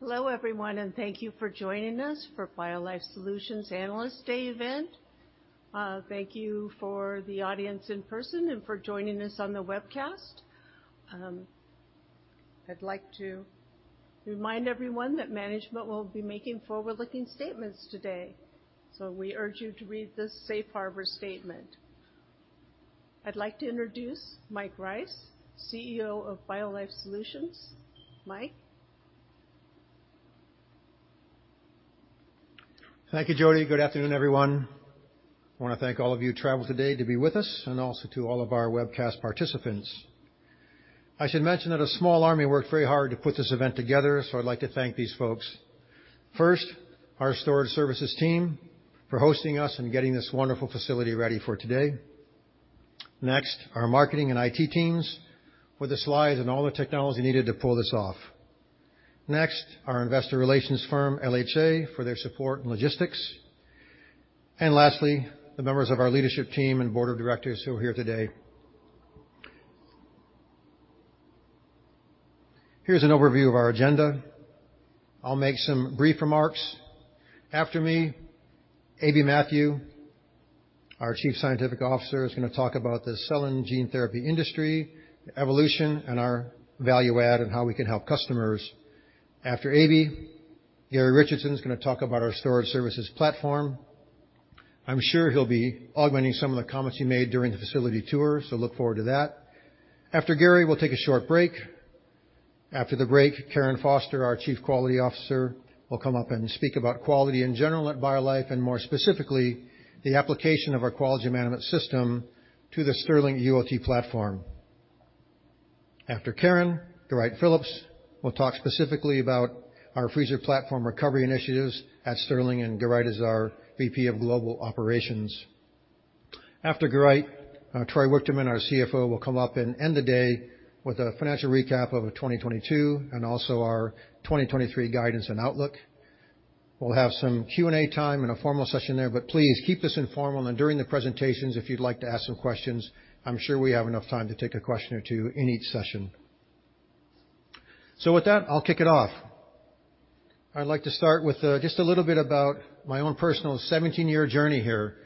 Hello, everyone. Thank you for joining us for BioLife Solutions Analyst Day event. Thank you for the audience in person and for joining us on the webcast. I'd like to remind everyone that management will be making forward-looking statements today. We urge you to read this safe harbor statement. I'd like to introduce Mike Rice, CEO of BioLife Solutions. Mike. Thank you, Jody. Good afternoon, everyone. I wanna thank all of you who traveled today to be with us and also to all of our webcast participants. I should mention that a small army worked very hard to put this event together, so I'd like to thank these folks. First, our storage services team for hosting us and getting this wonderful facility ready for today. Next, our marketing and IT teams for the slides and all the technology needed to pull this off. Next, our investor relations firm, LHA, for their support and logistics. Lastly, the members of our leadership team and board of directors who are here today. Here's an overview of our agenda. I'll make some brief remarks. After me, Aby Mathew, our Chief Scientific Officer, is gonna talk about the cell and gene therapy industry, evolution, and our value add, and how we can help customers. After Aby, Garrie Richardson is gonna talk about our storage services platform. I'm sure he'll be augmenting some of the comments he made during the facility tour, so look forward to that. After Garrie, we'll take a short break. After the break, Karen Foster, our Chief Quality Officer, will come up and speak about quality in general at BioLife, and more specifically, the application of our quality management system to the Stirling ULT platform. After Karen, Geraint Phillips will talk specifically about our freezer platform recovery initiatives at Stirling, and Geraint is our VP of Global Operations. After Geraint, Troy Wichterman, our CFO, will come up and end the day with a financial recap of 2022 and also our 2023 guidance and outlook. We'll have some Q&A time and a formal session there, but please keep this informal. During the presentations, if you'd like to ask some questions, I'm sure we have enough time to take a question or two in each session. With that, I'll kick it off. I'd like to start with, just a little bit about my own personal 17-year journey here.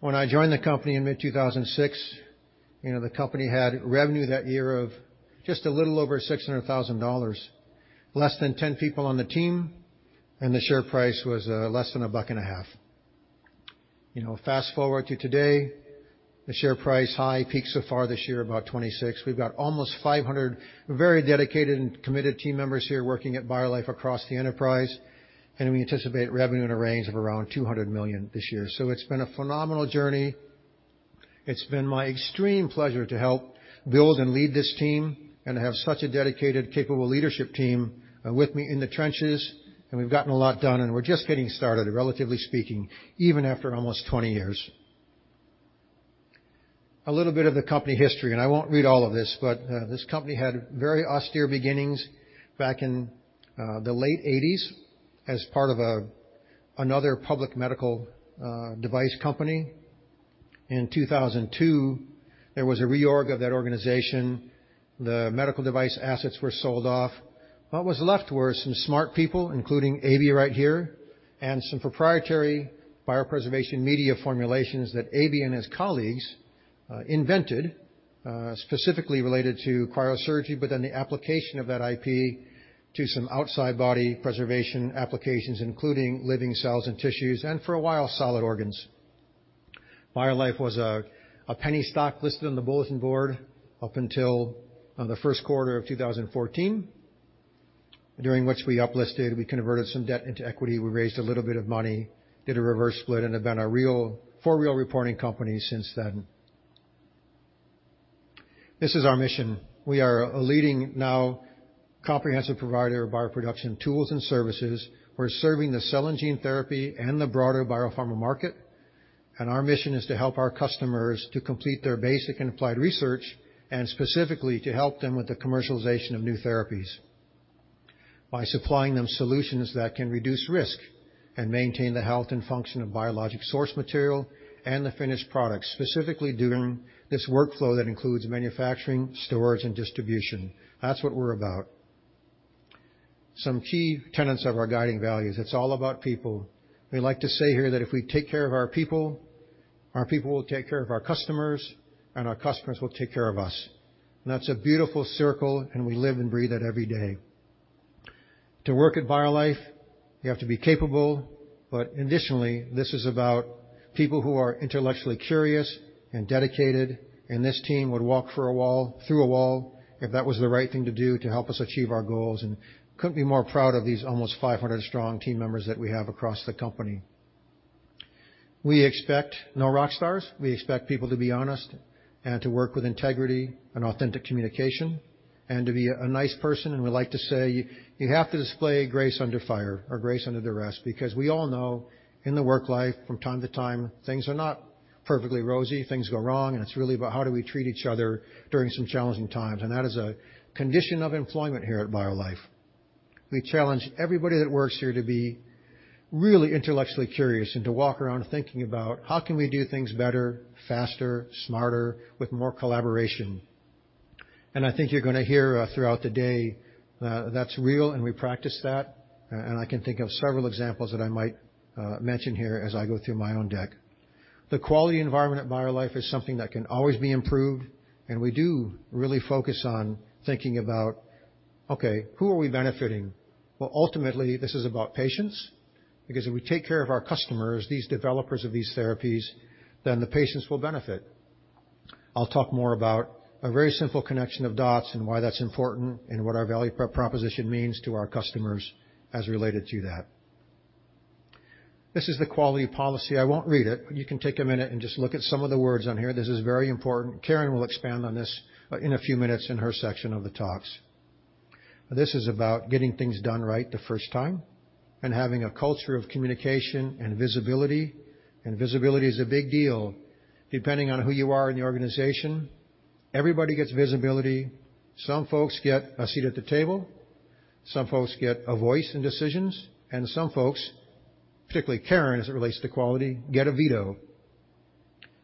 When I joined the company in mid-2006, you know, the company had revenue that year of just a little over $600,000, less than 10 people on the team, and the share price was less than $1.50. You know, fast-forward to today, the share price high peaked so far this year about $26. We've got almost 500 very dedicated and committed team members here working at BioLife across the enterprise, and we anticipate revenue in a range of around $200 million this year. It's been a phenomenal journey. It's been my extreme pleasure to help build and lead this team and have such a dedicated, capable leadership team with me in the trenches, and we've gotten a lot done, and we're just getting started, relatively speaking, even after almost 20 years. A little bit of the company history, and I won't read all of this, but this company had very austere beginnings back in the late 80s as part of another public medical device company. In 2002, there was a reorg of that organization. The medical device assets were sold off. What was left were some smart people, including Aby right here, and some proprietary biopreservation media formulations that Aby and his colleagues invented specifically related to cryosurgery. The application of that IP to some outside body preservation applications, including living cells and tissues, and for a while, solid organs. BioLife was a penny stock listed on the bulletin board up until the Q1 of 2014, during which we uplisted, we converted some debt into equity, we raised a little bit of money, did a reverse split, and have been a for-real reporting company since then. This is our mission. We are a leading now comprehensive provider of bioproduction tools and services. We're serving the cell and gene therapy and the broader biopharma market, and our mission is to help our customers to complete their basic and applied research, and specifically, to help them with the commercialization of new therapies by supplying them solutions that can reduce risk and maintain the health and function of biologic source material and the finished products, specifically during this workflow that includes manufacturing, storage, and distribution. That's what we're about. Some key tenets of our guiding values, it's all about people. We like to say here that if we take care of our people, our people will take care of our customers, and our customers will take care of us, and that's a beautiful circle, and we live and breathe that every day. To work at BioLife, you have to be capable. Additionally, this is about people who are intellectually curious and dedicated. This team would walk through a wall if that was the right thing to do to help us achieve our goals. Couldn't be more proud of these almost 500 strong team members that we have across the company. We expect no rock stars. We expect people to be honest and to work with integrity and authentic communication and to be a nice person, and we like to say you have to display grace under fire or grace under duress because we all know in the work life from time to time, things are not perfectly rosy, things go wrong, and it's really about how do we treat each other during some challenging times, and that is a condition of employment here at BioLife. We challenge everybody that works here to be really intellectually curious and to walk around thinking about how can we do things better, faster, smarter, with more collaboration. I think you're gonna hear throughout the day, that's real, and we practice that, and I can think of several examples that I might mention here as I go through my own deck. The quality environment at BioLife is something that can always be improved, and we do really focus on thinking about, okay, who are we benefiting? Well, ultimately, this is about patients, because if we take care of our customers, these developers of these therapies, then the patients will benefit. I'll talk more about a very simple connection of dots and why that's important and what our value proposition means to our customers as related to that. This is the quality policy. I won't read it, but you can take a minute and just look at some of the words on here. This is very important. Karen will expand on this in a few minutes in her section of the talks. This is about getting things done right the first time and having a culture of communication and visibility. Visibility is a big deal depending on who you are in the organization. Everybody gets visibility. Some folks get a seat at the table. Some folks get a voice in decisions. Some folks, particularly Karen, as it relates to quality, get a veto.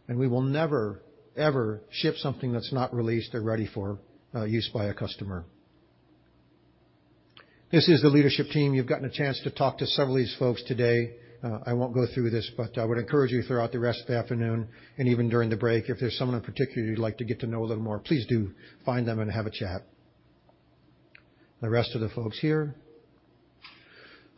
We will never, ever ship something that's not released or ready for use by a customer. This is the leadership team. You've gotten a chance to talk to several of these folks today. I won't go through this, but I would encourage you throughout the rest of the afternoon and even during the break, if there's someone in particular you'd like to get to know a little more, please do find them and have a chat. The rest of the folks here.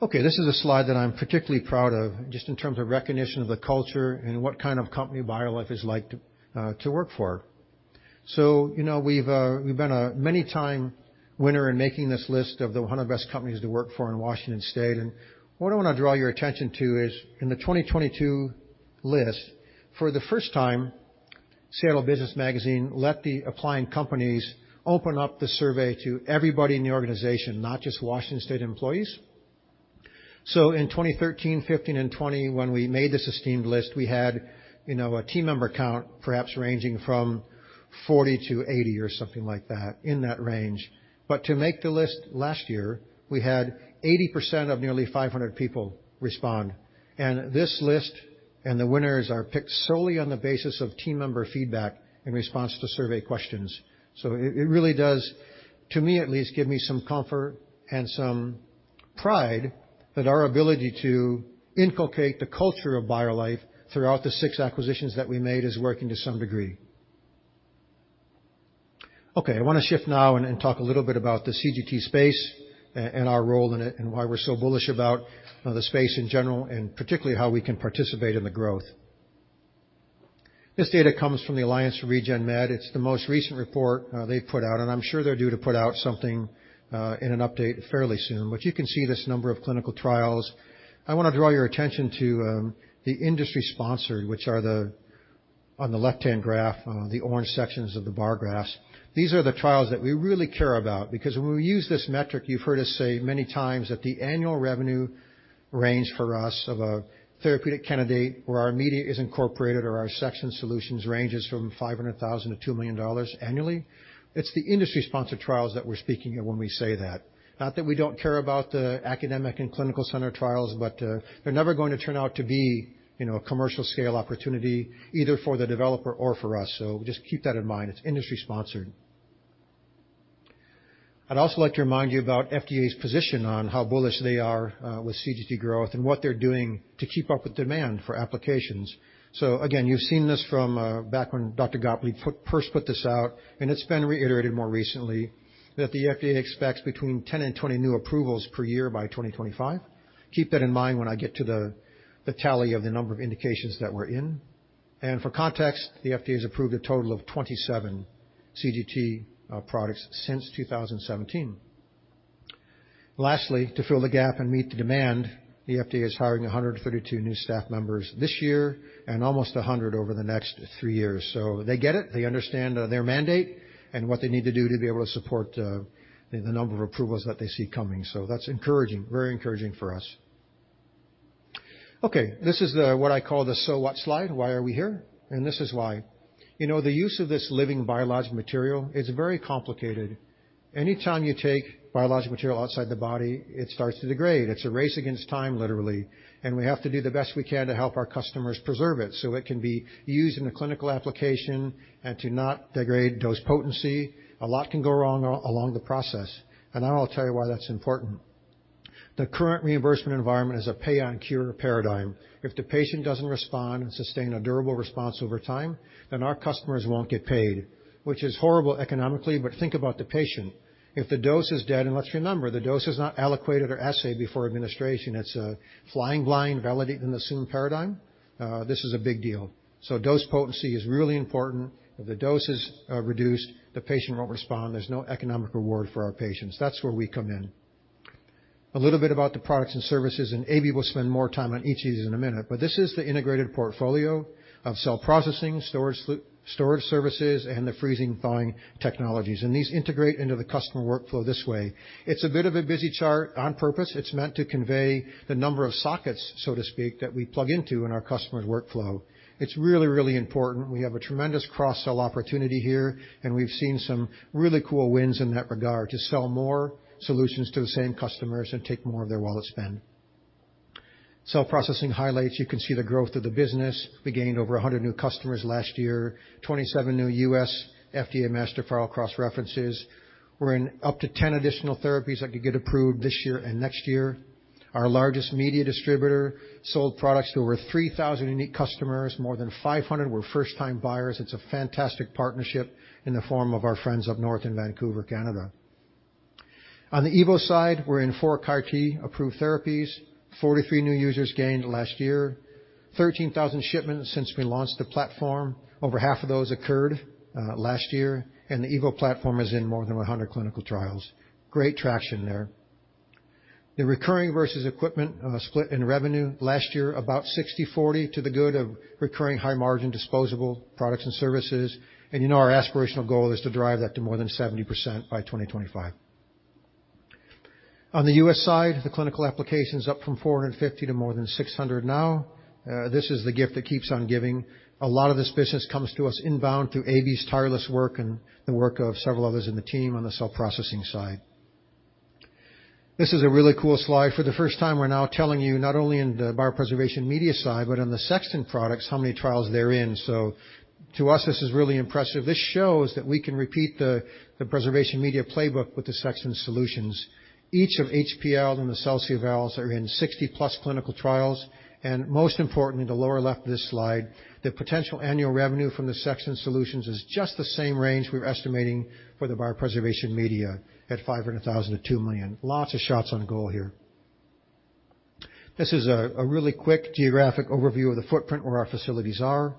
Okay, this is a slide that I'm particularly proud of just in terms of recognition of the culture and what kind of company BioLife is like to work for. You know, we've been a many time winner in making this list of the one of the best companies to work for in Washington state. What I wanna draw your attention to is in the 2022 list, for the first time, Seattle Business magazine let the applying companies open up the survey to everybody in the organization, not just Washington state employees. In 2013, 2015, and 2020, when we made this esteemed list, we had, you know, a team member count perhaps ranging from 40 to 80 or something like that in that range. To make the list last year, we had 80% of nearly 500 people respond. This list and the winners are picked solely on the basis of team member feedback in response to survey questions. It really does, to me at least, give me some comfort and some pride that our ability to inculcate the culture of BioLife throughout the six acquisitions that we made is working to some degree. I wanna shift now and talk a little bit about the CGT space and our role in it and why we're so bullish about the space in general, and particularly how we can participate in the growth. This data comes from the Alliance for Regenerative Medicine. It's the most recent report they've put out, and I'm sure they're due to put out something in an update fairly soon. You can see this number of clinical trials. I wanna draw your attention to the industry sponsor, which are on the left-hand graph, the orange sections of the bar graphs. These are the trials that we really care about because when we use this metric, you've heard us say many times that the annual revenue range for us of a therapeutic candidate where our media is incorporated or our Sexton solutions ranges from $500,000-$2 million annually. It's the industry-sponsored trials that we're speaking of when we say that. Not that we don't care about the academic and clinical center trials, but they're never going to turn out to be, you know, a commercial scale opportunity either for the developer or for us. Just keep that in mind. It's industry sponsored. I'd also like to remind you about FDA's position on how bullish they are with CGT growth and what they're doing to keep up with demand for applications. Again, you've seen this from back when Dr. Gottlieb first put this out, and it's been reiterated more recently that the FDA expects between 10 and 20 new approvals per year by 2025. Keep that in mind when I get to the tally of the number of indications that we're in. For context, the FDA has approved a total of 27 CGT products since 2017. Lastly, to fill the gap and meet the demand, the FDA is hiring 132 new staff members this year and almost 100 over the next 3 years. They get it. They understand their mandate and what they need to do to be able to support the number of approvals that they see coming. That's encouraging. Very encouraging for us. This is the what I call the so what slide. Why are we here? This is why. You know, the use of this living biologic material is very complicated. Any time you take biologic material outside the body, it starts to degrade. It's a race against time, literally, and we have to do the best we can to help our customers preserve it so it can be used in a clinical application and to not degrade dose potency. A lot can go wrong along the process, and I'll tell you why that's important. The current reimbursement environment is a pay on cure paradigm. If the patient doesn't respond and sustain a durable response over time, then our customers won't get paid, which is horrible economically, but think about the patient. If the dose is dead, and let's remember, the dose is not allocated or assayed before administration, it's a flying blind validate and assume paradigm, this is a big deal. Dose potency is really important. If the dose is reduced, the patient won't respond, there's no economic reward for our patients. That's where we come in. A little bit about the products and services, and Abe will spend more time on each of these in a minute, but this is the integrated portfolio of cell processing, storage services, and the freezing thawing technologies. These integrate into the customer workflow this way. It's a bit of a busy chart on purpose. It's meant to convey the number of sockets, so to speak, that we plug into in our customer's workflow. It's really, really important. We have a tremendous cross-sell opportunity here, and we've seen some really cool wins in that regard to sell more solutions to the same customers and take more of their wallet spend. Cell processing highlights, you can see the growth of the business. We gained over 100 new customers last year, 27 new US FDA master file cross-references. We're in up to 10 additional therapies that could get approved this year and next year. Our largest media distributor sold products to over 3,000 unique customers. More than 500 were first-time buyers. It's a fantastic partnership in the form of our friends up north in Vancouver, Canada. On the Evo side, we're in four CAR T approved therapies, 43 new users gained last year, 13,000 shipments since we launched the platform. Over half of those occurred last year, and the Evo platform is in more than 100 clinical trials. Great traction there. The recurring versus equipment split in revenue last year, about 60/40 to the good of recurring high-margin disposable products and services. You know, our aspirational goal is to drive that to more than 70% by 2025. On the U.S. side, the clinical application's up from 450 to more than 600 now. This is the gift that keeps on giving. A lot of this business comes to us inbound through Aby's tireless work and the work of several others in the team on the cell processing side. This is a really cool slide. For the first time, we're now telling you not only in the biopreservation media side, but on the Sexton products, how many trials they're in. To us, this is really impressive. This shows that we can repeat the preservation media playbook with the Sexton solutions. Each of PL and the CellSeal vials are in 60-plus clinical trials, and most importantly, the lower left of this slide, the potential annual revenue from the Sexton solutions is just the same range we're estimating for the biopreservation media at $500,000-$2 million. Lots of shots on goal here. This is a really quick geographic overview of the footprint where our facilities are.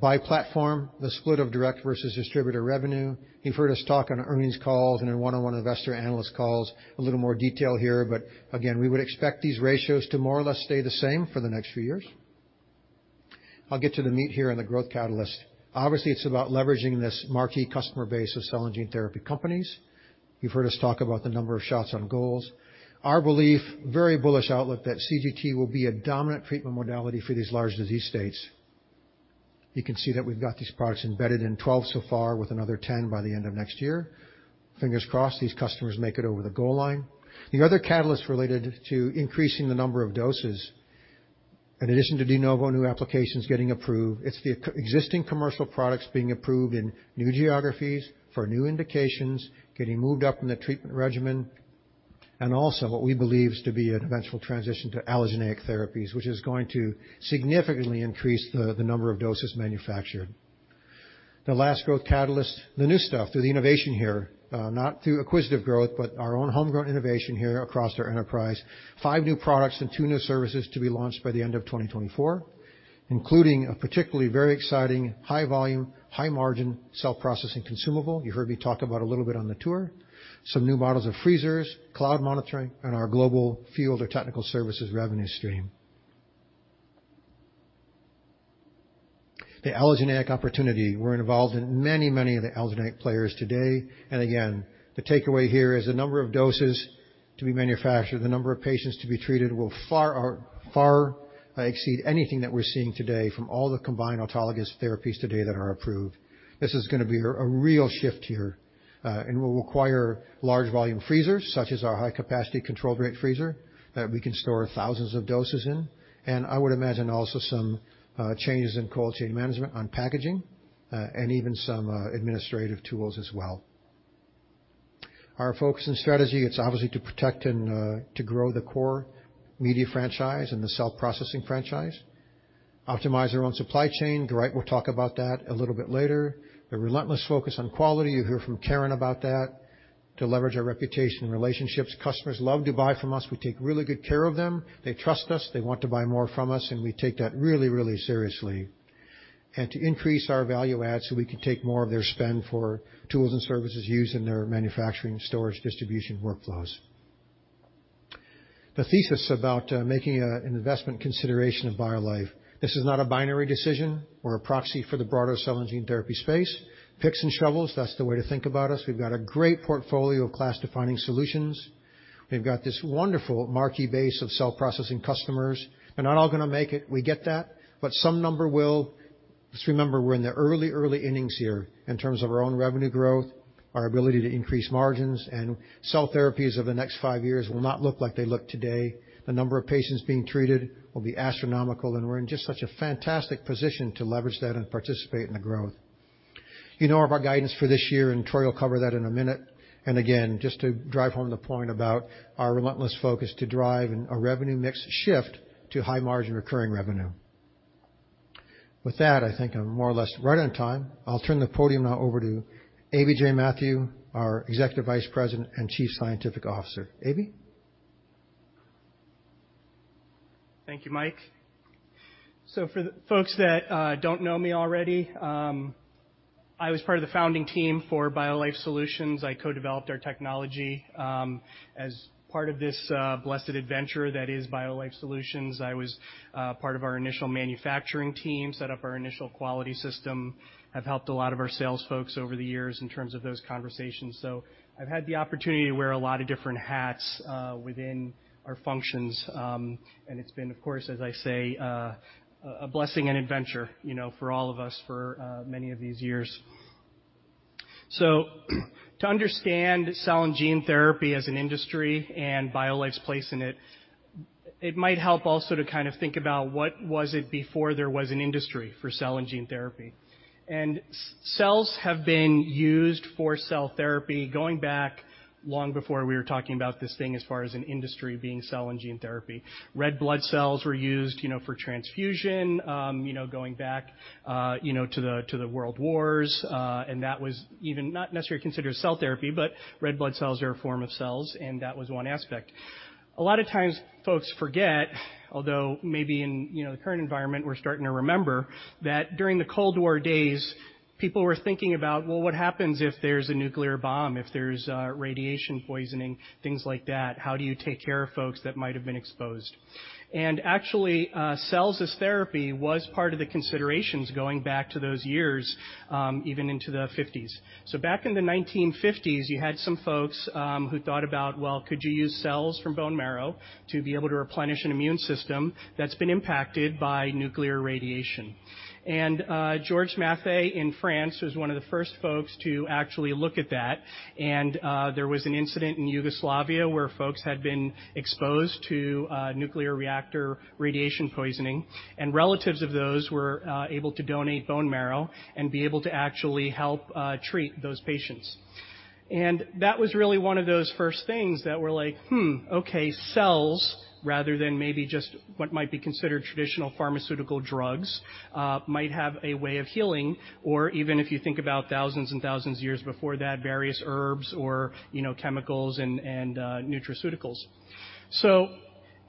By platform, the split of direct versus distributor revenue. You've heard us talk on earnings calls and in one-on-one investor analyst calls, a little more detail here, but again, we would expect these ratios to more or less stay the same for the next few years. I'll get to the meat here on the growth catalyst. Obviously, it's about leveraging this marquee customer base of cell and gene therapy companies. You've heard us talk about the number of shots on goals. Our belief, very bullish outlook, that CGT will be a dominant treatment modality for these large disease states. You can see that we've got these products embedded in 12 so far, with another 10 by the end of next year. Fingers crossed, these customers make it over the goal line. The other catalyst related to increasing the number of doses in addition to de novo new applications getting approved, it's the existing commercial products being approved in new geographies for new indications, getting moved up in the treatment regimen, and also what we believe is to be an eventual transition to allogeneic therapies, which is going to significantly increase the number of doses manufactured. The last growth catalyst, the new stuff through the innovation here, not through acquisitive growth, but our own homegrown innovation here across our enterprise. Five new products and two new services to be launched by the end of 2024, including a particularly very exciting high volume, high margin cell processing consumable. You heard me talk about a little bit on the tour. Some new models of freezers, cloud monitoring, and our global field or technical services revenue stream. The allogeneic opportunity, we're involved in many, many of the allogeneic players today. Again, the takeaway here is the number of doses to be manufactured, the number of patients to be treated will far exceed anything that we're seeing today from all the combined autologous therapies today that are approved. This is gonna be a real shift here and will require large volume freezers, such as our High-Capacity Rate Freezer, we can store thousands of doses in. I would imagine also some changes in cold chain management on packaging and even some administrative tools as well. Our focus and strategy, it's obviously to protect and to grow the core media franchise and the cell processing franchise. Optimize our own supply chain. Dwight will talk about that a little bit later. The relentless focus on quality, you'll hear from Karen about that. To leverage our reputation and relationships, customers love to buy from us. We take really good care of them. They trust us. They want to buy more from us, and we take that really, really seriously. To increase our value add, so we can take more of their spend for tools and services used in their manufacturing, storage, distribution workflows. The thesis about making an investment consideration of BioLife. This is not a binary decision or a proxy for the broader cell and gene therapy space. Picks and shovels, that's the way to think about us. We've got a great portfolio of class-defining solutions. We've got this wonderful marquee base of cell processing customers. They're not all gonna make it, we get that, but some number will. Just remember, we're in the early innings here in terms of our own revenue growth, our ability to increase margins. Cell therapies over the next 5 years will not look like they look today. The number of patients being treated will be astronomical. We're in just such a fantastic position to leverage that and participate in the growth. You know of our guidance for this year. Troy will cover that in a minute. Again, just to drive home the point about our relentless focus to drive in a revenue mix shift to high margin recurring revenue. With that, I think I'm more or less right on time. I'll turn the podium now over to Aby Mathew, our Executive Vice President and Chief Scientific Officer. Aby? Thank you, Mike. For the folks that don't know me already, I was part of the founding team for BioLife Solutions. I co-developed our technology as part of this blessed adventure that is BioLife Solutions. I was part of our initial manufacturing team, set up our initial quality system, have helped a lot of our sales folks over the years in terms of those conversations. I've had the opportunity to wear a lot of different hats within our functions, and it's been, of course, as I say, a blessing and adventure, you know, for all of us for many of these years. To understand cell and gene therapy as an industry and BioLife's place in it might help also to kind of think about what was it before there was an industry for cell and gene therapy. Cells have been used for cell therapy going back long before we were talking about this thing as far as an industry being cell and gene therapy. Red blood cells were used, you know, for transfusion, you know, going back, you know, to the, to the world wars, and that was even not necessarily considered cell therapy, but red blood cells are a form of cells, and that was one aspect. A lot of times folks forget, although maybe in, you know, the current environment we're starting to remember, that during the Cold War days, people were thinking about, well, what happens if there's a nuclear bomb, if there's radiation poisoning, things like that? How do you take care of folks that might have been exposed? Actually, cells as therapy was part of the considerations going back to those years, even into the '50s. Back in the 1950s, you had some folks, who thought about, well, could you use cells from bone marrow to be able to replenish an immune system that's been impacted by nuclear radiation? Georges Mathé in France was one of the first folks to actually look at that, and there was an incident in Yugoslavia where folks had been exposed to nuclear reactor radiation poisoning, and relatives of those were able to donate bone marrow and be able to actually help treat those patients. That was really one of those first things that were like, okay, cells rather than maybe just what might be considered traditional pharmaceutical drugs, might have a way of healing, or even if you think about thousands and thousands of years before that, various herbs or, you know, chemicals and nutraceuticals.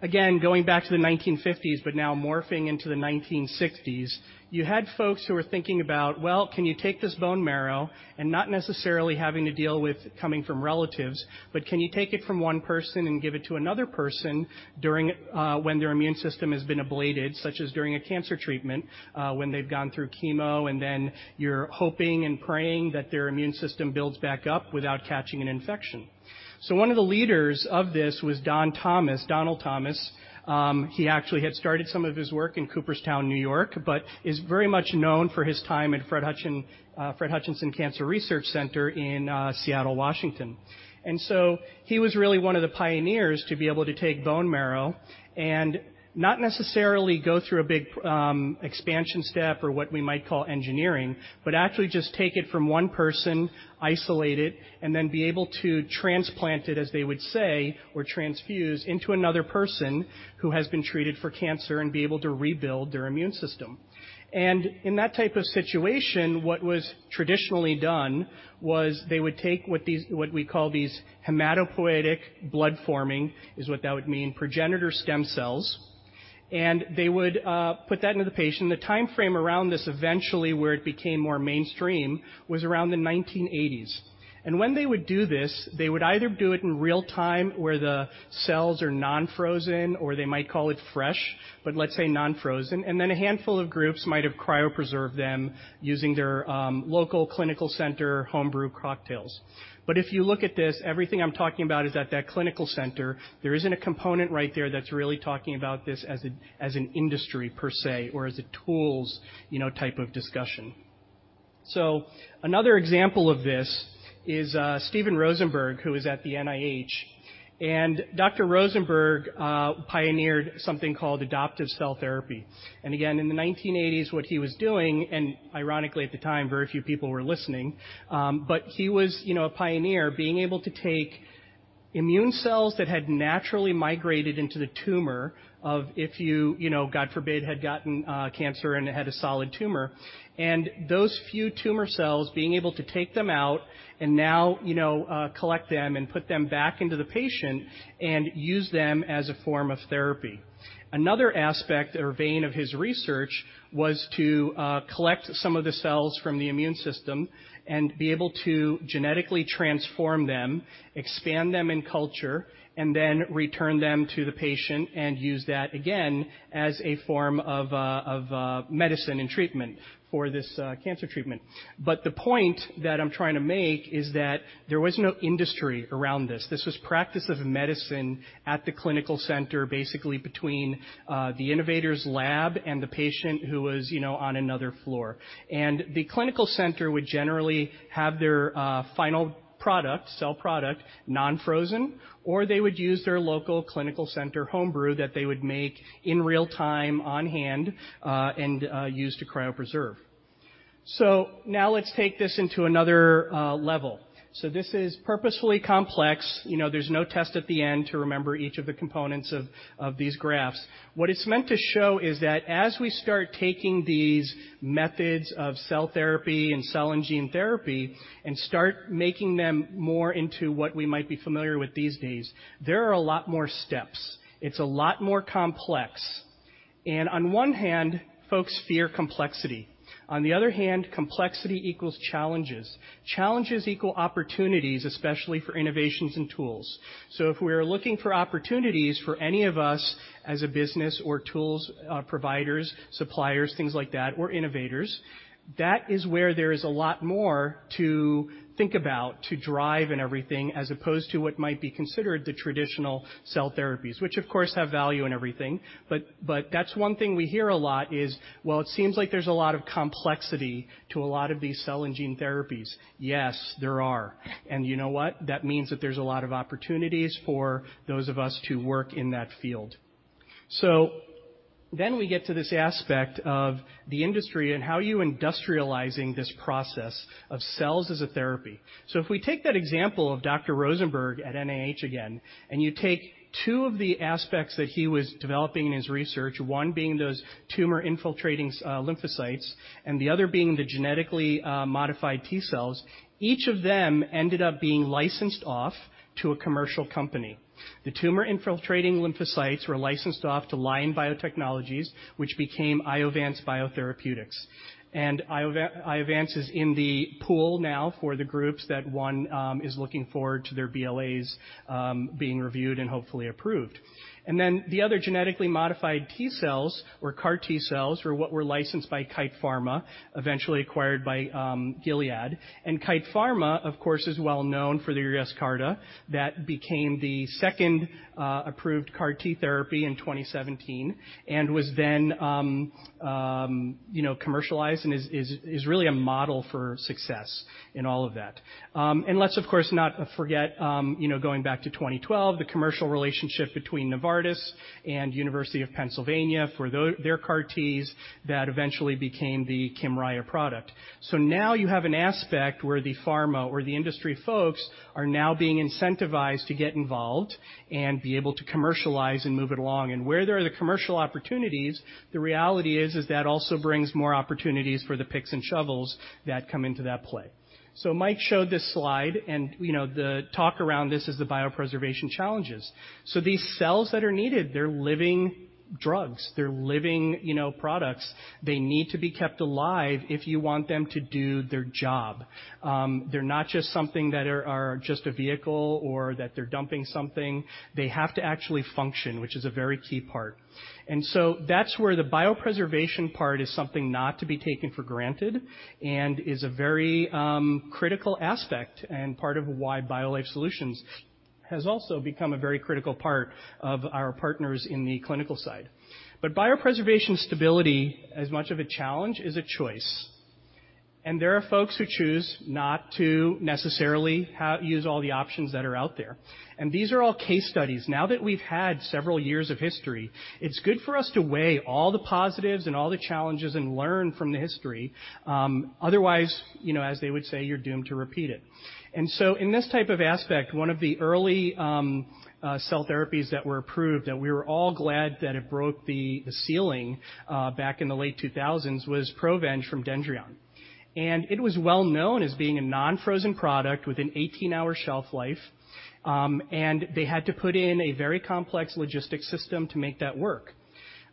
Again, going back to the 1950s but now morphing into the 1960s, you had folks who were thinking about, well, can you take this bone marrow and not necessarily having to deal with coming from relatives, but can you take it from one person and give it to another person during when their immune system has been ablated, such as during a cancer treatment, when they've gone through chemo, and then you're hoping and praying that their immune system builds back up without catching an infection? One of the leaders of this was Don Thomas, Donald Thomas. He actually had started some of his work in Cooperstown, New York, but is very much known for his time at Fred Hutchinson Cancer Center in Seattle, Washington. He was really one of the pioneers to be able to take bone marrow and not necessarily go through a big expansion step or what we might call engineering, but actually just take it from one person, isolate it, and then be able to transplant it, as they would say, or transfuse into another person who has been treated for cancer and be able to rebuild their immune system. In that type of situation, what was traditionally done was they would take what we call these hematopoietic blood-forming, is what that would mean, progenitor stem cells, and they would put that into the patient. The timeframe around this eventually where it became more mainstream was around the 1980s. When they would do this, they would either do it in real time where the cells are non-frozen, or they might call it fresh, but let's say non-frozen, and then a handful of groups might have cryopreserved them using their local clinical center homebrew cocktails. If you look at this, everything I'm talking about is at that clinical center. There isn't a component right there that's really talking about this as a, as an industry per se or as a tools, you know, type of discussion. Another example of this is Steven Rosenberg, who is at the NIH, and Dr. Rosenberg pioneered something called adoptive cell therapy. Again, in the 1980s, what he was doing, and ironically at the time, very few people were listening, but he was, you know, a pioneer being able to take immune cells that had naturally migrated into the tumor of if you know, God forbid, had gotten cancer and had a solid tumor, and those few tumor cells being able to take them out and now, you know, collect them and put them back into the patient and use them as a form of therapy. Another aspect or vein of his research was to collect some of the cells from the immune system and be able to genetically transform them, expand them in culture, and then return them to the patient and use that again as a form of medicine and treatment for this cancer treatment. The point that I'm trying to make is that there was no industry around this. This was practice of medicine at the clinical center, basically between the innovator's lab and the patient who was, you know, on another floor. The clinical center would generally have their final product, cell product, non-frozen, or they would use their local clinical center homebrew that they would make in real time on hand and use to cryopreserve. Now let's take this into another level. This is purposefully complex. You know, there's no test at the end to remember each of the components of these graphs. What it's meant to show is that as we start taking these methods of cell therapy and cell and gene therapy and start making them more into what we might be familiar with these days, there are a lot more steps. It's a lot more complex. On one hand, folks fear complexity. On the other hand, complexity equals challenges. Challenges equal opportunities, especially for innovations and tools. If we're looking for opportunities for any of us as a business or tools, providers, suppliers, things like that, or innovators, that is where there is a lot more to think about, to drive and everything, as opposed to what might be considered the traditional cell therapies, which of course have value and everything, but that's one thing we hear a lot is, "Well, it seems like there's a lot of complexity to a lot of these cell and gene therapies." Yes, there are. You know what? That means that there's a lot of opportunities for those of us to work in that field. We get to this aspect of the industry and how you industrializing this process of cells as a therapy. If we take that example of Dr. Rosenberg at NIH again, and you take two of the aspects that he was developing in his research, one being those tumor-infiltrating lymphocytes, and the other being the genetically modified T cells, each of them ended up being licensed off to a commercial company. The tumor-infiltrating lymphocytes were licensed off to Lion Biotechnologies, which became Iovance Biotherapeutics. Iovance is in the pool now for the groups that one is looking forward to their BLAs being reviewed and hopefully approved. Then the other genetically modified T cells or CAR T cells were what were licensed by Kite Pharma, eventually acquired by Gilead. Kite Pharma, of course, is well known for Yescarta that became the second approved CAR T therapy in 2017 and was then, you know, commercialized and is really a model for success in all of that. Let's, of course, not forget, you know, going back to 2012, the commercial relationship between Novartis and University of Pennsylvania for their CAR Ts that eventually became the Kymriah product. Now you have an aspect where the pharma or the industry folks are now being incentivized to get involved and be able to commercialize and move it along. Where there are the commercial opportunities, the reality is that also brings more opportunities for the picks and shovels that come into that play. Mike showed this slide and, you know, the talk around this is the biopreservation challenges. These cells that are needed, they're living drugs. They're living, you know, products. They need to be kept alive if you want them to do their job. They're not just something that are just a vehicle or that they're dumping something. They have to actually function, which is a very key part. That's where the biopreservation part is something not to be taken for granted and is a very critical aspect and part of why BioLife Solutions has also become a very critical part of our partners in the clinical side. Biopreservation stability as much of a challenge is a choice, and there are folks who choose not to necessarily use all the options that are out there. These are all case studies. Now that we've had several years of history, it's good for us to weigh all the positives and all the challenges and learn from the history. Otherwise, you know, as they would say, you're doomed to repeat it. In this type of aspect, one of the early cell therapies that were approved that we were all glad that it broke the ceiling back in the late 2000s was PROVENGE from Dendreon. It was well known as being a non-frozen product with an 18-hour shelf life, and they had to put in a very complex logistics system to make that work.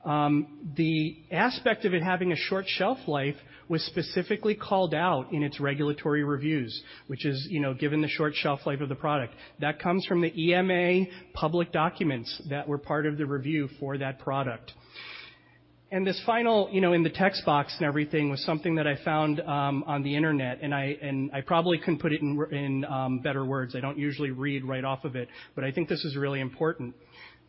The aspect of it having a short shelf life was specifically called out in its regulatory reviews, which is, you know, given the short shelf life of the product. That comes from the EMA public documents that were part of the review for that product. This final, you know, in the text box and everything was something that I found on the internet, and I probably couldn't put it in better words. I don't usually read right off of it, but I think this is really important.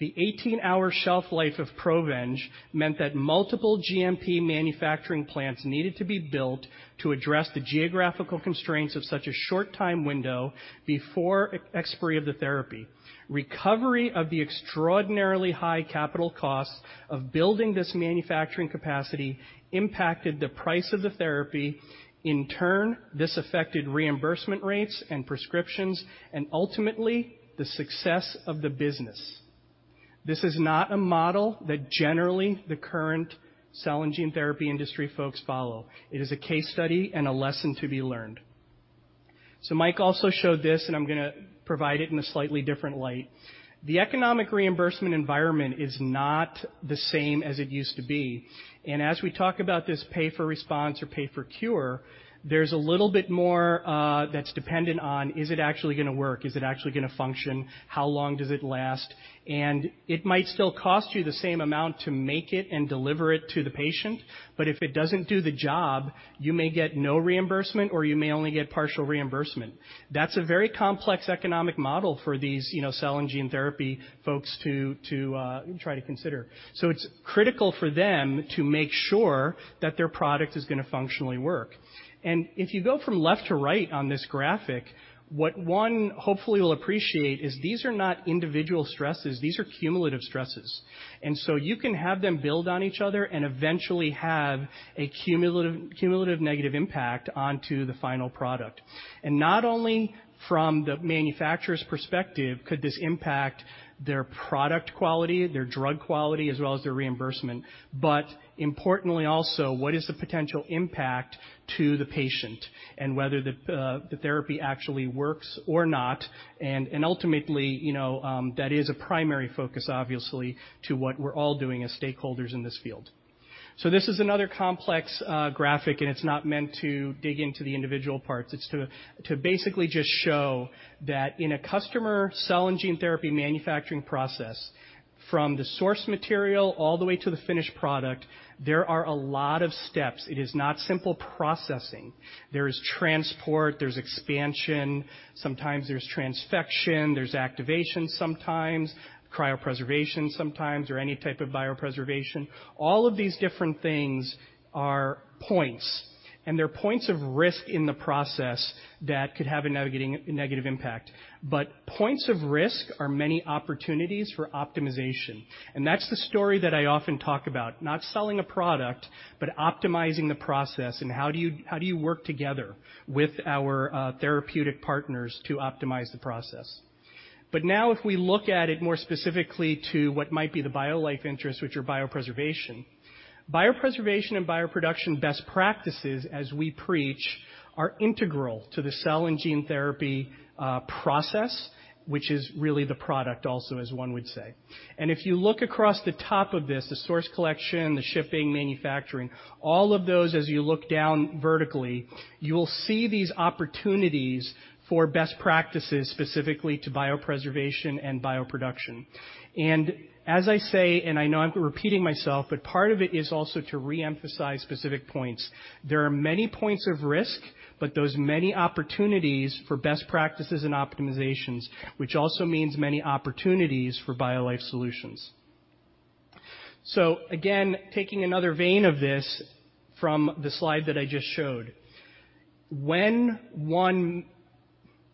"The 18-hour shelf life of PROVENGE meant that multiple GMP manufacturing plants needed to be built to address the geographical constraints of such a short time window before expiry of the therapy. Recovery of the extraordinarily high capital cost of building this manufacturing capacity impacted the price of the therapy. In turn, this affected reimbursement rates and prescriptions and ultimately the success of the business." This is not a model that generally the current cell and gene therapy industry folks follow. It is a case study and a lesson to be learned. Mike also showed this, and I'm gonna provide it in a slightly different light. The economic reimbursement environment is not the same as it used to be, and as we talk about this pay for response or pay for cure, there's a little bit more that's dependent on is it actually gonna work? Is it actually gonna function? How long does it last? It might still cost you the same amount to make it and deliver it to the patient, but if it doesn't do the job, you may get no reimbursement or you may only get partial reimbursement. That's a very complex economic model for these, you know, cell and gene therapy folks to try to consider. It's critical for them to make sure that their product is gonna functionally work. If you go from left to right on this graphic, what one hopefully will appreciate is these are not individual stresses. These are cumulative stresses, and so you can have them build on each other and eventually have a cumulative negative impact onto the final product. Not only from the manufacturer's perspective could this impact their product quality, their drug quality, as well as their reimbursement, but importantly also what is the potential impact to the patient and whether the therapy actually works or not, and ultimately, you know, that is a primary focus obviously to what we're all doing as stakeholders in this field. This is another complex graphic, and it's not meant to dig into the individual parts. It's to basically just show that in a customer cell and gene therapy manufacturing process. From the source material all the way to the finished product, there are a lot of steps. It is not simple processing. There is transport, there's expansion, sometimes there's transfection, there's activation sometimes, cryopreservation sometimes, or any type of biopreservation. All of these different things are points, and they're points of risk in the process that could have a negative impact. Points of risk are many opportunities for optimization, and that's the story that I often talk about, not selling a product, but optimizing the process and how do you work together with our therapeutic partners to optimize the process. Now if we look at it more specifically to what might be the BioLife interest, which are biopreservation. Biopreservation and bioproduction best practices, as we preach, are integral to the cell and gene therapy process, which is really the product also, as one would say. If you look across the top of this, the source collection, the shipping, manufacturing, all of those as you look down vertically, you'll see these opportunities for best practices, specifically to biopreservation and bioproduction. As I say, and I know I'm repeating myself, but part of it is also to re-emphasize specific points. There are many points of risk, but those many opportunities for best practices and optimizations, which also means many opportunities for BioLife Solutions. Again, taking another vein of this from the slide that I just showed.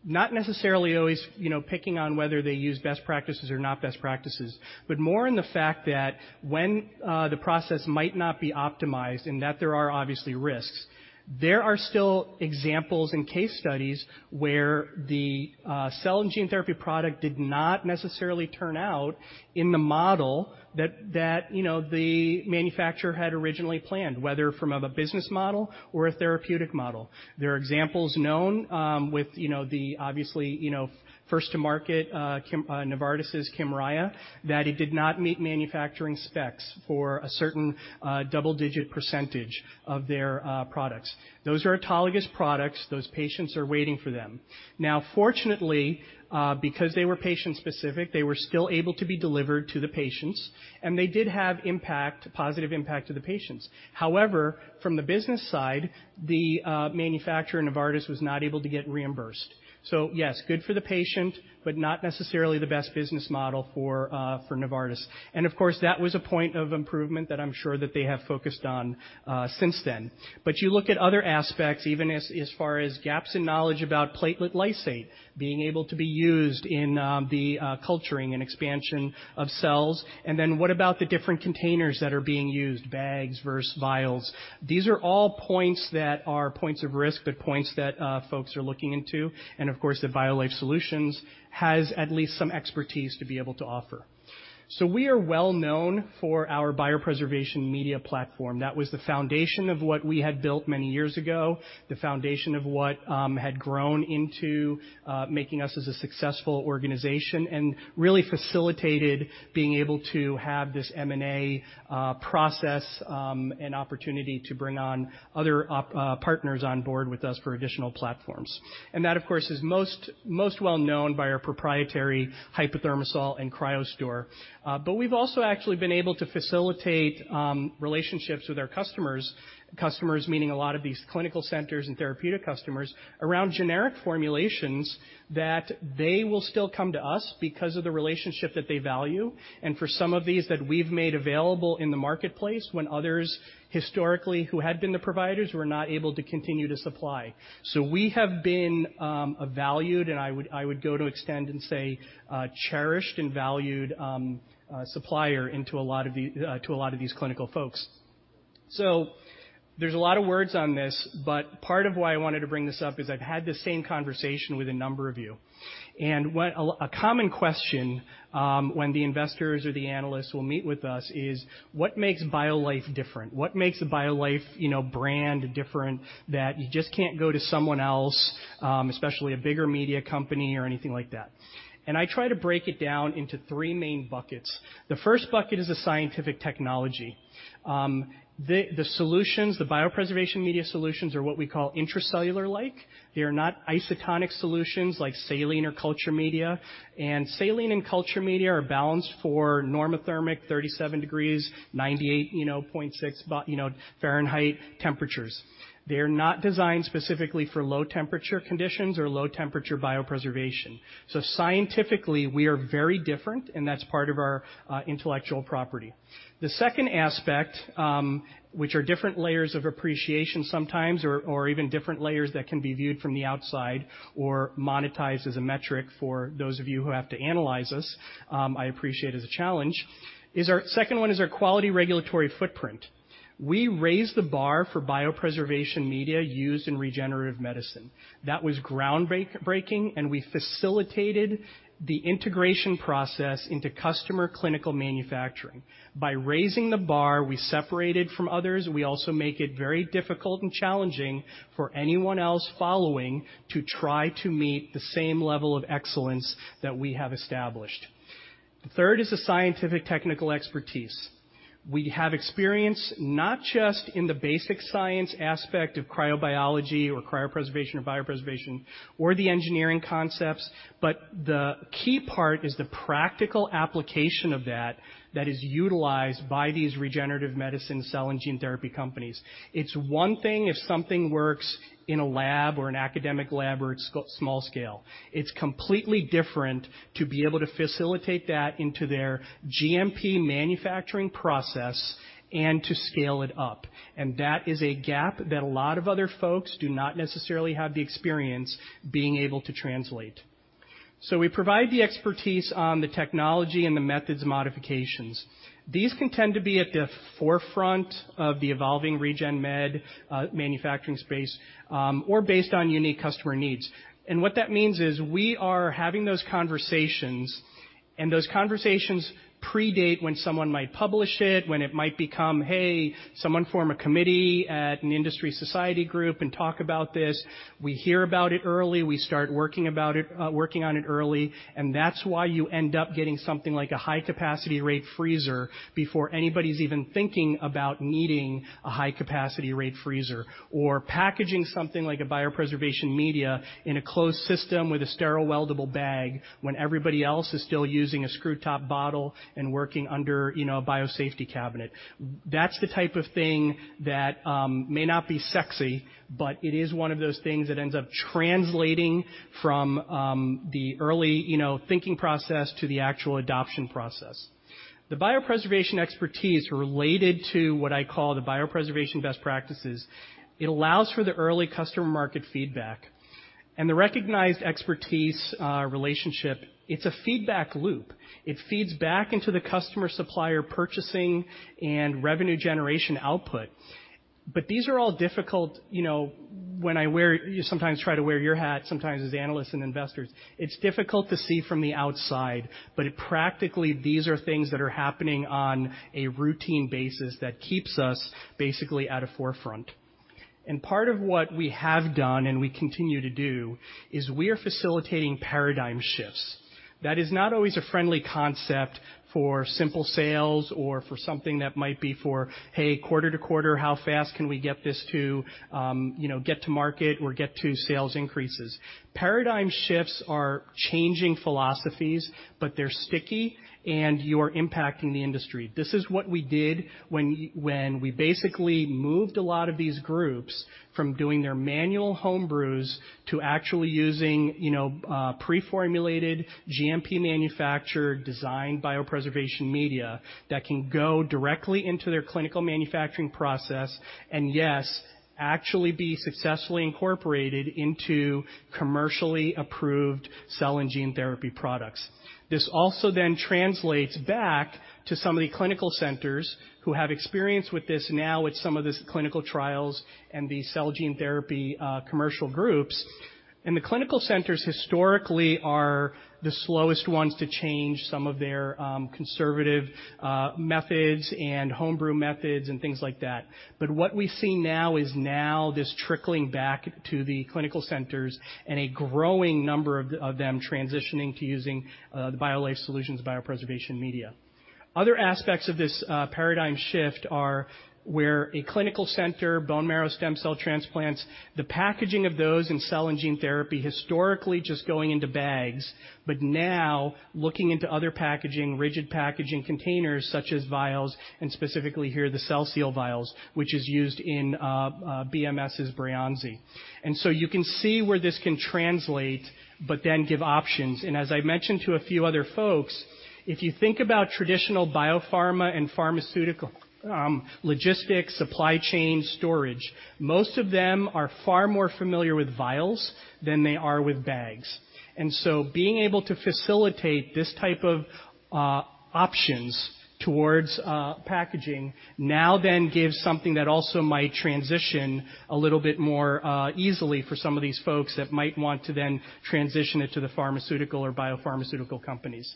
not necessarily always, you know, picking on whether they use best practices or not best practices, but more in the fact that when the process might not be optimized and that there are obviously risks, there are still examples in case studies where the cell and gene therapy product did not necessarily turn out in the model that, you know, the manufacturer had originally planned, whether from a business model or a therapeutic model. There are examples known, with, you know, the obviously, you know, first to market, Novartis' Kymriah, that it did not meet manufacturing specs for a certain double-digit % of their products. Those are autologous products. Those patients are waiting for them. Fortunately, because they were patient-specific, they were still able to be delivered to the patients, and they did have impact, positive impact to the patients. However, from the business side, the manufacturer, Novartis, was not able to get reimbursed. Yes, good for the patient, but not necessarily the best business model for Novartis. Of course, that was a point of improvement that I'm sure that they have focused on since then. You look at other aspects, even as far as gaps in knowledge about platelet lysate being able to be used in the culturing and expansion of cells. What about the different containers that are being used, bags versus vials? These are all points that are points of risk, but points that folks are looking into, and of course, that BioLife Solutions has at least some expertise to be able to offer. We are well known for our biopreservation media platform. That was the foundation of what we had built many years ago, the foundation of what had grown into, making us as a successful organization and really facilitated being able to have this M&A process and opportunity to bring on other partners on board with us for additional platforms. That, of course, is most well known by our proprietary HypoThermosol and CryoStor. We've also actually been able to facilitate relationships with our customers meaning a lot of these clinical centers and therapeutic customers, around generic formulations that they will still come to us because of the relationship that they value and for some of these that we've made available in the marketplace when others historically who had been the providers were not able to continue to supply. We have been a valued, and I would go to extend and say, cherished and valued supplier to a lot of these clinical folks. There's a lot of words on this, but part of why I wanted to bring this up is I've had the same conversation with a number of you. What a common question, when the investors or the analysts will meet with us is what makes BioLife different? What makes a BioLife, you know, brand different that you just can't go to someone else, especially a bigger media company or anything like that? I try to break it down into three main buckets. The first bucket is the scientific technology. The solutions, the biopreservation media solutions are what we call intracellular-like. They are not isotonic solutions like saline or culture media. Saline and culture media are balanced for normothermic 37 degrees, 98.6, about Fahrenheit temperatures. They're not designed specifically for low temperature conditions or low temperature biopreservation. Scientifically, we are very different, and that's part of our intellectual property. The second aspect, which are different layers of appreciation sometimes or even different layers that can be viewed from the outside or monetized as a metric for those of you who have to analyze us, I appreciate as a challenge, is our second one is our quality regulatory footprint. We raised the bar for biopreservation media used in regenerative medicine. That was ground break-breaking, we facilitated the integration process into customer clinical manufacturing. By raising the bar, we separated from others. We also make it very difficult and challenging for anyone else following to try to meet the same level of excellence that we have established. The third is the scientific technical expertise. We have experience not just in the basic science aspect of cryobiology or cryopreservation or biopreservation or the engineering concepts, but the key part is the practical application of that that is utilized by these regenerative medicine cell and gene therapy companies. It's one thing if something works in a lab or an academic lab or it's small scale. It's completely different to be able to facilitate that into their GMP manufacturing process and to scale it up. That is a gap that a lot of other folks do not necessarily have the experience being able to translate. We provide the expertise on the technology and the methods modifications. These can tend to be at the forefront of the evolving Regen Med manufacturing space, or based on unique customer needs. What that means is we are having those conversations, and those conversations predate when someone might publish it, when it might become, hey, someone form a committee at an industry society group and talk about this. We hear about it early, we start working on it early, and that's why you end up getting something like a High-Capacity Rate Freezer before anybody's even thinking about needing a High-Capacity Rate Freezer. Packaging something like a biopreservation media in a closed system with a sterile weldable bag when everybody else is still using a screw top bottle and working under, you know, a biosafety cabinet. That's the type of thing that may not be sexy, but it is one of those things that ends up translating from the early, you know, thinking process to the actual adoption process. The biopreservation expertise related to what I call the biopreservation best practices, it allows for the early customer market feedback. The recognized expertise relationship, it's a feedback loop. It feeds back into the customer-supplier purchasing and revenue generation output. These are all difficult. You know, you sometimes try to wear your hat sometimes as analysts and investors, it's difficult to see from the outside, but practically these are things that are happening on a routine basis that keeps us basically at a forefront. Part of what we have done and we continue to do is we are facilitating paradigm shifts. That is not always a friendly concept for simple sales or for something that might be for, hey, quarter to quarter, how fast can we get this to, you know, get to market or get to sales increases? Paradigm shifts are changing philosophies, but they're sticky and you're impacting the industry. This is what we did when we basically moved a lot of these groups from doing their manual home brews to actually using, you know, pre-formulated GMP manufactured designed biopreservation media that can go directly into their clinical manufacturing process, and yes, actually be successfully incorporated into commercially approved cell and gene therapy products. This also then translates back to some of the clinical centers who have experience with this now with some of this clinical trials and the cell gene therapy commercial groups. The clinical centers historically are the slowest ones to change some of their conservative methods and homebrew methods and things like that. What we see now is now this trickling back to the clinical centers and a growing number of them transitioning to using the BioLife Solutions biopreservation media. Other aspects of this paradigm shift are where a clinical center, bone marrow stem cell transplants, the packaging of those in cell and gene therapy historically just going into bags, now looking into other packaging, rigid packaging containers such as vials and specifically here, the CellSeal vials, which is used in BMS's Breyanzi. You can see where this can translate give options. As I mentioned to a few other folks, if you think about traditional biopharma and pharmaceutical logistics, supply chain storage, most of them are far more familiar with vials than they are with bags. Being able to facilitate this type of options towards packaging now then gives something that also might transition a little bit more easily for some of these folks that might want to then transition it to the pharmaceutical or biopharmaceutical companies.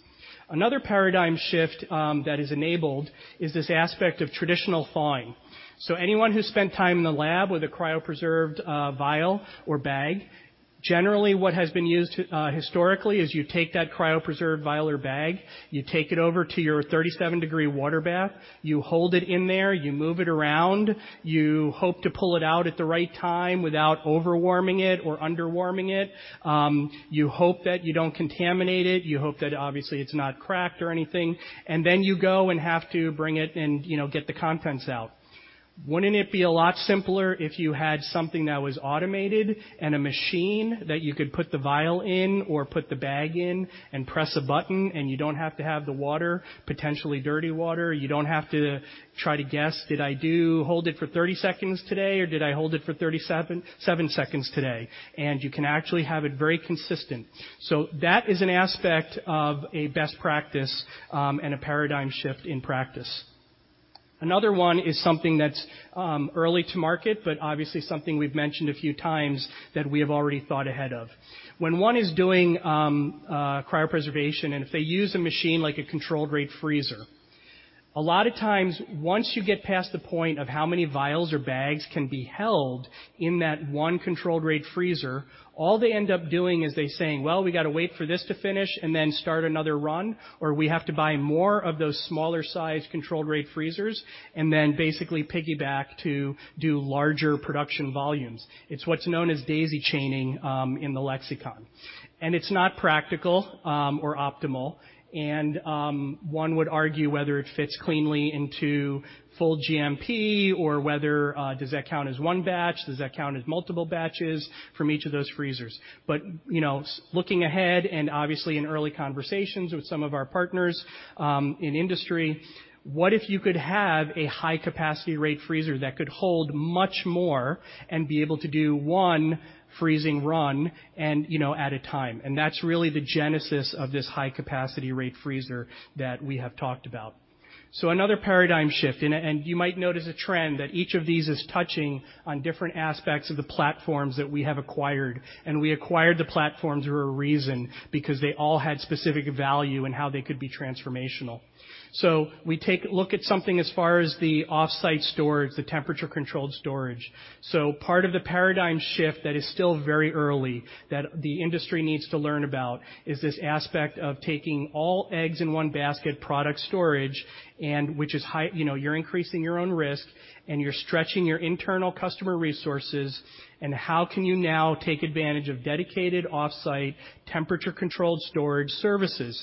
Another paradigm shift that is enabled is this aspect of traditional thawing. Anyone who's spent time in the lab with a cryopreserved vial or bag, generally what has been used historically is you take that cryopreserved vial or bag, you take it over to your 37 degree water bath, you hold it in there, you move it around, you hope to pull it out at the right time without overwarming it or underwarming it. You hope that you don't contaminate it, you hope that obviously it's not cracked or anything, and then you go and have to bring it and, you know, get the contents out. Wouldn't it be a lot simpler if you had something that was automated and a machine that you could put the vial in or put the bag in and press a button and you don't have to have the water, potentially dirty water. You don't have to try to guess, "Did I do hold it for 30 seconds today, or did I hold it for 37.7 seconds today?" And you can actually have it very consistent. That is an aspect of a best practice, and a paradigm shift in practice. Another one is something that's early to market, but obviously something we've mentioned a few times that we have already thought ahead of. When one is doing cryopreservation, and if they use a machine like a controlled rate freezer. A lot of times, once you get past the point of how many vials or bags can be held in that one controlled rate freezer, all they end up doing is they saying, "Well, we got to wait for this to finish and then start another run, or we have to buy more of those smaller size controlled rate freezers and then basically piggyback to do larger production volumes." It's what's known as daisy chaining in the lexicon. It's not practical or optimal, and one would argue whether it fits cleanly into full GMP or whether does that count as one batch, does that count as multiple batches from each of those freezers? You know, looking ahead and obviously in early conversations with some of our partners, in industry, what if you could have a High-Capacity Rate Freezer that could hold much more and be able to do one freezing run and, you know, at a time? That's really the genesis of this High-Capacity Rate Freezer that we have talked about. Another paradigm shift, and you might notice a trend that each of these is touching on different aspects of the platforms that we have acquired, and we acquired the platforms for a reason, because they all had specific value and how they could be transformational. We take a look at something as far as the off-site storage, the temperature-controlled storage. Part of the paradigm shift that is still very early, that the industry needs to learn about, is this aspect of taking all eggs in one basket, product storage, and which is high... You know, you're increasing your own risk and you're stretching your internal customer resources, and how can you now take advantage of dedicated off-site temperature-controlled storage services?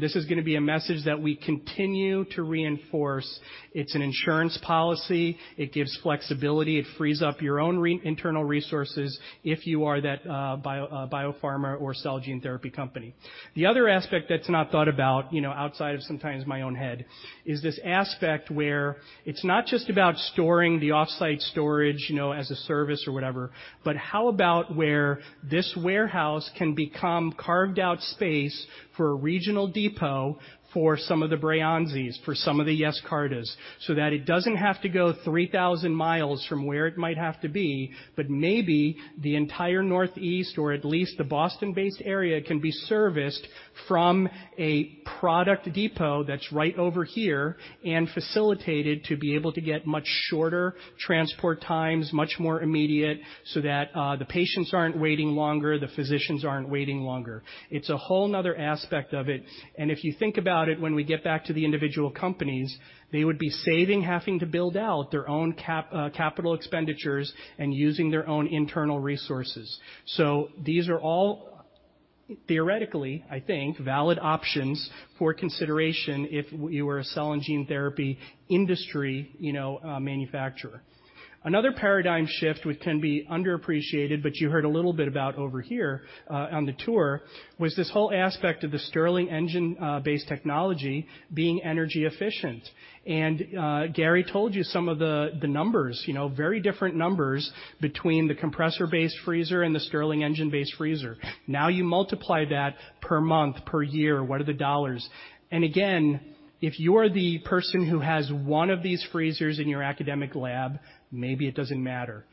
This is gonna be a message that we continue to reinforce. It's an insurance policy. It gives flexibility. It frees up your own re-internal resources if you are that bio biopharma or cell and gene therapy company. The other aspect that's not thought about, you know, outside of sometimes my own head is this aspect where it's not just about storing the off-site storage, you know, as a service or whatever, but how about where this warehouse can become carved out space for a regional depot for some of the Breyanzi, for some of the Yescarta, so that it doesn't have to go 3,000 miles from where it might have to be, but maybe the entire Northeast or at least the Boston-based area can be serviced from a product depot that's right over here and facilitated to be able to get much shorter transport times, much more immediate, so that the patients aren't waiting longer, the physicians aren't waiting longer. It's a whole another aspect of it. If you think about it, when we get back to the individual companies, they would be saving having to build out their own capital expenditures and using their own internal resources. These are all theoretically, I think, valid options for consideration if you were a cell and gene therapy industry, you know, manufacturer. Another paradigm shift which can be underappreciated, you heard a little bit about over here on the tour, was this whole aspect of the Stirling engine base technology being energy efficient. Gary told you some of the numbers, you know, very different numbers between the compressor-based freezer and the Stirling engine-based freezer. You multiply that per month, per year, what are the dollars? If you're the person who has one of these freezers in your academic lab, maybe it doesn't matter.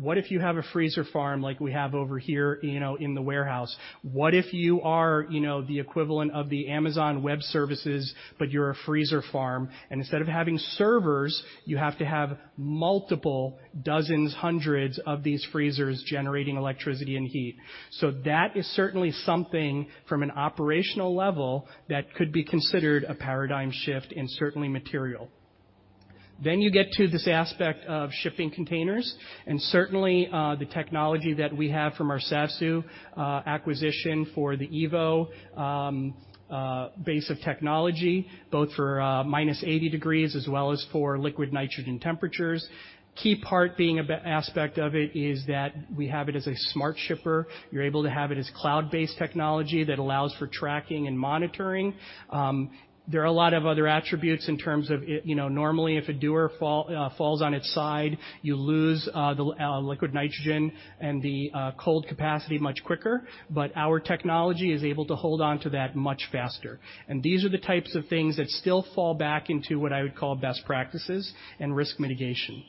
What if you have a freezer farm like we have over here, you know, in the warehouse? What if you are, you know, the equivalent of the Amazon Web Services, but you're a freezer farm, and instead of having servers, you have to have multiple dozens, hundreds of these freezers generating electricity and heat. That is certainly something from an operational level that could be considered a paradigm shift and certainly material. You get to this aspect of shipping containers, certainly, the technology that we have from our SAVSU acquisition for the Evo base of technology, both for minus 80 degrees as well as for liquid nitrogen temperatures. Key part being aspect of it is that we have it as a smart shipper. You're able to have it as cloud-based technology that allows for tracking and monitoring. There are a lot of other attributes in terms of it, you know, normally if a dewar fall falls on its side, you lose the liquid nitrogen and the cold capacity much quicker, but our technology is able to hold on to that much faster. These are the types of things that still fall back into what I would call best practices and risk mitigation.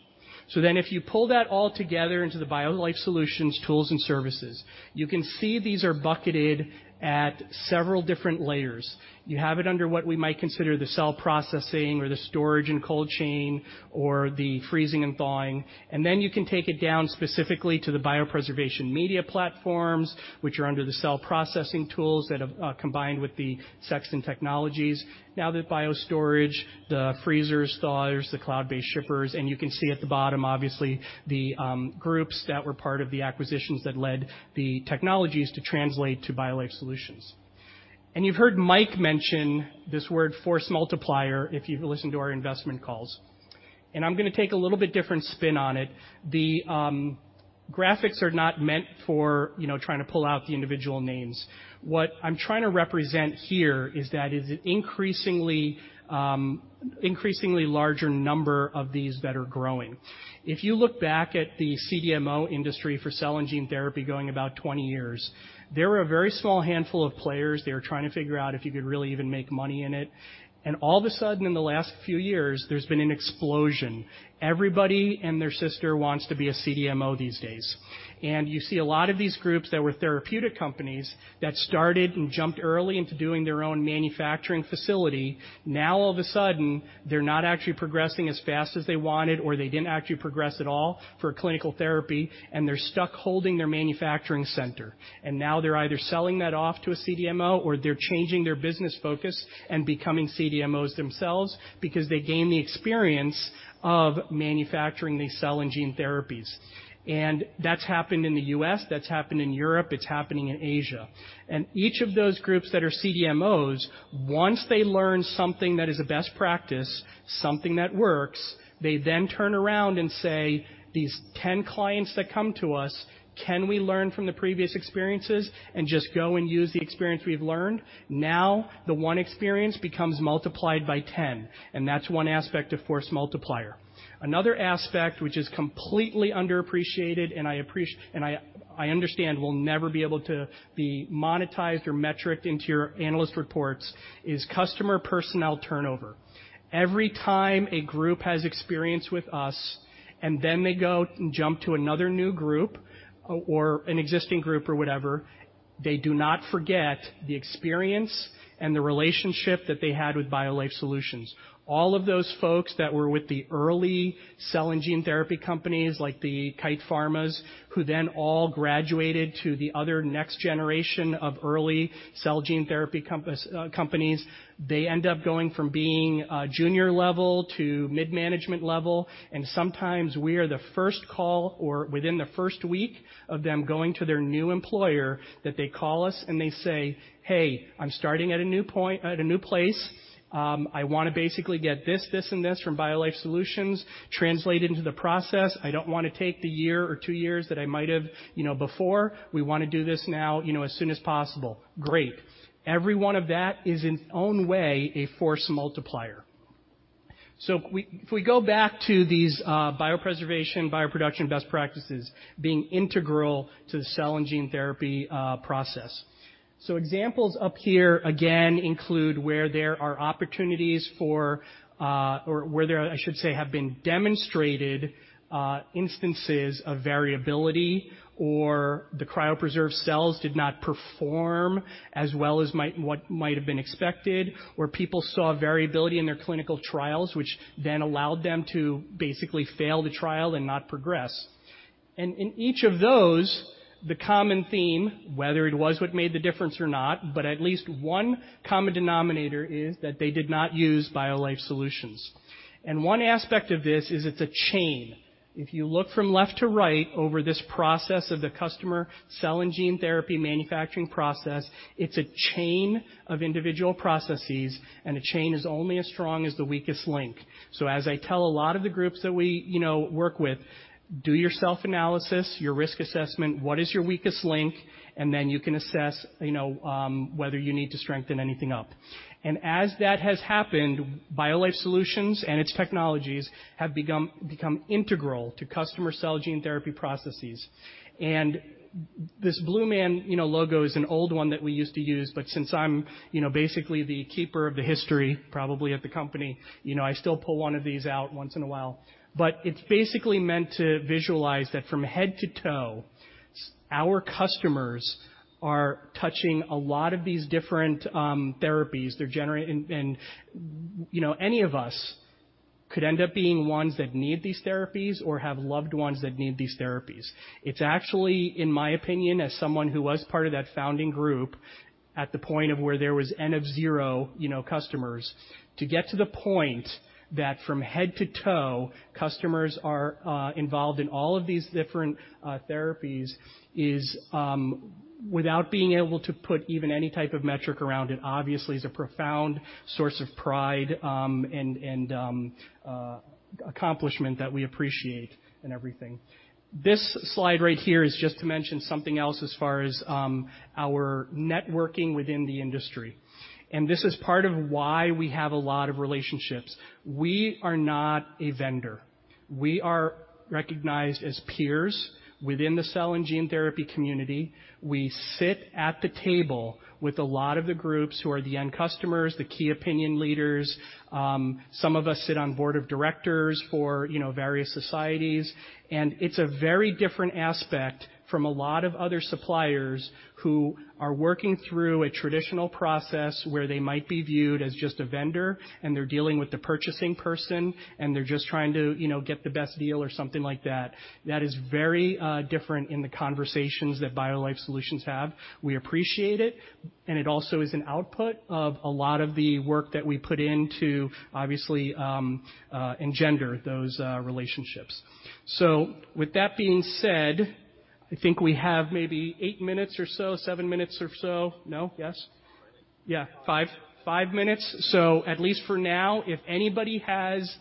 If you pull that all together into the BioLife Solutions tools and services, you can see these are bucketed at several different layers. You have it under what we might consider the cell processing or the storage and cold chain or the freezing and thawing. Then you can take it down specifically to the biopreservation media platforms, which are under the cell processing tools that have combined with the Sexton Technologies. Now, the Biostorage, the freezers, thawers, the cloud-based shippers, and you can see at the bottom, obviously, the groups that were part of the acquisitions that led the technologies to translate to BioLife Solutions. You've heard Mike mention this word force multiplier, if you've listened to our investment calls. I'm gonna take a little bit different spin on it. The graphics are not meant for, you know, trying to pull out the individual names. What I'm trying to represent here is that is an increasingly larger number of these that are growing. If you look back at the CDMO industry for cell and gene therapy going about 20 years, there were a very small handful of players. They were trying to figure out if you could really even make money in it. All of a sudden, in the last few years, there's been an explosion. Everybody and their sister wants to be a CDMO these days. You see a lot of these groups that were therapeutic companies that started and jumped early into doing their own manufacturing facility. Now, all of a sudden, they're not actually progressing as fast as they wanted, or they didn't actually progress at all for clinical therapy, and they're stuck holding their manufacturing center. Now they're either selling that off to a CDMO, or they're changing their business focus and becoming CDMOs themselves because they gain the experience of manufacturing these cell and gene therapies. That's happened in the US, that's happened in Europe, it's happening in Asia. Each of those groups that are CDMOs, once they learn something that is a best practice, something that works, they then turn around and say, "These 10 clients that come to us, can we learn from the previous experiences and just go and use the experience we've learned?" The one experience becomes multiplied by 10, and that's one aspect of force multiplier. Another aspect which is completely underappreciated, and I understand will never be able to be monetized or metricked into your analyst reports is customer personnel turnover. Every time a group has experience with us, and then they go and jump to another new group or an existing group or whatever, they do not forget the experience and the relationship that they had with BioLife Solutions. All of those folks that were with the early cell and gene therapy companies like the Kite Pharma, who all graduated to the other next generation of early cell gene therapy companies, they end up going from being junior level to mid-management level, and sometimes we are the first call or within the first week of them going to their new employer that they call us and they say, "Hey, I'm starting at a new place. I wanna basically get this and this from BioLife Solutions translated into the process. I don't wanna take the year or two years that I might have, you know, before. We wanna do this now, you know, as soon as possible." Great. Every one of that is in its own way a force multiplier. If we go back to these biopreservation, bioproduction best practices being integral to the cell and gene therapy process. Examples up here, again, include where there are opportunities for, or where there are, I should say, have been demonstrated instances of variability or the cryopreserved cells did not perform as well as what might have been expected, where people saw variability in their clinical trials, which then allowed them to basically fail the trial and not progress. In each of those, the common theme, whether it was what made the difference or not, but at least one common denominator is that they did not use BioLife Solutions. One aspect of this is it's a chain. If you look from left to right over this process of the customer cell and gene therapy manufacturing process, it's a chain of individual processes, and a chain is only as strong as the weakest link. As I tell a lot of the groups that we, you know, work with, do your self-analysis, your risk assessment, what is your weakest link, and then you can assess, you know, whether you need to strengthen anything up. As that has happened, BioLife Solutions and its technologies have become integral to customer cell gene therapy processes. This blue man, you know, logo is an old one that we used to use, but since I'm, you know, basically the keeper of the history probably of the company, you know, I still pull one of these out once in a while. It's basically meant to visualize that from head to toe, our customers are touching a lot of these different therapies. You know, any of us could end up being ones that need these therapies or have loved ones that need these therapies. It's actually, in my opinion, as someone who was part of that founding group at the point of where there was N of 0, you know, customers, to get to the point that from head to toe, customers are involved in all of these different therapies is without being able to put even any type of metric around it, obviously is a profound source of pride, and accomplishment that we appreciate and everything. This slide right here is just to mention something else as far as our networking within the industry. This is part of why we have a lot of relationships. We are not a vendor. We are recognized as peers within the cell and gene therapy community. We sit at the table with a lot of the groups who are the end customers, the key opinion leaders. Some of us sit on board of directors for, you know, various societies. It's a very different aspect from a lot of other suppliers who are working through a traditional process where they might be viewed as just a vendor, and they're dealing with the purchasing person, and they're just trying to, you know, get the best deal or something like that. That is very different in the conversations that BioLife Solutions have. We appreciate it, and it also is an output of a lot of the work that we put into, obviously, engender those relationships. With that being said, I think we have maybe eight minutes or so, seven minutes or so. No? Yes? Yeah, five minutes. At least for now, if anybody has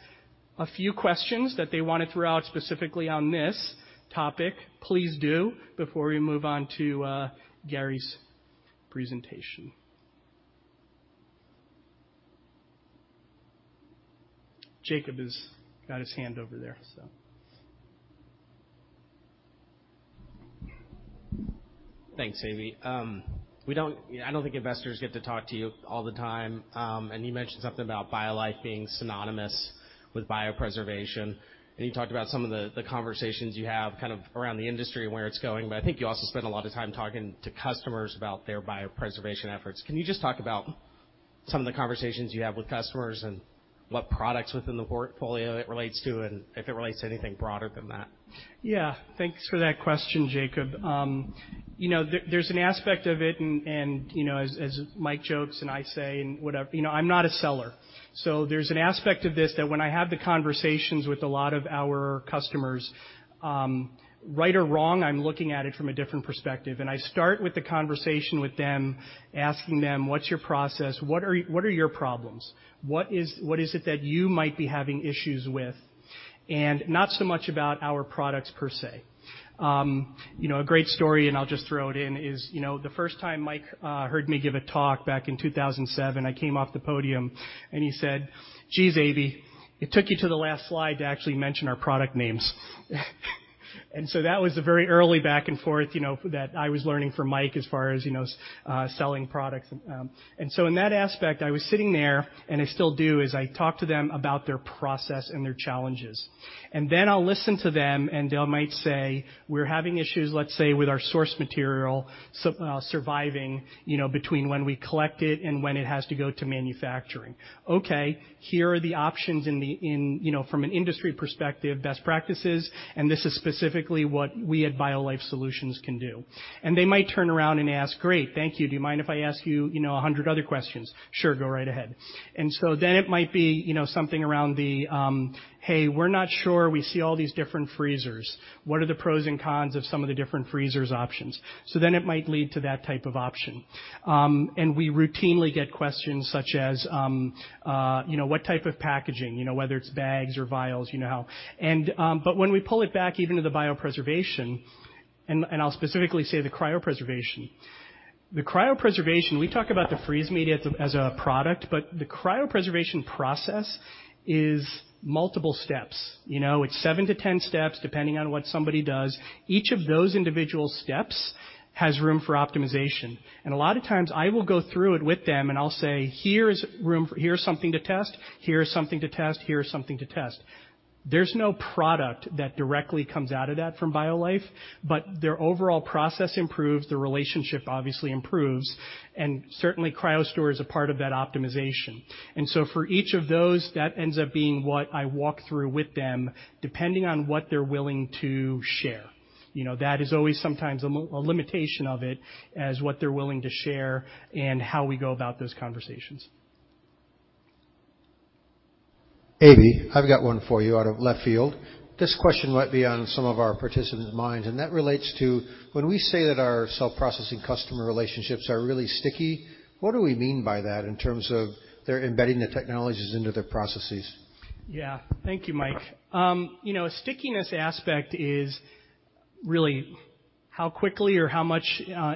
a few questions that they wanna throw out specifically on this topic, please do before we move on to Garrie's presentation. Jacob has got his hand over there, so. Thanks, Aby. I don't think investors get to talk to you all the time. You mentioned something about BioLife being synonymous with biopreservation, and you talked about some of the conversations you have kind of around the industry and where it's going, but I think you also spend a lot of time talking to customers about their biopreservation efforts. Can you just talk about some of the conversations you have with customers and what products within the portfolio it relates to, and if it relates to anything broader than that? Thanks for that question, Jacob. You know, there's an aspect of it and, you know, as Mike jokes and I say and whatever, you know, I'm not a seller. There's an aspect of this that when I have the conversations with a lot of our customers, right or wrong, I'm looking at it from a different perspective. I start with the conversation with them, asking them, "What's your process? What are your problems? What is it that you might be having issues with?" Not so much about our products per se. You know, a great story, and I'll just throw it in, is, you know, the first time Mike heard me give a talk back in 2007, I came off the podium, and he said, "Jeez, Aby, it took you to the last slide to actually mention our product names." That was a very early back and forth, you know, that I was learning from Mike as far as, you know, selling products and. In that aspect, I was sitting there, and I still do, is I talk to them about their process and their challenges. Then I'll listen to them, and they might say, "We're having issues, let's say, with our source material surviving, you know, between when we collect it and when it has to go to manufacturing." Here are the options in the, you know, from an industry perspective, best practices, and this is specifically what we at BioLife Solutions can do. They might turn around and ask, "Great. Thank you. Do you mind if I ask you know, 100 other questions?" Sure, go right ahead. Then it might be, you know, something around the, "Hey, we're not sure. We see all these different freezers. What are the pros and cons of some of the different freezers options?" Then it might lead to that type of option. We routinely get questions such as, you know, what type of packaging, you know, whether it's bags or vials, you know. When we pull it back even to the biopreservation, I'll specifically say the cryopreservation. The cryopreservation, we talk about the freeze media as a product, but the cryopreservation process is multiple steps, you know. It's 7 to 10 steps, depending on what somebody does. Each of those individual steps has room for optimization. A lot of times I will go through it with them, and I'll say, "Here's something to test, here's something to test, here's something to test." There's no product that directly comes out of that from BioLife, but their overall process improves, the relationship obviously improves, and certainly CryoStor is a part of that optimization. For each of those, that ends up being what I walk through with them, depending on what they're willing to share. You know, that is always sometimes a limitation of it as what they're willing to share and how we go about those conversations. Aby, I've got one for you out of left field. This question might be on some of our participants' minds, that relates to when we say that our cell processing customer relationships are really sticky, what do we mean by that in terms of they're embedding the technologies into their processes? Yeah. Thank you, Mike. you know, stickiness aspect is really how quickly or how much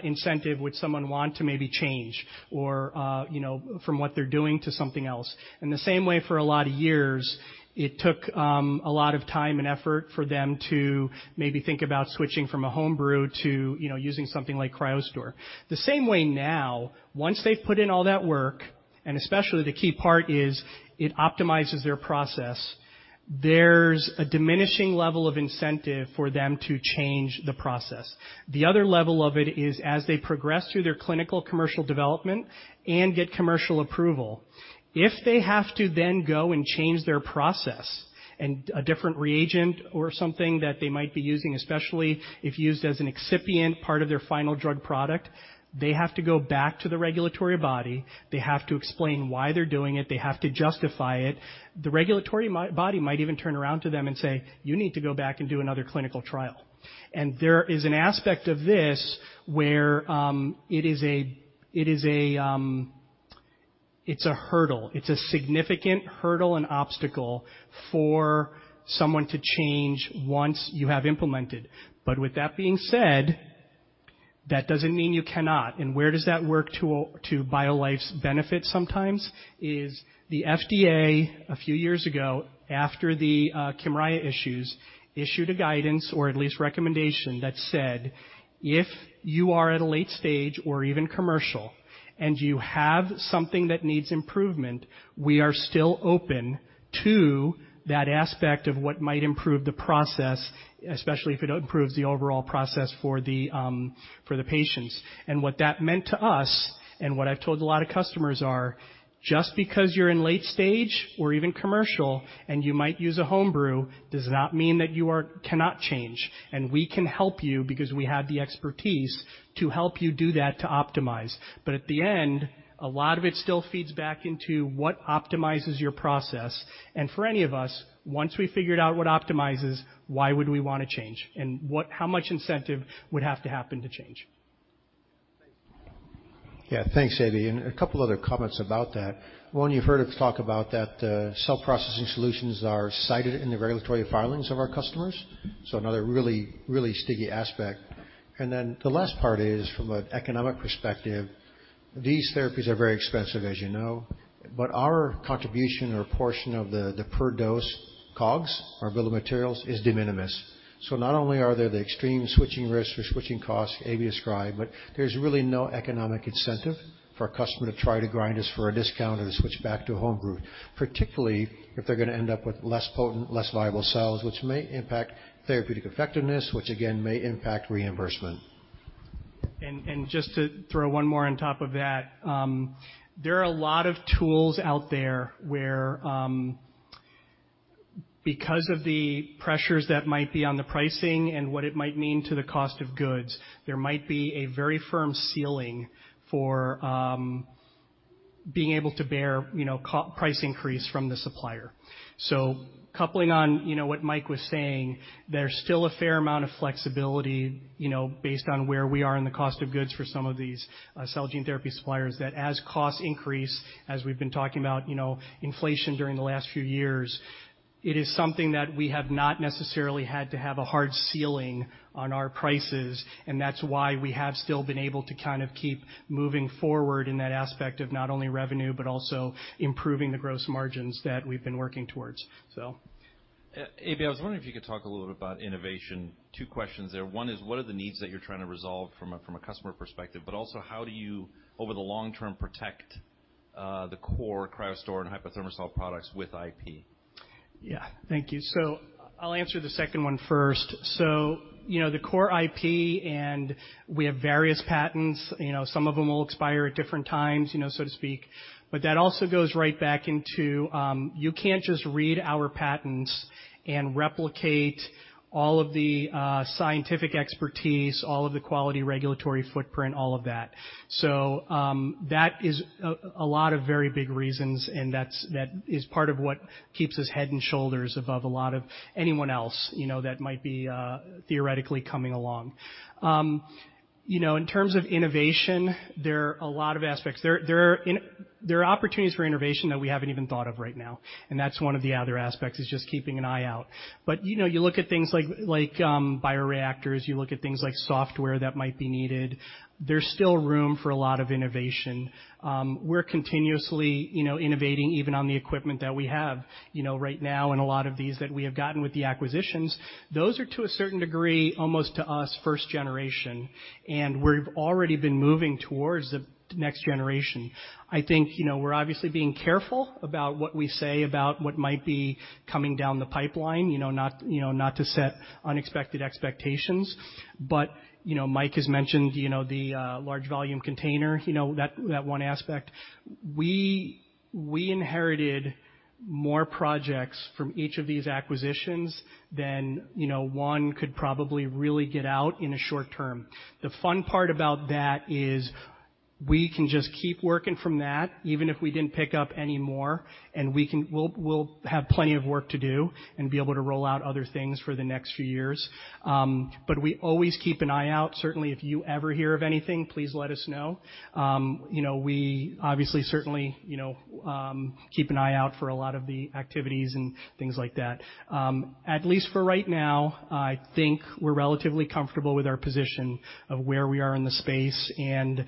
incentive would someone want to maybe change or, you know, from what they're doing to something else. In the same way for a lot of years, it took a lot of time and effort for them to maybe think about switching from a home brew to, you know, using something like CryoStor. The same way now, once they've put in all that work, and especially the key part is it optimizes their process, there's a diminishing level of incentive for them to change the process. The other level of it is as they progress through their clinical commercial development and get commercial approval, if they have to then go and change their process and a different reagent or something that they might be using, especially if used as an excipient part of their final drug product, they have to go back to the regulatory body. They have to explain why they're doing it. They have to justify it. The regulatory body might even turn around to them and say, "You need to go back and do another clinical trial." There is an aspect of this where it is a, it's a hurdle. It's a significant hurdle and obstacle for someone to change once you have implemented. With that being said, that doesn't mean you cannot. Where does that work to BioLife's benefit sometimes is the FDA, a few years ago, after the Kymriah issues, issued a guidance or at least recommendation that said, "If you are at a late stage or even commercial and you have something that needs improvement, we are still open to that aspect of what might improve the process, especially if it improves the overall process for the patients." What that meant to us and what I've told a lot of customers are, "Just because you're in late stage or even commercial and you might use a home brew, does not mean that you cannot change. We can help you because we have the expertise to help you do that to optimize." At the end, a lot of it still feeds back into what optimizes your process. For any of us, once we figured out what optimizes, why would we wanna change? How much incentive would have to happen to change? Yeah. Thanks, Aby. A couple other comments about that. One, you've heard us talk about that, cell processing solutions are cited in the regulatory filings of our customers. Another really, really sticky aspect. The last part is from an economic perspective, these therapies are very expensive, as you know, but our contribution or portion of the per dose COGS or bill of materials is de minimis. Not only are there the extreme switching risks or switching costs Aby described, but there's really no economic incentive for a customer to try to grind us for a discount or to switch back to home brew, particularly if they're gonna end up with less potent, less viable cells, which may impact therapeutic effectiveness, which again, may impact reimbursement. Just to throw one more on top of that, there are a lot of tools out there where, because of the pressures that might be on the pricing and what it might mean to the cost of goods, there might be a very firm ceiling for, being able to bear, you know, price increase from the supplier. Coupling on, you know, what Mike was saying, there's still a fair amount of flexibility, you know, based on where we are in the cost of goods for some of these cell gene therapy suppliers, that as costs increase, as we've been talking about, you know, inflation during the last few years, it is something that we have not necessarily had to have a hard ceiling on our prices, and that's why we have still been able to kind of keep moving forward in that aspect of not only revenue, but also improving the gross margins that we've been working towards. Aby, I was wondering if you could talk a little bit about innovation. Two questions there. One is, what are the needs that you're trying to resolve from a customer perspective, but also how do you, over the long term, protect the core CryoStor and HypoThermosol products with IP? Yeah. Thank you. I'll answer the second one first. You know, the core IP, and we have various patents, you know, some of them will expire at different times, you know, so to speak. That also goes right back into, you can't just read our patents and replicate all of the scientific expertise, all of the quality regulatory footprint, all of that. That is a lot of very big reasons, and that's, that is part of what keeps us head and shoulders above a lot of anyone else, you know, that might be theoretically coming along. You know, in terms of innovation, there are a lot of aspects. There are opportunities for innovation that we haven't even thought of right now, and that's one of the other aspects, is just keeping an eye out. You know, you look at things like bioreactors, you look at things like software that might be needed, there's still room for a lot of innovation. We're continuously, you know, innovating even on the equipment that we have, you know, right now and a lot of these that we have gotten with the acquisitions. Those are, to a certain degree, almost to us, first generation, and we've already been moving towards the next generation. I think, you know, we're obviously being careful about what we say about what might be coming down the pipeline, you know, not to set unexpected expectations, but, you know, Mike has mentioned, you know, the large volume container, you know, that one aspect. We inherited more projects from each of these acquisitions than, you know, one could probably really get out in a short term. The fun part about that is we can just keep working from that, even if we didn't pick up any more, and we can. We'll have plenty of work to do and be able to roll out other things for the next few years. We always keep an eye out. Certainly, if you ever hear of anything, please let us know. You know, we obviously certainly, you know, keep an eye out for a lot of the activities and things like that. At least for right now, I think we're relatively comfortable with our position of where we are in the space and,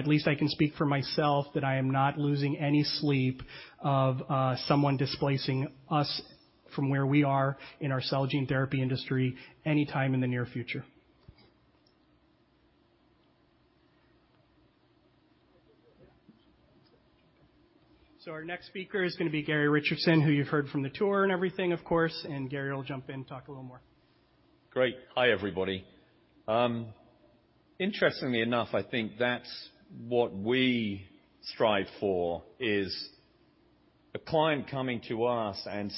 at least I can speak for myself that I am not losing any sleep of someone displacing us from where we are in our cell gene therapy industry anytime in the near future. Our next speaker is gonna be Garrie Richardson, who you've heard from the tour and everything, of course, and Garrie will jump in and talk a little more. Great. Hi, everybody. Interestingly enough, I think that's what we strive for, is a client coming to us and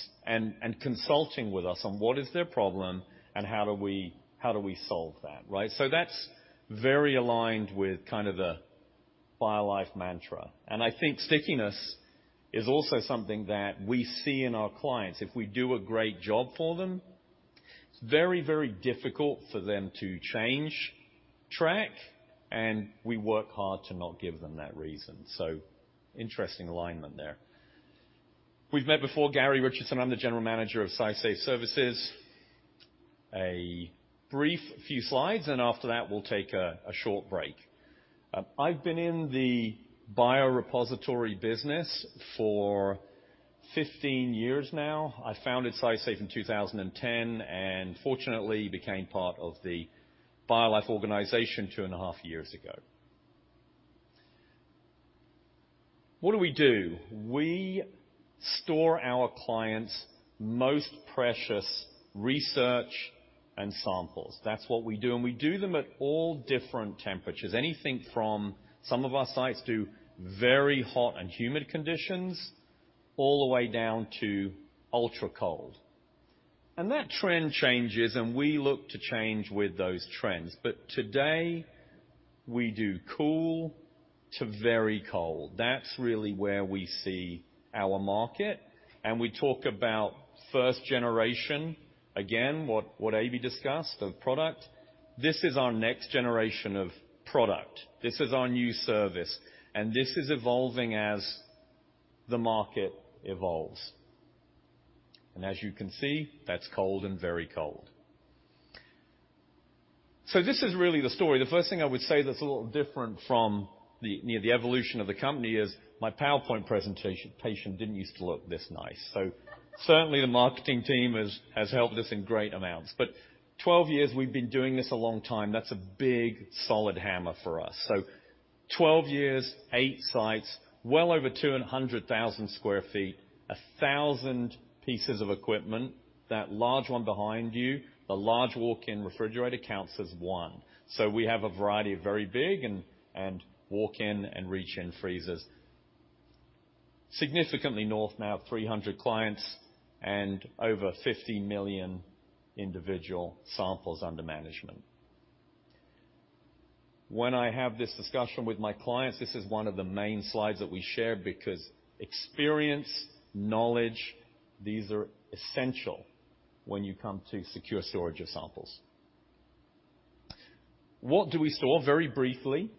consulting with us on what is their problem and how do we solve that, right? That's very aligned with kind of the BioLife mantra, and I think stickiness is also something that we see in our clients. If we do a great job for them, it's very difficult for them to change track, and we work hard to not give them that reason. Interesting alignment there. We've met before, Garrie Richardson. I'm the General Manager of SciSafe Services. A brief few slides, and after that we'll take a short break. I've been in the biorepository business for 15 years now. I founded SciSafe in 2010. Fortunately became part of the BioLife organization two and a half years ago. What do we do? We store our clients' most precious research and samples. That's what we do. We do them at all different temperatures. Anything from some of our sites do very hot and humid conditions, all the way down to ultra-cold. That trend changes. We look to change with those trends. Today, we do cool to very cold. That's really where we see our market. We talk about first generation, again, what Aby discussed of product. This is our next generation of product. This is our new service. This is evolving as the market evolves. As you can see, that's cold and very cold. This is really the story. The first thing I would say that's a little different from the, you know, the evolution of the company is my PowerPoint presentation patient didn't used to look this nice. Certainly the marketing team has helped us in great amounts. 12 years, we've been doing this a long time. That's a big solid hammer for us. 12 years, 8 sites, well over 200,000 sq ft, 1,000 pieces of equipment. That large 1 behind you, the large walk-in refrigerator counts as 1. We have a variety of very big and walk-in and reach-in freezers. Significantly north now of 300 clients and over 50 million individual samples under management. When I have this discussion with my clients, this is one of the main slides that we share because experience, knowledge, these are essential when you come to secure storage of samples. What do we store? Very briefly,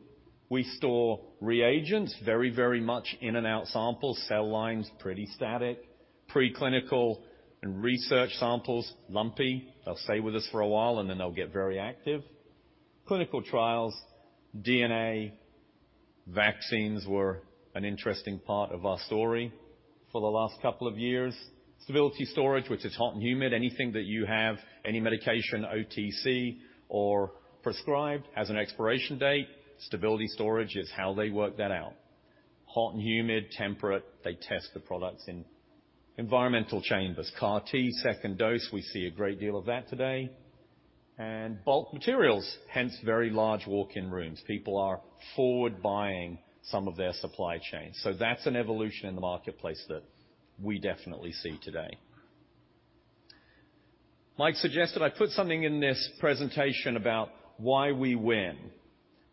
we store reagents, very, very much in and out samples. Cell lines, pretty static. Preclinical and research samples, lumpy. They'll stay with us for a while, and then they'll get very active. Clinical trials, DNA, vaccines were an interesting part of our story for the last couple of years. Stability storage, which is hot and humid. Anything that you have, any medication, OTC or prescribed as an expiration date, stability storage is how they work that out. Hot and humid, temperate, they test the products in environmental chambers. CAR T second dose, we see a great deal of that today. Bulk materials, hence very large walk-in rooms. People are forward buying some of their supply chain. That's an evolution in the marketplace that we definitely see today. Mike suggested I put something in this presentation about why we win.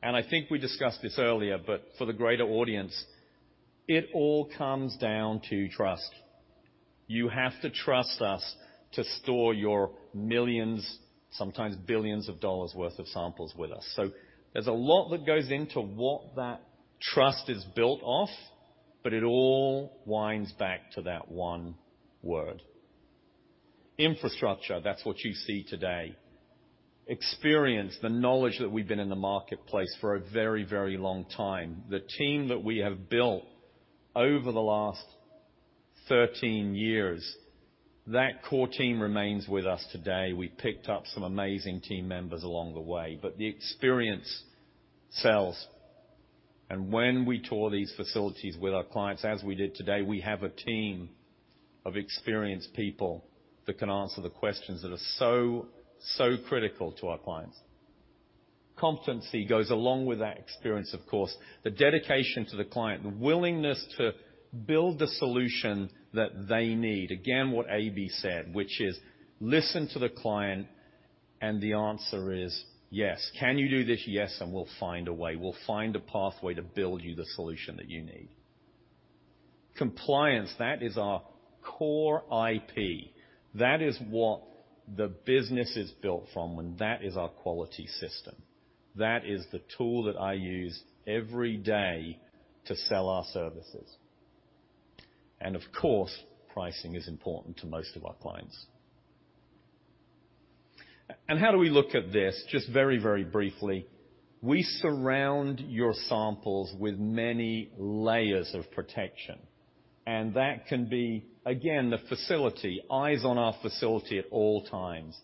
I think we discussed this earlier. For the greater audience, it all comes down to trust. You have to trust us to store your millions, sometimes billions of dollars' worth of samples with us. There's a lot that goes into what that trust is built off. It all winds back to that one word. Infrastructure. That's what you see today. Experience. The knowledge that we've been in the marketplace for a very, very long time. The team that we have built over the last 13 years, that core team remains with us today. We've picked up some amazing team members along the way. The experience sells. When we tour these facilities with our clients, as we did today, we have a team of experienced people that can answer the questions that are so critical to our clients. Competency goes along with that experience, of course. The dedication to the client, the willingness to build the solution that they need. Again, what Ab said, which is, "Listen to the client, and the answer is yes." Can you do this? Yes, and we'll find a way. We'll find a pathway to build you the solution that you need. Compliance, that is our core IP. That is what the business is built from, and that is our quality system. That is the tool that I use every day to sell our services. Of course, pricing is important to most of our clients. How do we look at this? Just very, very briefly. We surround your samples with many layers of protection, and that can be, again, the facility, eyes on our facility at all times,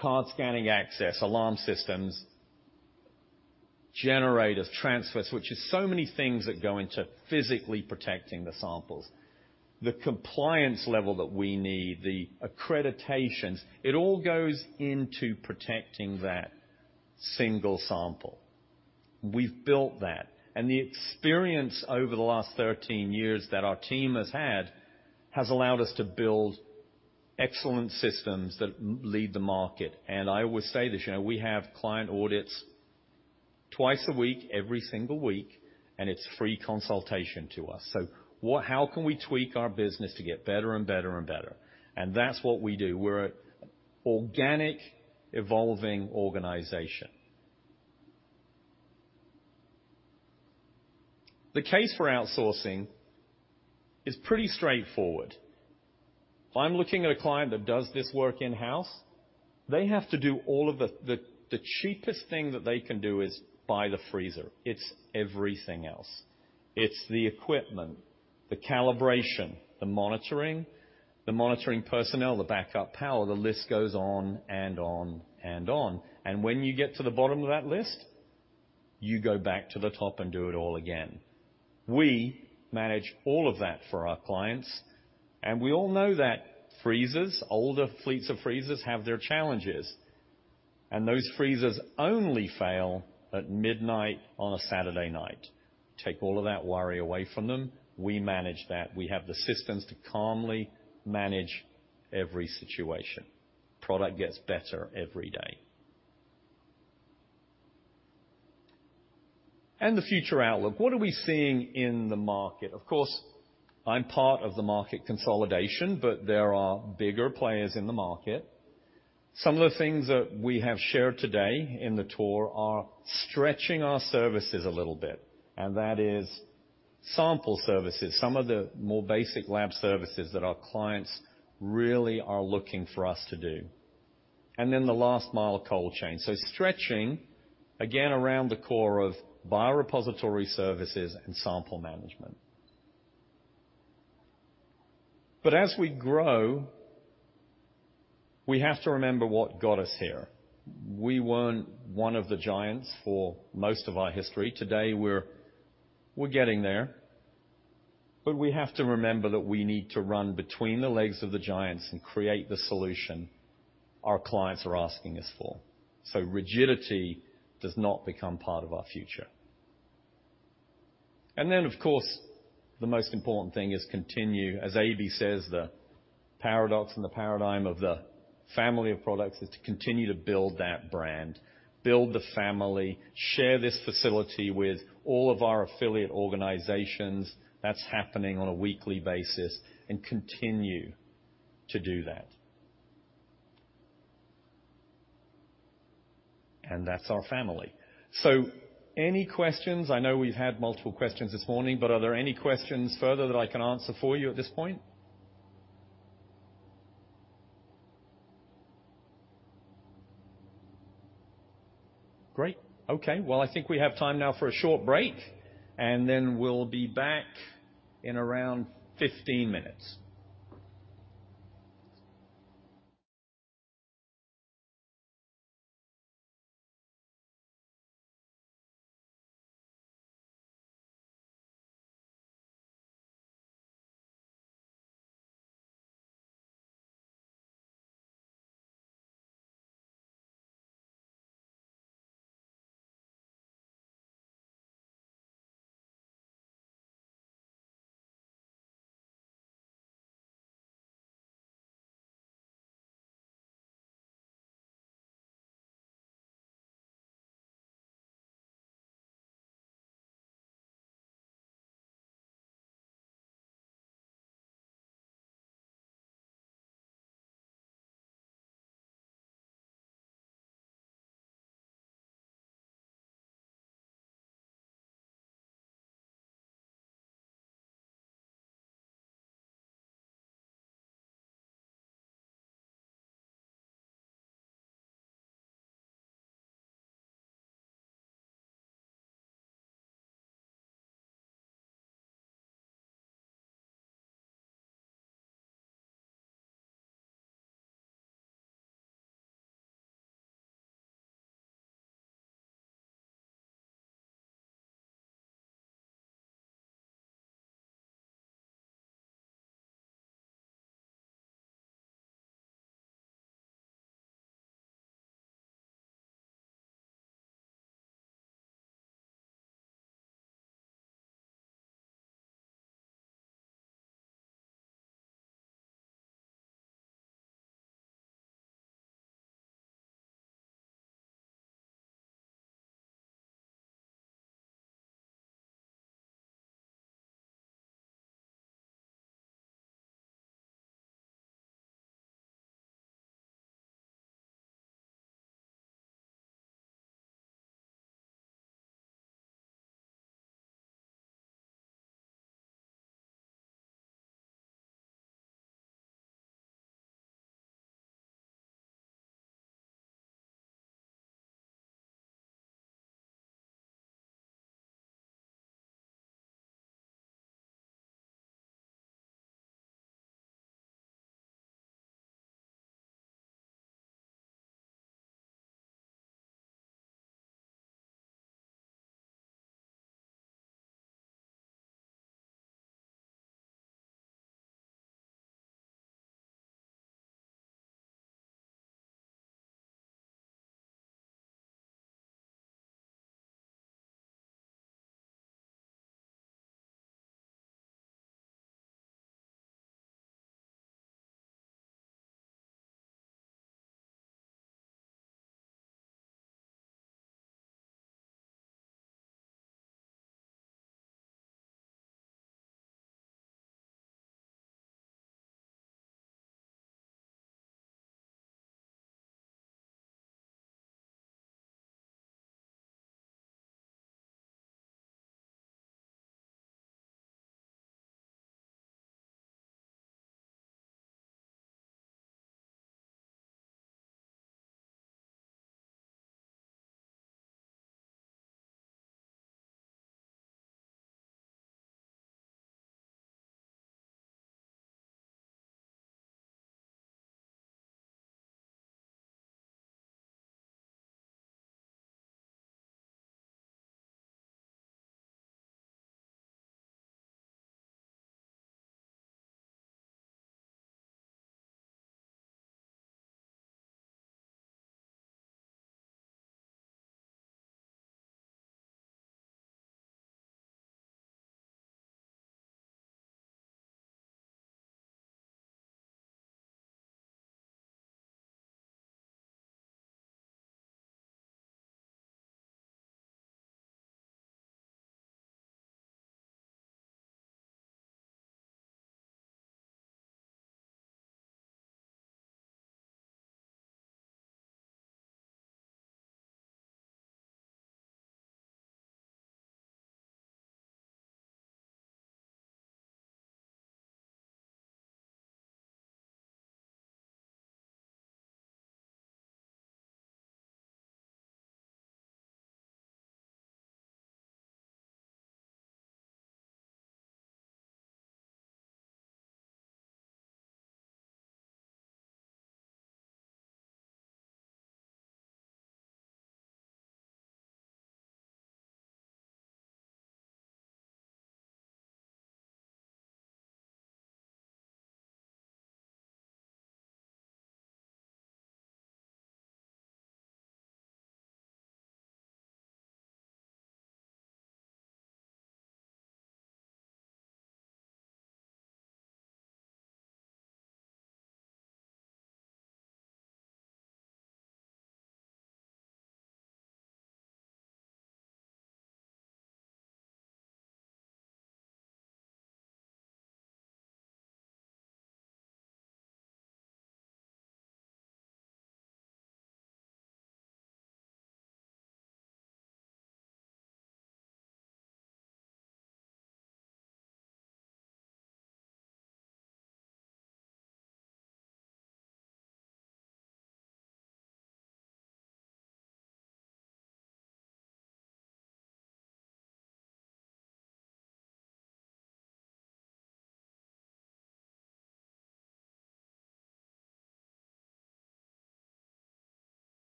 card scanning access, alarm systems, generators, transfers, which is so many things that go into physically protecting the samples. The compliance level that we need, the accreditations, it all goes into protecting that single sample. We've built that. The experience over the last 13 years that our team has had has allowed us to build excellent systems that lead the market. I always say this, you know, we have client audits twice a week, every single week, and it's free consultation to us. How can we tweak our business to get better and better and better? That's what we do. We're an organic, evolving organization. The case for outsourcing is pretty straightforward. If I'm looking at a client that does this work in-house, the cheapest thing that they can do is buy the freezer. It's everything else. It's the equipment, the calibration, the monitoring, the monitoring personnel, the backup power. The list goes on and on and on. When you get to the bottom of that list, you go back to the top and do it all again. We manage all of that for our clients, and we all know that freezers, older fleets of freezers have their challenges, and those freezers only fail at midnight on a Saturday night. Take all of that worry away from them. We manage that. We have the systems to calmly manage every situation. Product gets better every day. The future outlook, what are we seeing in the market? Of course, I'm part of the market consolidation, but there are bigger players in the market. Some of the things that we have shared today in the tour are stretching our services a little bit, and that is sample services, some of the more basic lab services that our clients really are looking for us to do. The last-mile cold chain. Stretching, again, around the core of biorepository services and sample management. As we grow, we have to remember what got us here. We weren't one of the giants for most of our history. Today, we're getting there, but we have to remember that we need to run between the legs of the giants and create the solution our clients are asking us for. Rigidity does not become part of our future. Of course, the most important thing is continue, as AB says, the paradox and the paradigm of the family of products, is to continue to build that brand, build the family, share this facility with all of our affiliate organizations. That's happening on a weekly basis, and continue to do that. That's our family. Any questions? I know we've had multiple questions this morning. Are there any questions further that I can answer for you at this point? Great. Okay. I think we have time now for a short break. We'll be back in around 15 minutes.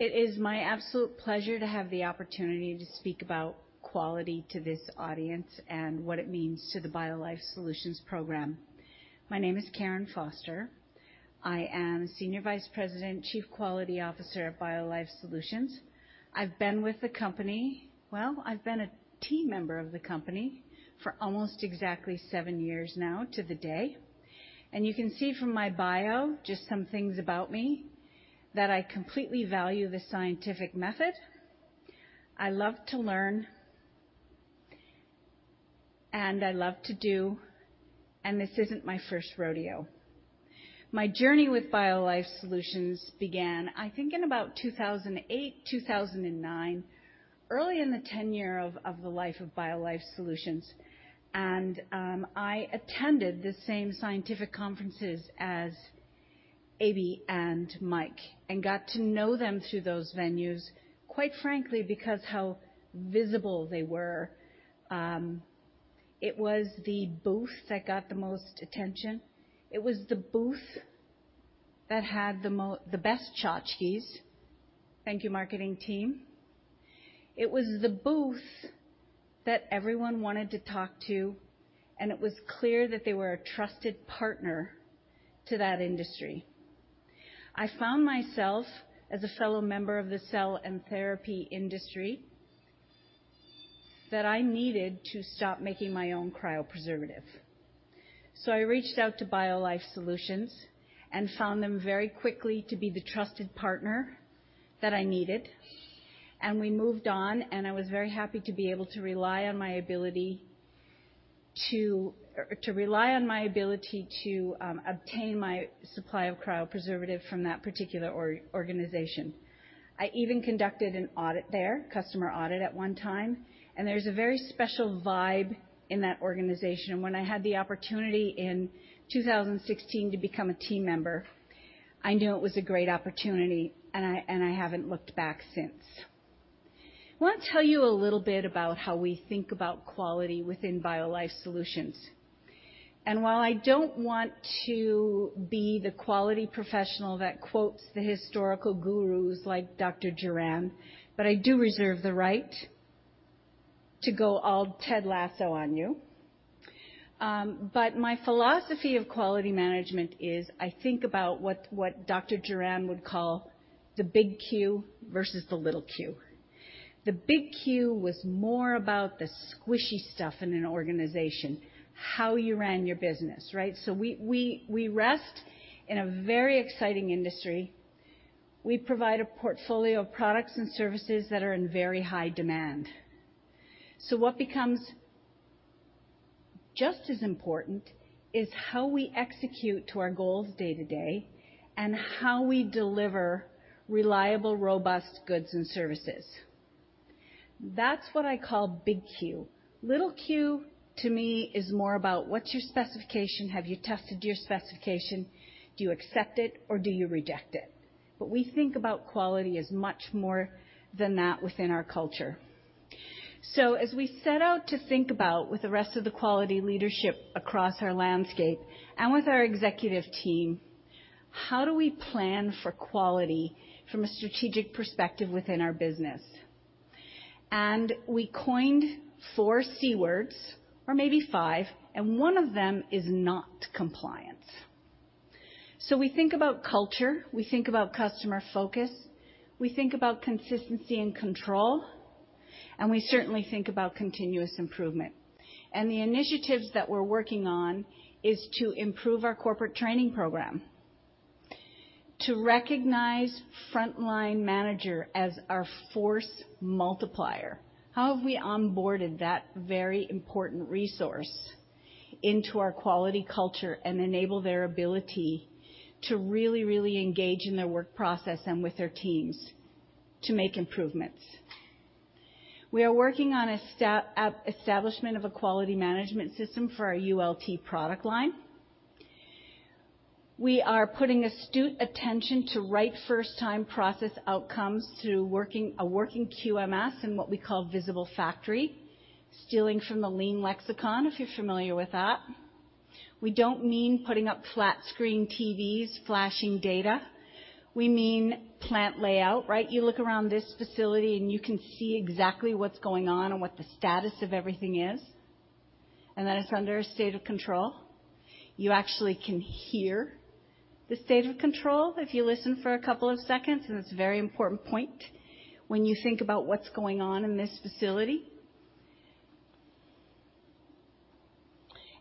It is my absolute pleasure to have the opportunity to speak about quality to this audience and what it means to the BioLife Solutions program. My name is Karen Foster. I am Senior Vice President, Chief Quality Officer at BioLife Solutions. Well, I've been a team member of the company for almost exactly 7 years now to the day. You can see from my bio just some things about me, that I completely value the scientific method. I love to learn, I love to do, this isn't my first rodeo. My journey with BioLife Solutions began, I think, in about 2008, 2009, early in the tenure of the life of BioLife Solutions. I attended the same scientific conferences as Aby and Mike Rice and got to know them through those venues, quite frankly, because how visible they were. It was the booth that got the most attention. It was the booth that had the best tchotchkes. Thank you, marketing team. It was the booth that everyone wanted to talk to, and it was clear that they were a trusted partner to that industry. I found myself as a fellow member of the cell and therapy industry. That I needed to stop making my own cryopreservative. I reached out to BioLife Solutions and found them very quickly to be the trusted partner that I needed, and we moved on, and I was very happy to be able to rely on my ability to obtain my supply of cryo preservative from that particular organization. I even conducted an audit there, customer audit at one time, and there's a very special vibe in that organization. When I had the opportunity in 2016 to become a team member, I knew it was a great opportunity, and I, and I haven't looked back since. I want to tell you a little bit about how we think about quality within BioLife Solutions. While I don't want to be the quality professional that quotes the historical gurus like Dr. Juran, I do reserve the right to go all Ted Lasso on you. My philosophy of quality management is, I think about what Dr. Juran would call the big Q versus the little q. The big Q was more about the squishy stuff in an organization, how you ran your business, right? We rest in a very exciting industry. We provide a portfolio of products and services that are in very high demand. What becomes just as important is how we execute to our goals day to day, and how we deliver reliable, robust goods and services. That's what I call big Q. Little q to me is more about what's your specification? Have you tested your specification? Do you accept it or do you reject it? We think about quality as much more than that within our culture. As we set out to think about with the rest of the quality leadership across our landscape and with our executive team, how do we plan for quality from a strategic perspective within our business. We coined four C words, or maybe five, and one of them is not compliance. We think about culture, we think about customer focus, we think about consistency and control, and we certainly think about continuous improvement. The initiatives that we're working on is to improve our corporate training program, to recognize frontline manager as our force multiplier. How have we onboarded that very important resource into our quality culture and enable their ability to really engage in their work process and with their teams to make improvements. We are working on establishment of a quality management system for our ULT product line. We are putting astute attention to right first time process outcomes through a working QMS in what we call visual factory, stealing from the lean lexicon, if you're familiar with that. We don't mean putting up flat-screen TVs flashing data. We mean plant layout, right? You look around this facility, and you can see exactly what's going on and what the status of everything is, and that it's under a state of control. You actually can hear the state of control if you listen for a couple of seconds, and it's a very important point when you think about what's going on in this facility.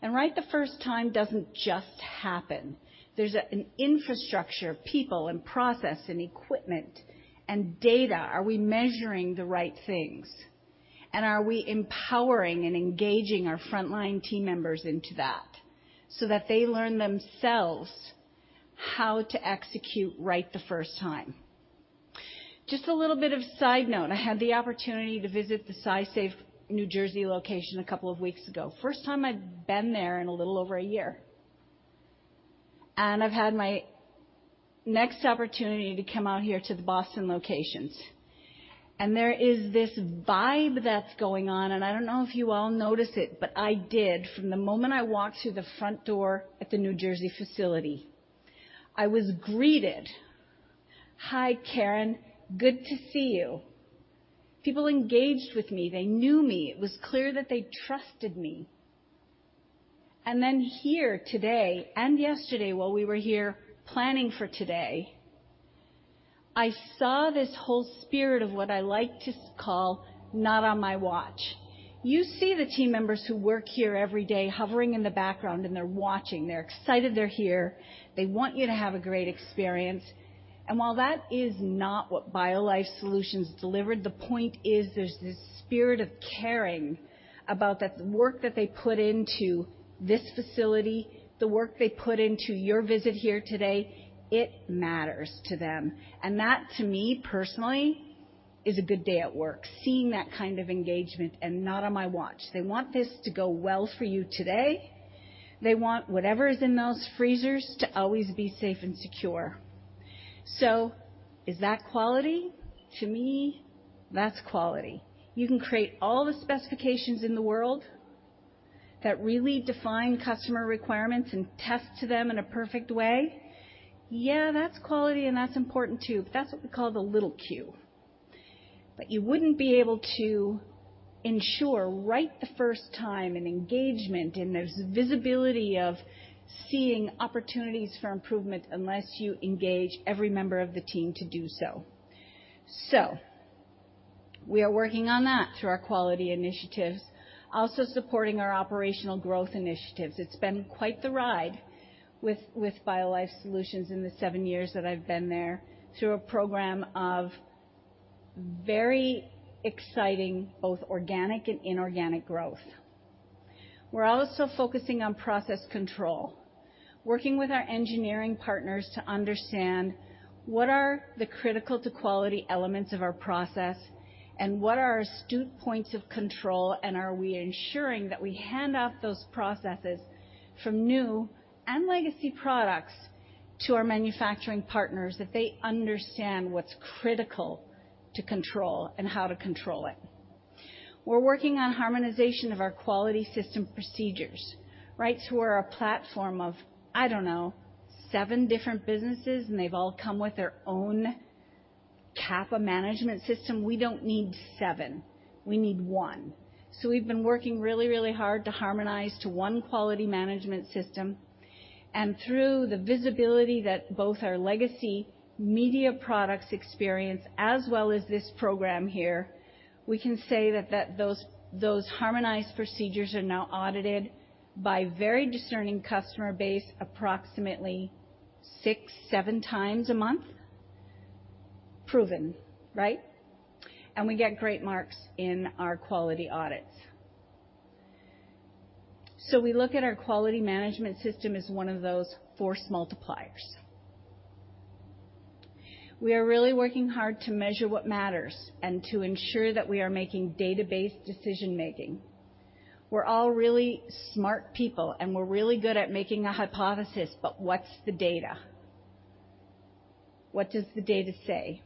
Right the first time doesn't just happen. There's an infrastructure of people and process and equipment and data. Are we measuring the right things? Are we empowering and engaging our frontline team members into that so that they learn themselves how to execute right the first time? Just a little bit of side note. I had the opportunity to visit the SciSafe New Jersey location a couple of weeks ago. First time I'd been there in a little over a year, and I've had my next opportunity to come out here to the Boston locations. There is this vibe that's going on, and I don't know if you all notice it, but I did from the moment I walked through the front door at the New Jersey facility. I was greeted. "Hi, Karen. Good to see you." People engaged with me. They knew me. It was clear that they trusted me. Here today and yesterday while we were here planning for today, I saw this whole spirit of what I like to call not on my watch. You see the team members who work here every day hovering in the background, and they're watching. They're excited they're here. They want you to have a great experience. While that is not what BioLife Solutions delivered, the point is there's this spirit of caring about that work that they put into this facility, the work they put into your visit here today, it matters to them. That, to me personally, is a good day at work, seeing that kind of engagement and not on my watch. They want this to go well for you today. They want whatever is in those freezers to always be safe and secure. Is that quality? To me, that's quality. You can create all the specifications in the world that really define customer requirements and test to them in a perfect way. Yeah, that's quality, and that's important too, but that's what we call the little q. You wouldn't be able to ensure right the first time an engagement, and there's Seeing opportunities for improvement unless you engage every member of the team to do so. We are working on that through our quality initiatives, also supporting our operational growth initiatives. It's been quite the ride with BioLife Solutions in the seven years that I've been there through a program of very exciting, both organic and inorganic growth. We're also focusing on process control, working with our engineering partners to understand what are the critical to quality elements of our process and what are astute points of control, are we ensuring that we hand off those processes from new and legacy products to our manufacturing partners, that they understand what's critical to control and how to control it. We're working on harmonization of our quality system procedures, right, through our platform of, I don't know, 7 different businesses, they've all come with their own CAPA management system. We don't need 7, we need 1. We've been working really, really hard to harmonize to 1 quality management system. Through the visibility that both our legacy media products experience as well as this program here, we can say that those harmonized procedures are now audited by very discerning customer base approximately 6, 7 times a month. Proven, right? We get great marks in our quality audits. We look at our quality management system as one of those force multipliers. We are really working hard to measure what matters and to ensure that we are making database decision-making. We're all really smart people, and we're really good at making a hypothesis, but what's the data? What does the data say?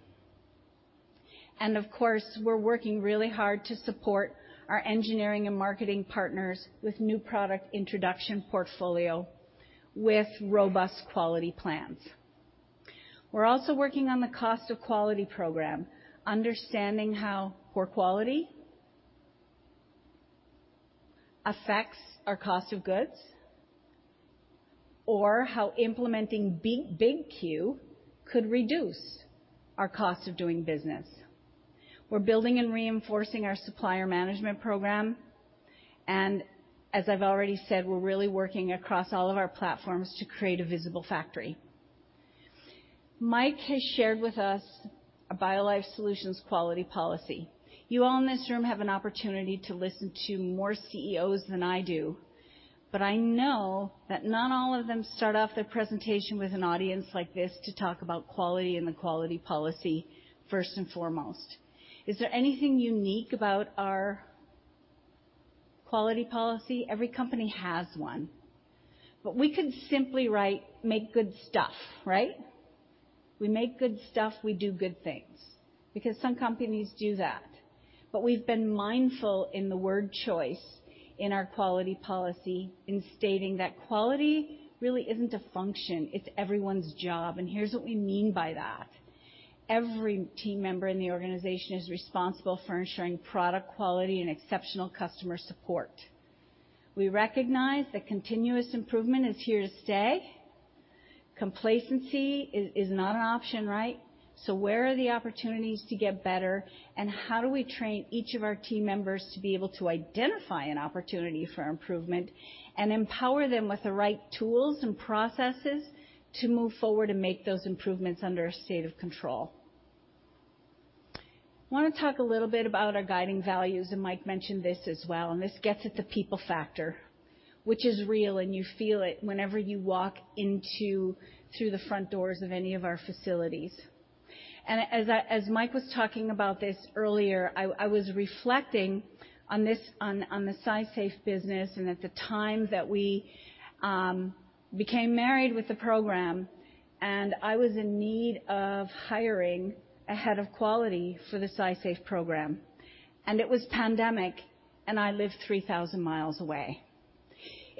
Of course, we're working really hard to support our engineering and marketing partners with new product introduction portfolio with robust quality plans. We're also working on the cost of quality program, understanding how poor quality affects our cost of goods, or how implementing B-Big Q could reduce our cost of doing business. We're building and reinforcing our supplier management program. As I've already said, we're really working across all of our platforms to create a visual factory. Mike has shared with us a BioLife Solutions quality policy. You all in this room have an opportunity to listen to more CEOs than I do, but I know that not all of them start off their presentation with an audience like this to talk about quality and the quality policy first and foremost. Is there anything unique about our quality policy? Every company has one. We could simply write, "Make good stuff," right? We make good stuff, we do good things, because some companies do that. We've been mindful in the word choice in our quality policy in stating that quality really isn't a function, it's everyone's job. Here's what we mean by that. Every team member in the organization is responsible for ensuring product quality and exceptional customer support. We recognize that continuous improvement is here to stay. Complacency is not an option, right? Where are the opportunities to get better, and how do we train each of our team members to be able to identify an opportunity for improvement and empower them with the right tools and processes to move forward and make those improvements under a state of control? Wanna talk a little bit about our guiding values, and Mike mentioned this as well, and this gets at the people factor, which is real, and you feel it whenever you walk into, through the front doors of any of our facilities. As Mike was talking about this earlier, I was reflecting on this, on the SciSafe business and at the time that we became married with the program, and I was in need of hiring a head of quality for the SciSafe program. It was pandemic, and I lived 3,000 miles away.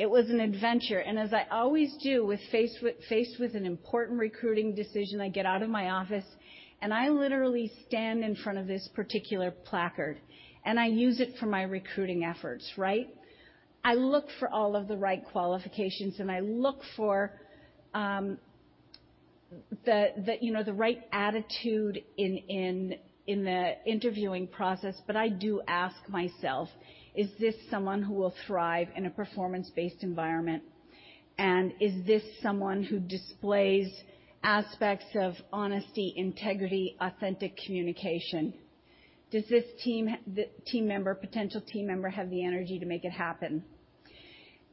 It was an adventure. As I always do faced with an important recruiting decision, I get out of my office and I literally stand in front of this particular placard and I use it for my recruiting efforts, right? I look for all of the right qualifications and I look for, you know, the right attitude in the interviewing process, but I do ask myself, is this someone who will thrive in a performance-based environment? Is this someone who displays aspects of honesty, integrity, authentic communication? Does this team member, potential team member have the energy to make it happen?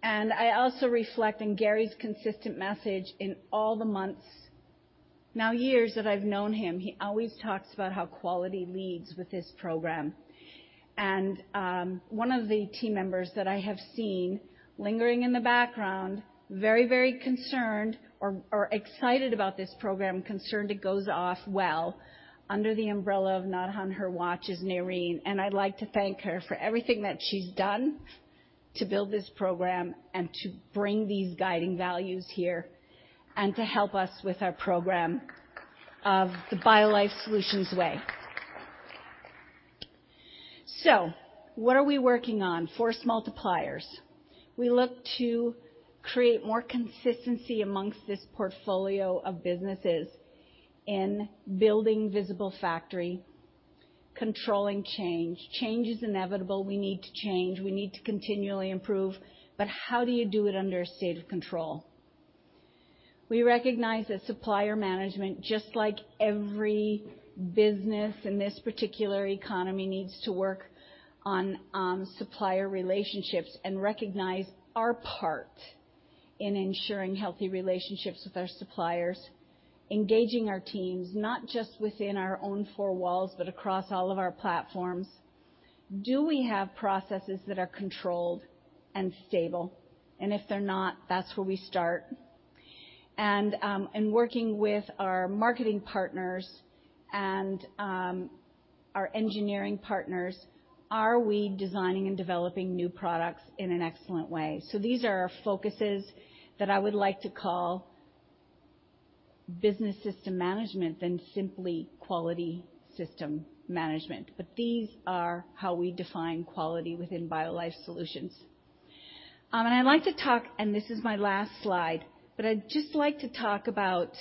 I also reflect on Garrie's consistent message in all the months, now years that I've known him. He always talks about how quality leads with his program. One of the team members that I have seen lingering in the background, very, very concerned or excited about this program, concerned it goes off well under the umbrella of not on her watch is Narine, and I'd like to thank her for everything that she's done to build this program and to bring these guiding values here and to help us with our program of the BioLife Solutions way. What are we working on? Force multipliers. We look to create more consistency amongst this portfolio of businesses in building visual factory, controlling change. Change is inevitable. We need to change. We need to continually improve. How do you do it under a state of control? We recognize that supplier management, just like every business in this particular economy, needs to work on supplier relationships and recognize our part in ensuring healthy relationships with our suppliers, engaging our teams, not just within our own four walls, but across all of our platforms. Do we have processes that are controlled and stable? If they're not, that's where we start. Working with our marketing partners and our engineering partners, are we designing and developing new products in an excellent way? These are our focuses that I would like to call business system management than simply quality system management. These are how we define quality within BioLife Solutions. I like to talk... This is my last slide, but I'd just like to talk about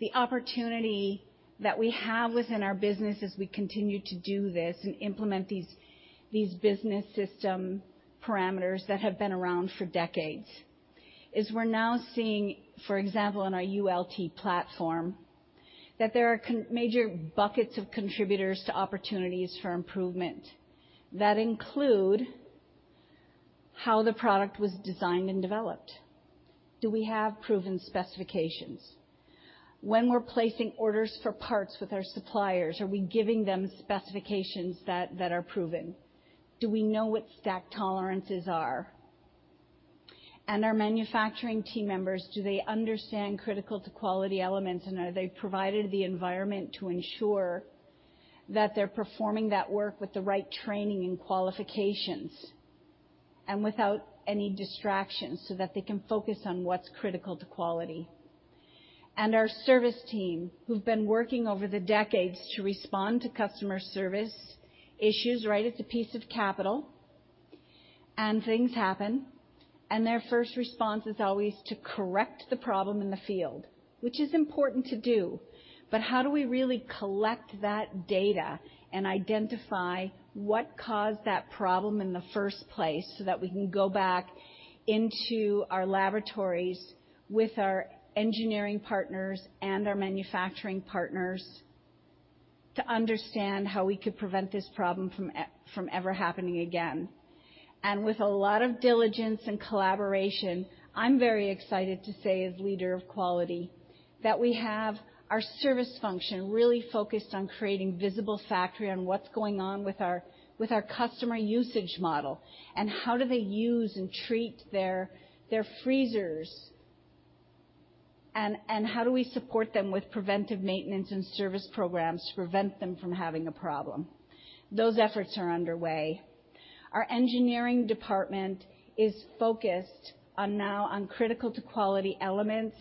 the opportunity that we have within our business as we continue to do this and implement these business system parameters that have been around for decades, is we're now seeing, for example, in our ULT platform, that there are major buckets of contributors to opportunities for improvement that include how the product was designed and developed. Do we have proven specifications? When we're placing orders for parts with our suppliers, are we giving them specifications that are proven? Do we know what stack tolerances are? Our manufacturing team members, do they understand critical to quality elements, and are they provided the environment to ensure that they're performing that work with the right training and qualifications and without any distractions so that they can focus on what's critical to quality? Our service team, who've been working over the decades to respond to customer service issues, right, it's a piece of capital, and things happen, and their first response is always to correct the problem in the field, which is important to do. How do we really collect that data and identify what caused that problem in the first place, so that we can go back into our laboratories with our engineering partners and our manufacturing partners to understand how we could prevent this problem from ever happening again. With a lot of diligence and collaboration, I'm very excited to say, as leader of quality, that we have our service function really focused on creating visual factory on what's going on with our customer usage model and how do they use and treat their freezers, and how do we support them with preventive maintenance and service programs to prevent them from having a problem. Those efforts are underway. Our engineering department is focused on now on critical to quality elements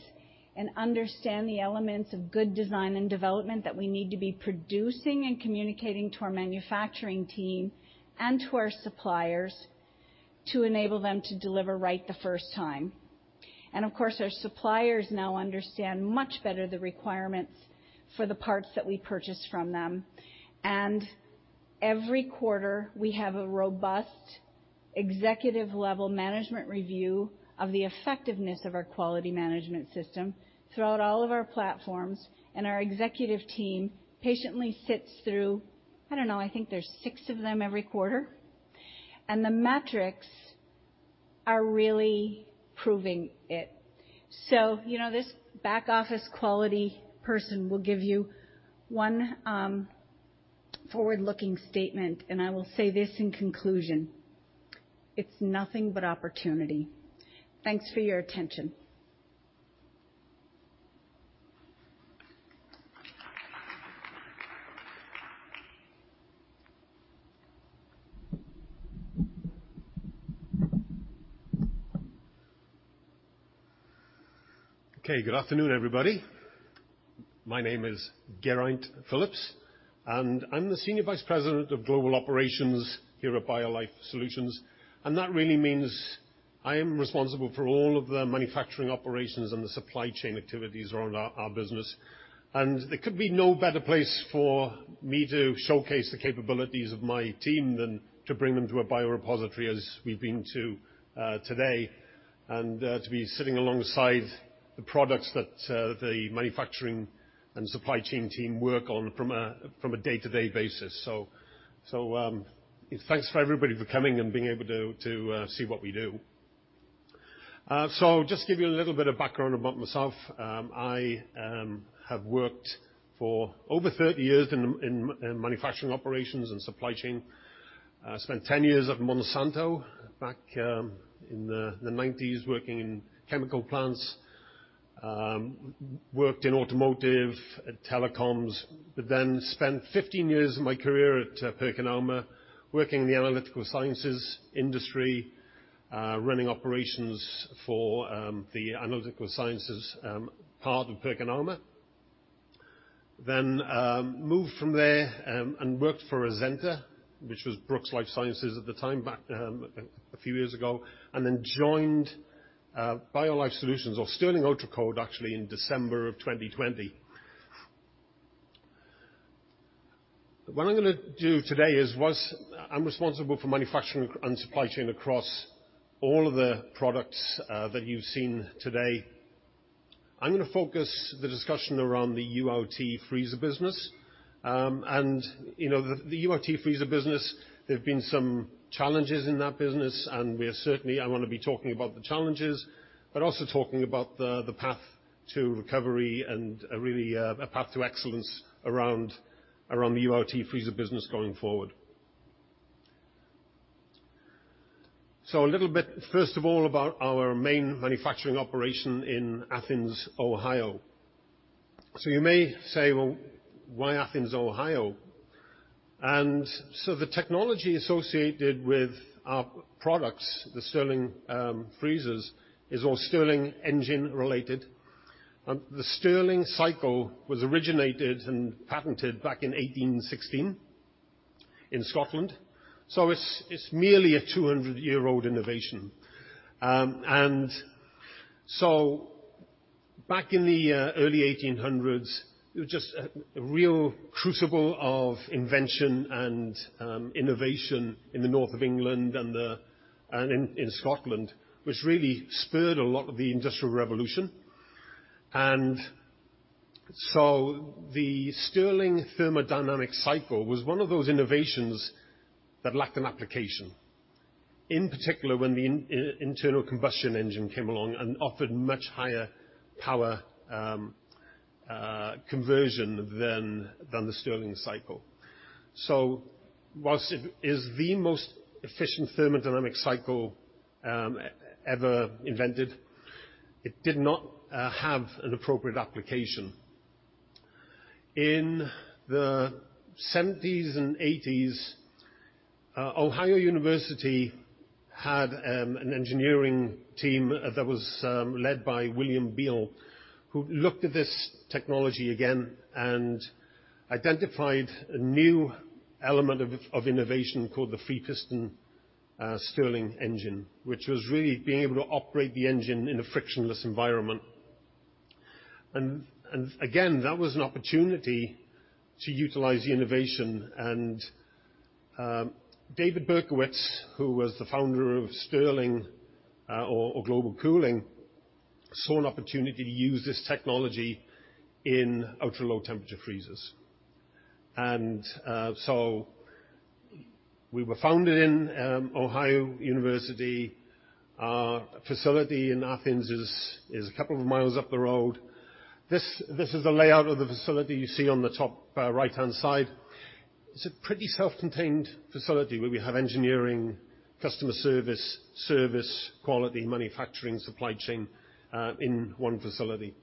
and understand the elements of good design and development that we need to be producing and communicating to our manufacturing team and to our suppliers to enable them to deliver right the first time. Of course, our suppliers now understand much better the requirements for the parts that we purchase from them. Every quarter, we have a robust executive level management review of the effectiveness of our quality management system throughout all of our platforms. Our executive team patiently sits through, I don't know, I think there's 6 of them every quarter, and the metrics are really proving it. You know, this back office quality person will give you 1 forward-looking statement, and I will say this in conclusion: It's nothing but opportunity. Thanks for your attention. Okay. Good afternoon, everybody. My name is Geraint Phillips, I'm the senior vice president of Global Operations here at BioLife Solutions. That really means I am responsible for all of the manufacturing operations and the supply chain activities around our business. There could be no better place for me to showcase the capabilities of my team than to bring them to a biorepository as we've been to today, and to be sitting alongside the products that the manufacturing and supply chain team work on from a day-to-day basis. Thanks for everybody for coming and being able to see what we do. Just to give you a little bit of background about myself. I have worked for over 30 years in manufacturing operations and supply chain. I spent 10 years at Monsanto back in the 90s working in chemical plants. Worked in automotive and telecoms, spent 15 years of my career at PerkinElmer working in the analytical sciences industry, running operations for the analytical sciences part of PerkinElmer. Moved from there and worked for Azenta, which was Brooks Life Sciences at the time back a few years ago, joined BioLife Solutions or Stirling Ultracold actually in December of 2020. What I'm gonna do today I'm responsible for manufacturing and supply chain across all of the products that you've seen today. I'm gonna focus the discussion around the ULT freezer business. you know, the ULT freezer business, there've been some challenges in that business, and I wanna be talking about the challenges, but also talking about the path to recovery and really a path to excellence around the ULT freezer business going forward. A little bit first of all about our main manufacturing operation in Athens, Ohio. You may say, "Well, why Athens, Ohio?" The technology associated with our products, the Stirling freezers, is all Stirling engine related. The Stirling cycle was originated and patented back in 1816 in Scotland. It's merely a 200-year-old innovation. Back in the early 1800s, it was just a real crucible of invention and innovation in the north of England and in Scotland, which really spurred a lot of the Industrial Revolution. The Stirling thermodynamic cycle was one of those innovations that lacked an application, in particular when the internal combustion engine came along and offered much higher power conversion than the Stirling cycle. Whilst it is the most efficient thermodynamic cycle ever invented, it did not have an appropriate application. In the 70s and 80s, Ohio University had an engineering team that was led by William Beale, who looked at this technology again and identified a new element of innovation called the free piston Stirling engine, which was really being able to operate the engine in a frictionless environment. Again, that was an opportunity to utilize the innovation. David Berchowitz, who was the founder of Stirling or Global Cooling, saw an opportunity to use this technology in ultra-low temperature freezers. We were founded in Ohio University. Our facility in Athens is a couple of miles up the road. This is the layout of the facility you see on the top right-hand side. It's a pretty self-contained facility where we have engineering, customer service, quality, manufacturing, supply chain in one facility.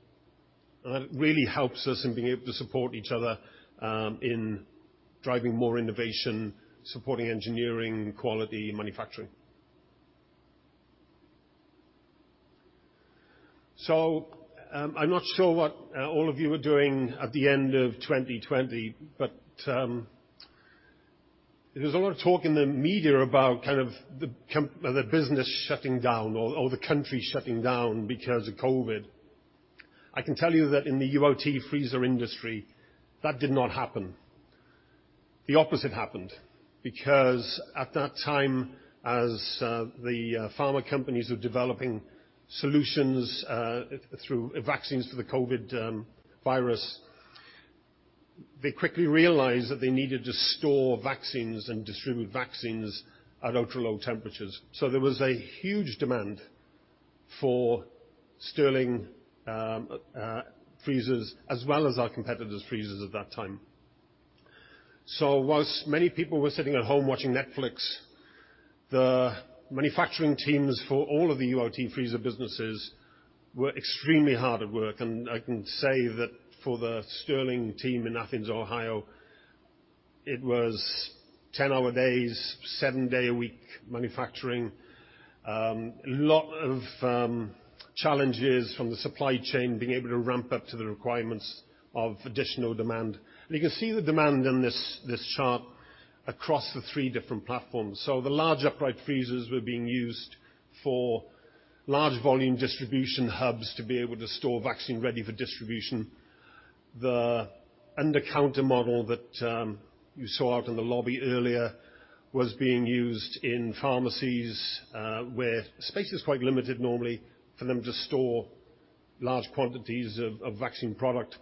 That really helps us in being able to support each other, in driving more innovation, supporting engineering, quality, manufacturing. I'm not sure what all of you were doing at the end of 2020, but there was a lot of talk in the media about kind of the business shutting down or the country shutting down because of COVID. I can tell you that in the ULT freezer industry, that did not happen. The opposite happened because at that time, as the pharma companies were developing solutions through vaccines for the COVID virus, they quickly realized that they needed to store vaccines and distribute vaccines at ultra-low temperatures. There was a huge demand for Stirling freezers, as well as our competitors' freezers at that time. Whilst many people were sitting at home watching Netflix, the manufacturing teams for all of the ULT freezer businesses were extremely hard at work. I can say that for the Stirling team in Athens, Ohio, it was 10-hour days, 7-day a week manufacturing. A lot of challenges from the supply chain being able to ramp up to the requirements of additional demand. You can see the demand in this chart across the three different platforms. The large upright freezers were being used for large volume distribution hubs to be able to store vaccine ready for distribution. The under-counter model that you saw out in the lobby earlier was being used in pharmacies, where space is quite limited normally for them to store large quantities of vaccine product.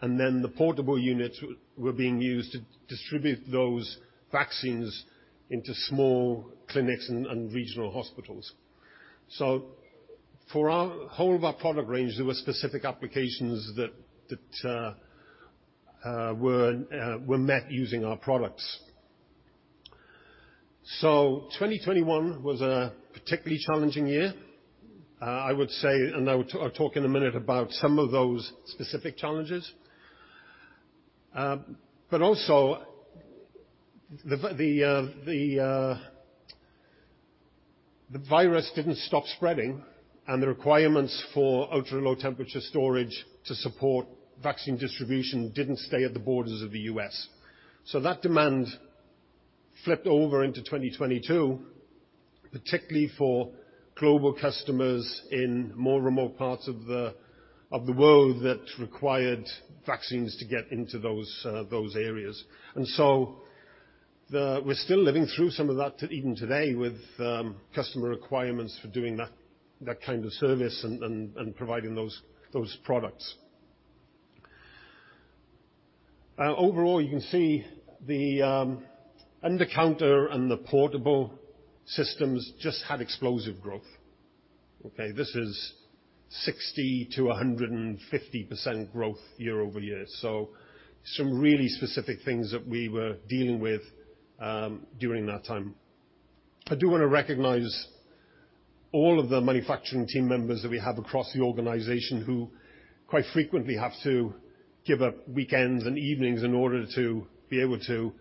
The portable units were being used to distribute those vaccines into small clinics and regional hospitals. For our whole of our product range, there were specific applications that were met using our products. 2021 was a particularly challenging year. I would say, and I will I'll talk in a minute about some of those specific challenges. But also the virus didn't stop spreading, and the requirements for ultra-low temperature storage to support vaccine distribution didn't stay at the borders of the U.S. That demand flipped over into 2022, particularly for global customers in more remote parts of the, of the world that required vaccines to get into those areas. We're still living through some of that to even today with customer requirements for doing that kind of service and providing those products. Overall, you can see the under-counter and the portable systems just had explosive growth. Okay, this is 60%-150% growth year-over-year. Some really specific things that we were dealing with during that time. I do wanna recognize all of the manufacturing team members that we have across the organization who quite frequently have to give up weekends and evenings in order to be able to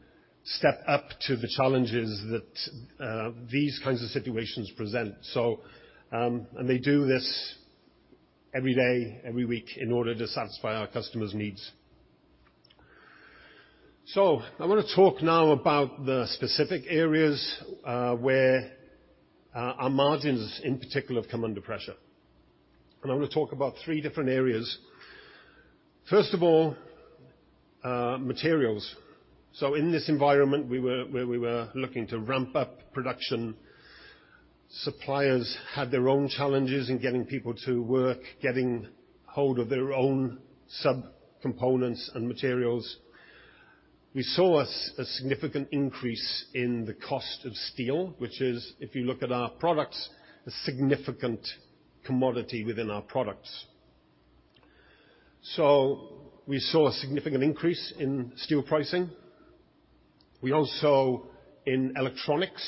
step up to the challenges that these kinds of situations present. They do this every day, every week in order to satisfy our customers' needs. I wanna talk now about the specific areas where our margins in particular have come under pressure. I want to talk about three different areas. First of all, materials. In this environment, we were, where we were looking to ramp up production, suppliers had their own challenges in getting people to work, getting hold of their own sub components and materials. We saw a significant increase in the cost of steel, which is, if you look at our products, a significant commodity within our products. We saw a significant increase in steel pricing. We also, in electronics,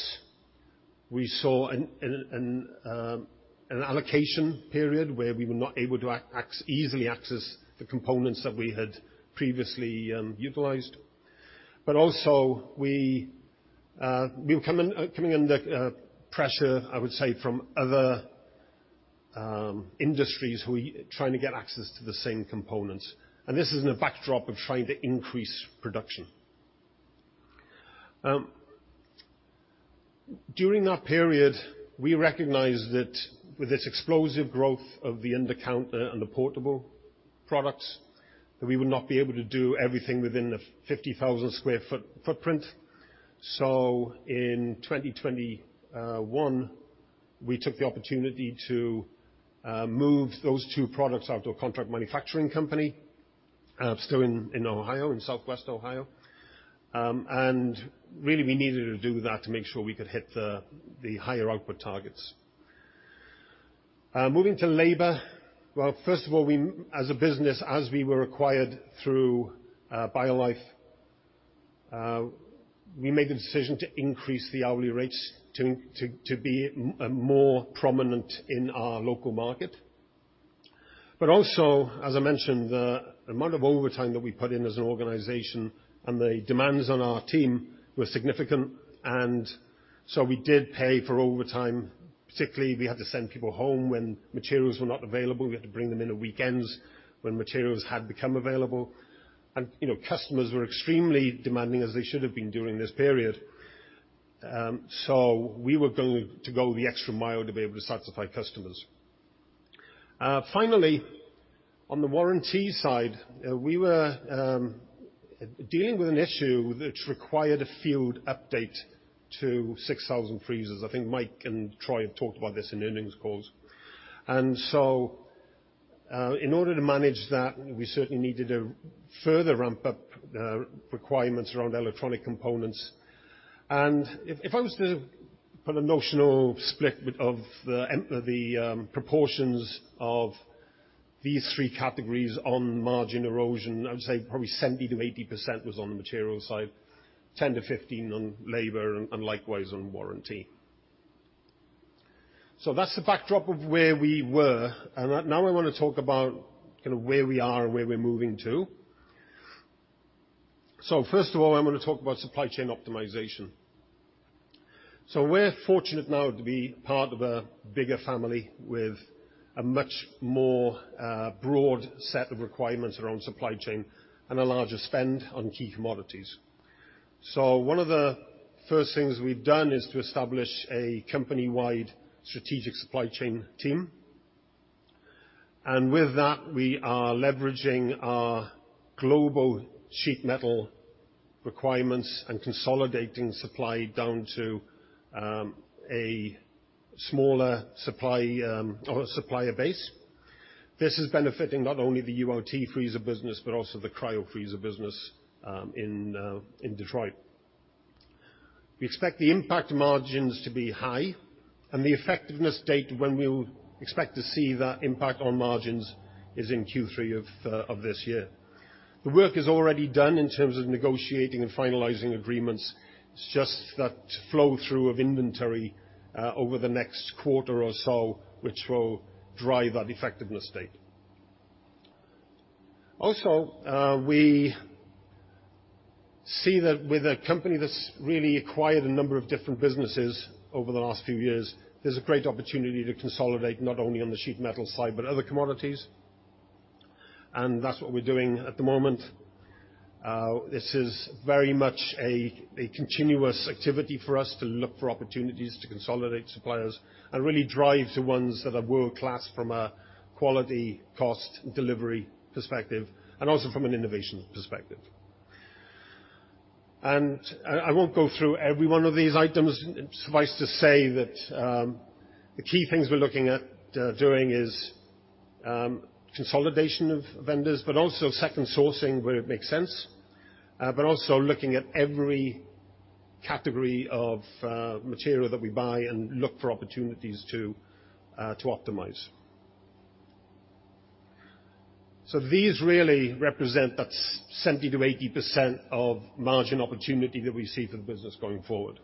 we saw an allocation period where we were not able to easily access the components that we had previously utilized. Also we were coming under pressure, I would say, from other industries who trying to get access to the same components, and this is in a backdrop of trying to increase production. During that period, we recognized that with this explosive growth of the under-counter and the portable products, that we would not be able to do everything within the 50,000 sq ft footprint. In 2021, we took the opportunity to move those two products out to a contract manufacturing company, still in Ohio, in Southwest Ohio. Really we needed to do that to make sure we could hit the higher output targets. Moving to labor. First of all, we as a business, as we were acquired through BioLife, we made the decision to increase the hourly rates to be more prominent in our local market. Also, as I mentioned, the amount of overtime that we put in as an organization and the demands on our team were significant, we did pay for overtime. Particularly, we had to send people home when materials were not available. We had to bring them in on weekends when materials had become available. You know, customers were extremely demanding as they should have been during this period. We were going to go the extra mile to be able to satisfy customers. Finally, on the warranty side, we were dealing with an issue which required a field update to 6,000 freezers. I think Mike and Troy have talked about this in earnings calls. In order to manage that, we certainly needed to further ramp up requirements around electronic components. If I was to put a notional split of the proportions of these three categories on margin erosion, I would say probably 70%-80% was on the material side, 10%-15% on labor, and likewise on warranty. That's the backdrop of where we were. Now I wanna talk about kinda where we are and where we're moving to. First of all, I'm gonna talk about supply chain optimization. We're fortunate now to be part of a bigger family with a much more broad set of requirements around supply chain and a larger spend on key commodities. One of the first things we've done is to establish a company-wide strategic supply chain team. With that, we are leveraging our global sheet metal requirements and consolidating supply down to a smaller supply or supplier base. This is benefiting not only the ULT freezer business, but also the cryo freezer business in Detroit. We expect the impact margins to be high and the effectiveness date when we will expect to see that impact on margins is in Q3 of this year. The work is already done in terms of negotiating and finalizing agreements. It's just that flow-through of inventory, over the next quarter or so, which will drive that effectiveness date. We see that with a company that's really acquired a number of different businesses over the last few years, there's a great opportunity to consolidate not only on the sheet metal side, but other commodities. That's what we're doing at the moment. This is very much a continuous activity for us to look for opportunities to consolidate suppliers and really drive the ones that are world-class from a quality, cost, and delivery perspective, and also from an innovation perspective. I won't go through every one of these items. Suffice to say that the key things we're looking at doing is consolidation of vendors, but also second sourcing where it makes sense, but also looking at every category of material that we buy and look for opportunities to optimize. These really represent that 70%-80% of margin opportunity that we see for the business going forward.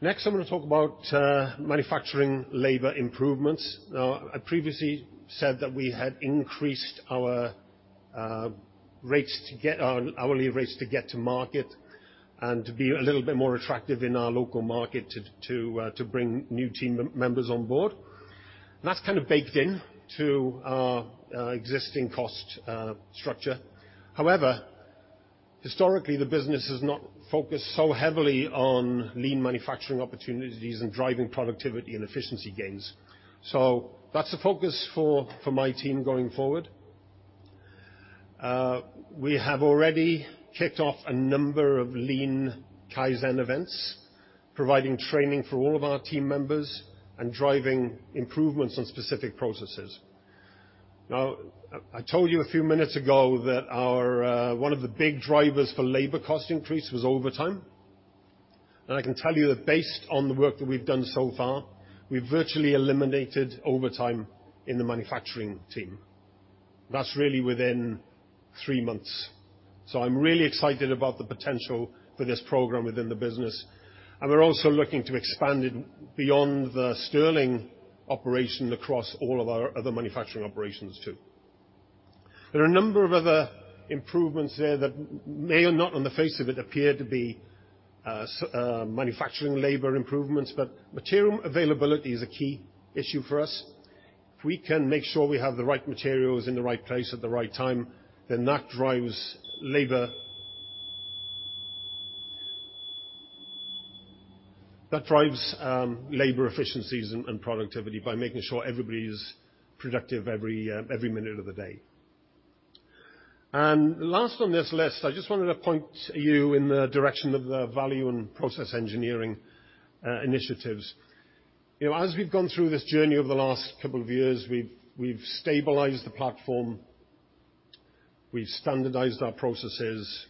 Next, I'm gonna talk about manufacturing labor improvements. Now, I previously said that we had increased our hourly rates to get to market and to be a little bit more attractive in our local market to bring new team members on board. That's kind of baked in to our existing cost structure. However, historically, the business has not focused so heavily on lean manufacturing opportunities and driving productivity and efficiency gains. That's the focus for my team going forward. We have already kicked off a number of lean Kaizen events, providing training for all of our team members and driving improvements on specific processes. Now, I told you a few minutes ago that our one of the big drivers for labor cost increase was overtime. I can tell you that based on the work that we've done so far, we virtually eliminated overtime in the manufacturing team. That's really within 3 months. I'm really excited about the potential for this program within the business, and we're also looking to expand it beyond the Stirling operation across all of our other manufacturing operations too. There are a number of other improvements there that may or not on the face of it appear to be manufacturing labor improvements, but material availability is a key issue for us. If we can make sure we have the right materials in the right place at the right time, then that drives labor. That drives labor efficiencies and productivity by making sure everybody's productive every minute of the day. Last on this list, I just wanted to point you in the direction of the value in process engineering initiatives. You know, as we've gone through this journey over the last couple of years, we've stabilized the platform, we've standardized our processes,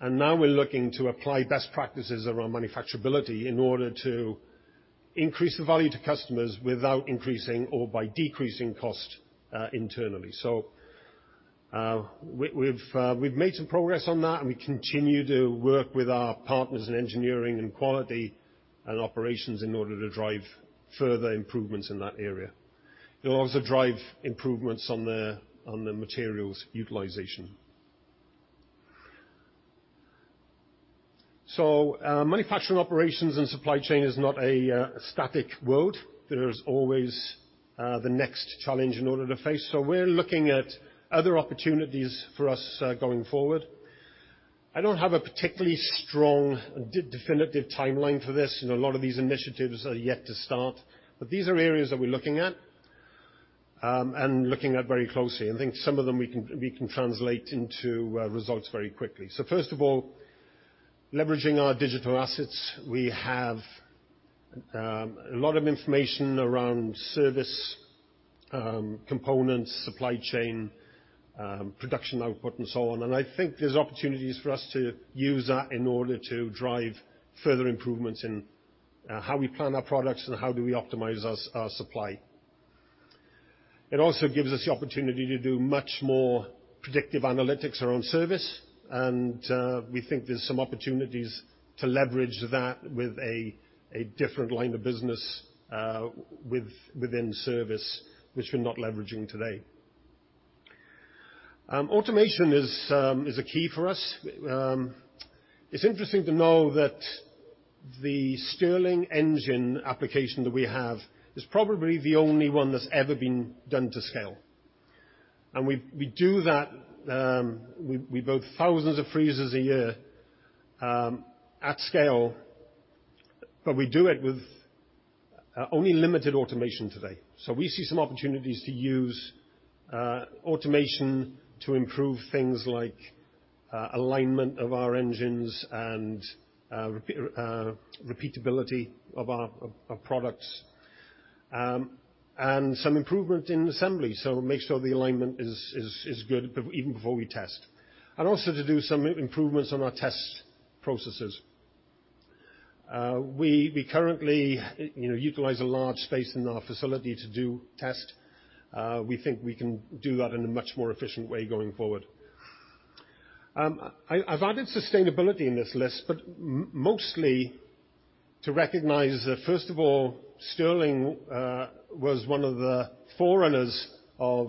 and now we're looking to apply best practices around manufacturability in order to increase the value to customers without increasing or by decreasing cost internally. We've made some progress on that, and we continue to work with our partners in engineering and quality and operations in order to drive further improvements in that area. It will also drive improvements on the materials utilization. Manufacturing operations and supply chain is not a static world. There's always the next challenge in order to face. We're looking at other opportunities for us going forward. I don't have a particularly strong definitive timeline for this, and a lot of these initiatives are yet to start. These are areas that we're looking at and looking at very closely, and I think some of them we can translate into results very quickly. First of all, leveraging our digital assets. We have a lot of information around service, components, supply chain, production output, and so on. I think there's opportunities for us to use that in order to drive further improvements in how we plan our products and how do we optimize our supply. It also gives us the opportunity to do much more predictive analytics around service, and we think there's some opportunities to leverage that with a different line of business within service which we're not leveraging today. Automation is a key for us. It's interesting to know that the Stirling engine application that we have is probably the only one that's ever been done to scale. We do that, we build thousands of freezers a year at scale, but we do it with only limited automation today. We see some opportunities to use automation to improve things like alignment of our engines and repeatability of our products. Some improvement in assembly, so make sure the alignment is good even before we test. Also to do some improvements on our test processes. We currently, you know, utilize a large space in our facility to do test. We think we can do that in a much more efficient way going forward. I've added sustainability in this list, but mostly to recognize that, first of all, Stirling was one of the forerunners of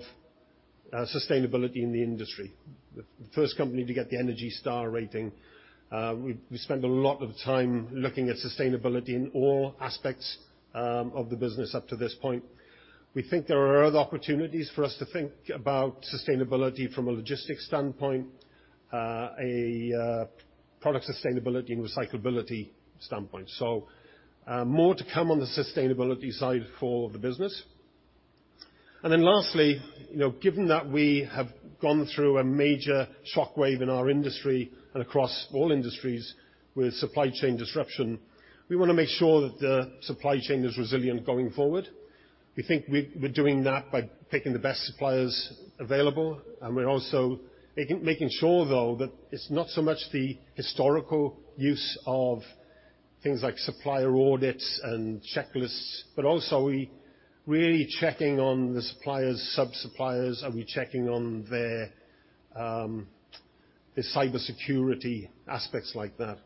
sustainability in the industry. The first company to get the ENERGY STAR rating. We spend a lot of time looking at sustainability in all aspects of the business up to this point. We think there are other opportunities for us to think about sustainability from a logistics standpoint, a product sustainability and recyclability standpoint. More to come on the sustainability side for the business. Lastly, you know, given that we have gone through a major shockwave in our industry and across all industries with supply chain disruption, we wanna make sure that the supply chain is resilient going forward. We think we're doing that by picking the best suppliers available, and we're also making sure though, that it's not so much the historical use of things like supplier audits and checklists, but also are we really checking on the suppliers, sub-suppliers? Are we checking on their cybersecurity, aspects like that.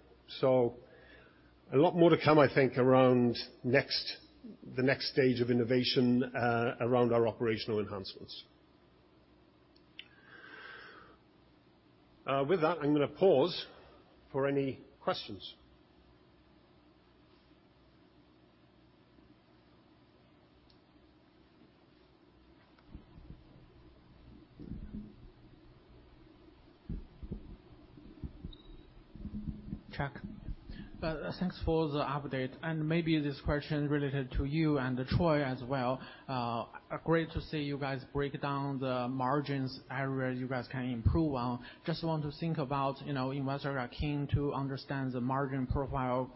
A lot more to come, I think, around next, the next stage of innovation, around our operational enhancements. With that, I'm gonna pause for any questions. Thanks for the update, maybe this question related to you and Troy as well. Great to see you guys break down the margins area you guys can improve on. Just want to think about, you know, investor are keen to understand the margin profile,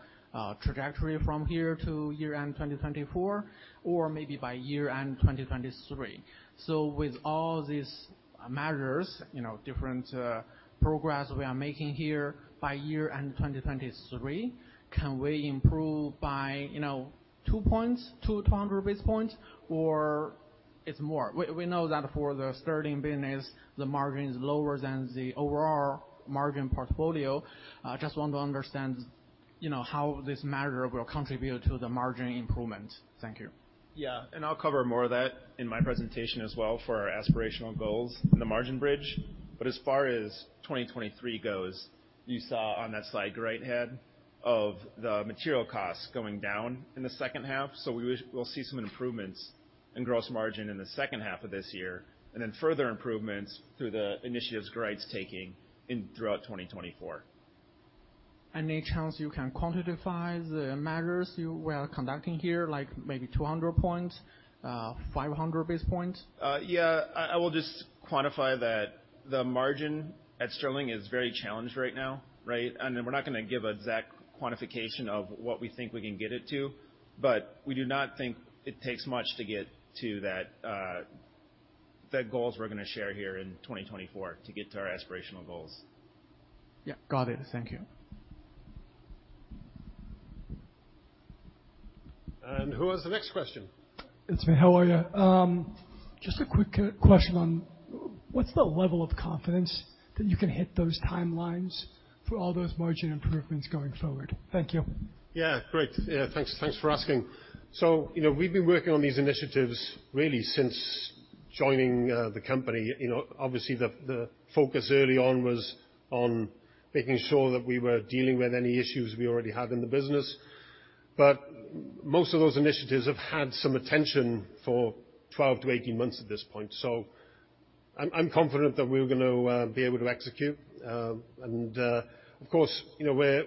trajectory from here to year-end 2024, or maybe by year-end 2023. With all these measures, you know, different, progress we are making here, by year-end 2023, can we improve by, you know, 2 points, 2 to 100 basis points, or it's more? We know that for the Stirling business, the margin is lower than the overall margin portfolio. Just want to understand, you know, how this measure will contribute to the margin improvement. Thank you. Yeah. I'll cover more of that in my presentation as well for our aspirational goals in the margin bridge. As far as 2023 goes, you saw on that slide Geraint had of the material costs going down in the second half. We'll see some improvements in gross margin in the second half of this year, and then further improvements through the initiatives Geraint's taking throughout 2024. Any chance you can quantify the measures you were conducting here, like maybe 200 points, 500 basis points? Yeah. I will just quantify that the margin at Stirling is very challenged right now, right? We're not gonna give exact quantification of what we think we can get it to, but we do not think it takes much to get to that, the goals we're gonna share here in 2024 to get to our aspirational goals. Yeah, got it. Thank you. Who has the next question? It's me. How are you? Just a quick question on what's the level of confidence that you can hit those timelines for all those margin improvements going forward? Thank you. Yeah. Great. Yeah, thanks for asking. You know, we've been working on these initiatives really since joining the company. You know, obviously, the focus early on was on making sure that we were dealing with any issues we already had in the business. Most of those initiatives have had some attention for 12 to 18 months at this point. I'm confident that we're gonna be able to execute. Of course, you know,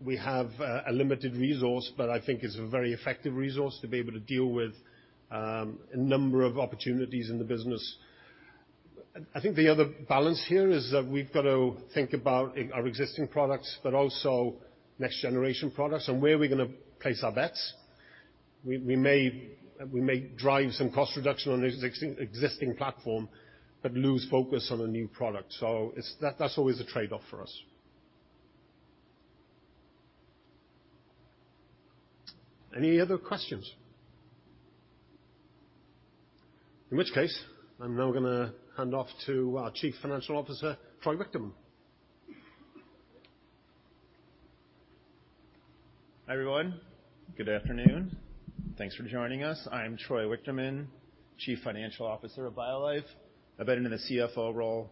we have a limited resource, but I think it's a very effective resource to be able to deal with a number of opportunities in the business. I think the other balance here is that we've got to think about our existing products, but also next generation products and where we're gonna place our bets. We may drive some cost reduction on existing platform, but lose focus on a new product. That's always a trade-off for us. Any other questions? In which case, I'm now gonna hand off to our Chief Financial Officer, Troy Wichterman. Hi, everyone. Good afternoon. Thanks for joining us. I'm Troy Wichterman, Chief Financial Officer of BioLife. I've been in the CFO role.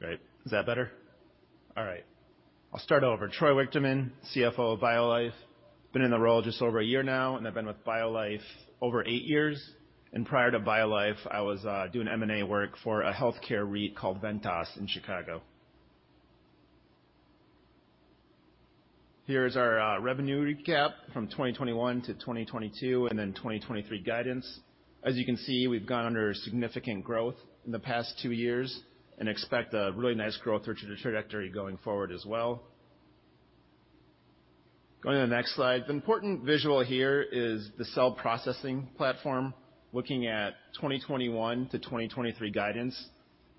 Great. Is that better? All right. I'll start over. Troy Wichterman, CFO of BioLife. Been in the role just over a year now, and I've been with BioLife over eight years. Prior to BioLife, I was doing M&A work for a healthcare REIT called Ventas in Chicago. Here's our revenue recap from 2021 to 2022 and then 2023 guidance. As you can see, we've gone under significant growth in the past two years and expect a really nice growth trajectory going forward as well. Going to the next slide. The important visual here is the cell processing platform, looking at 2021 to 2023 guidance.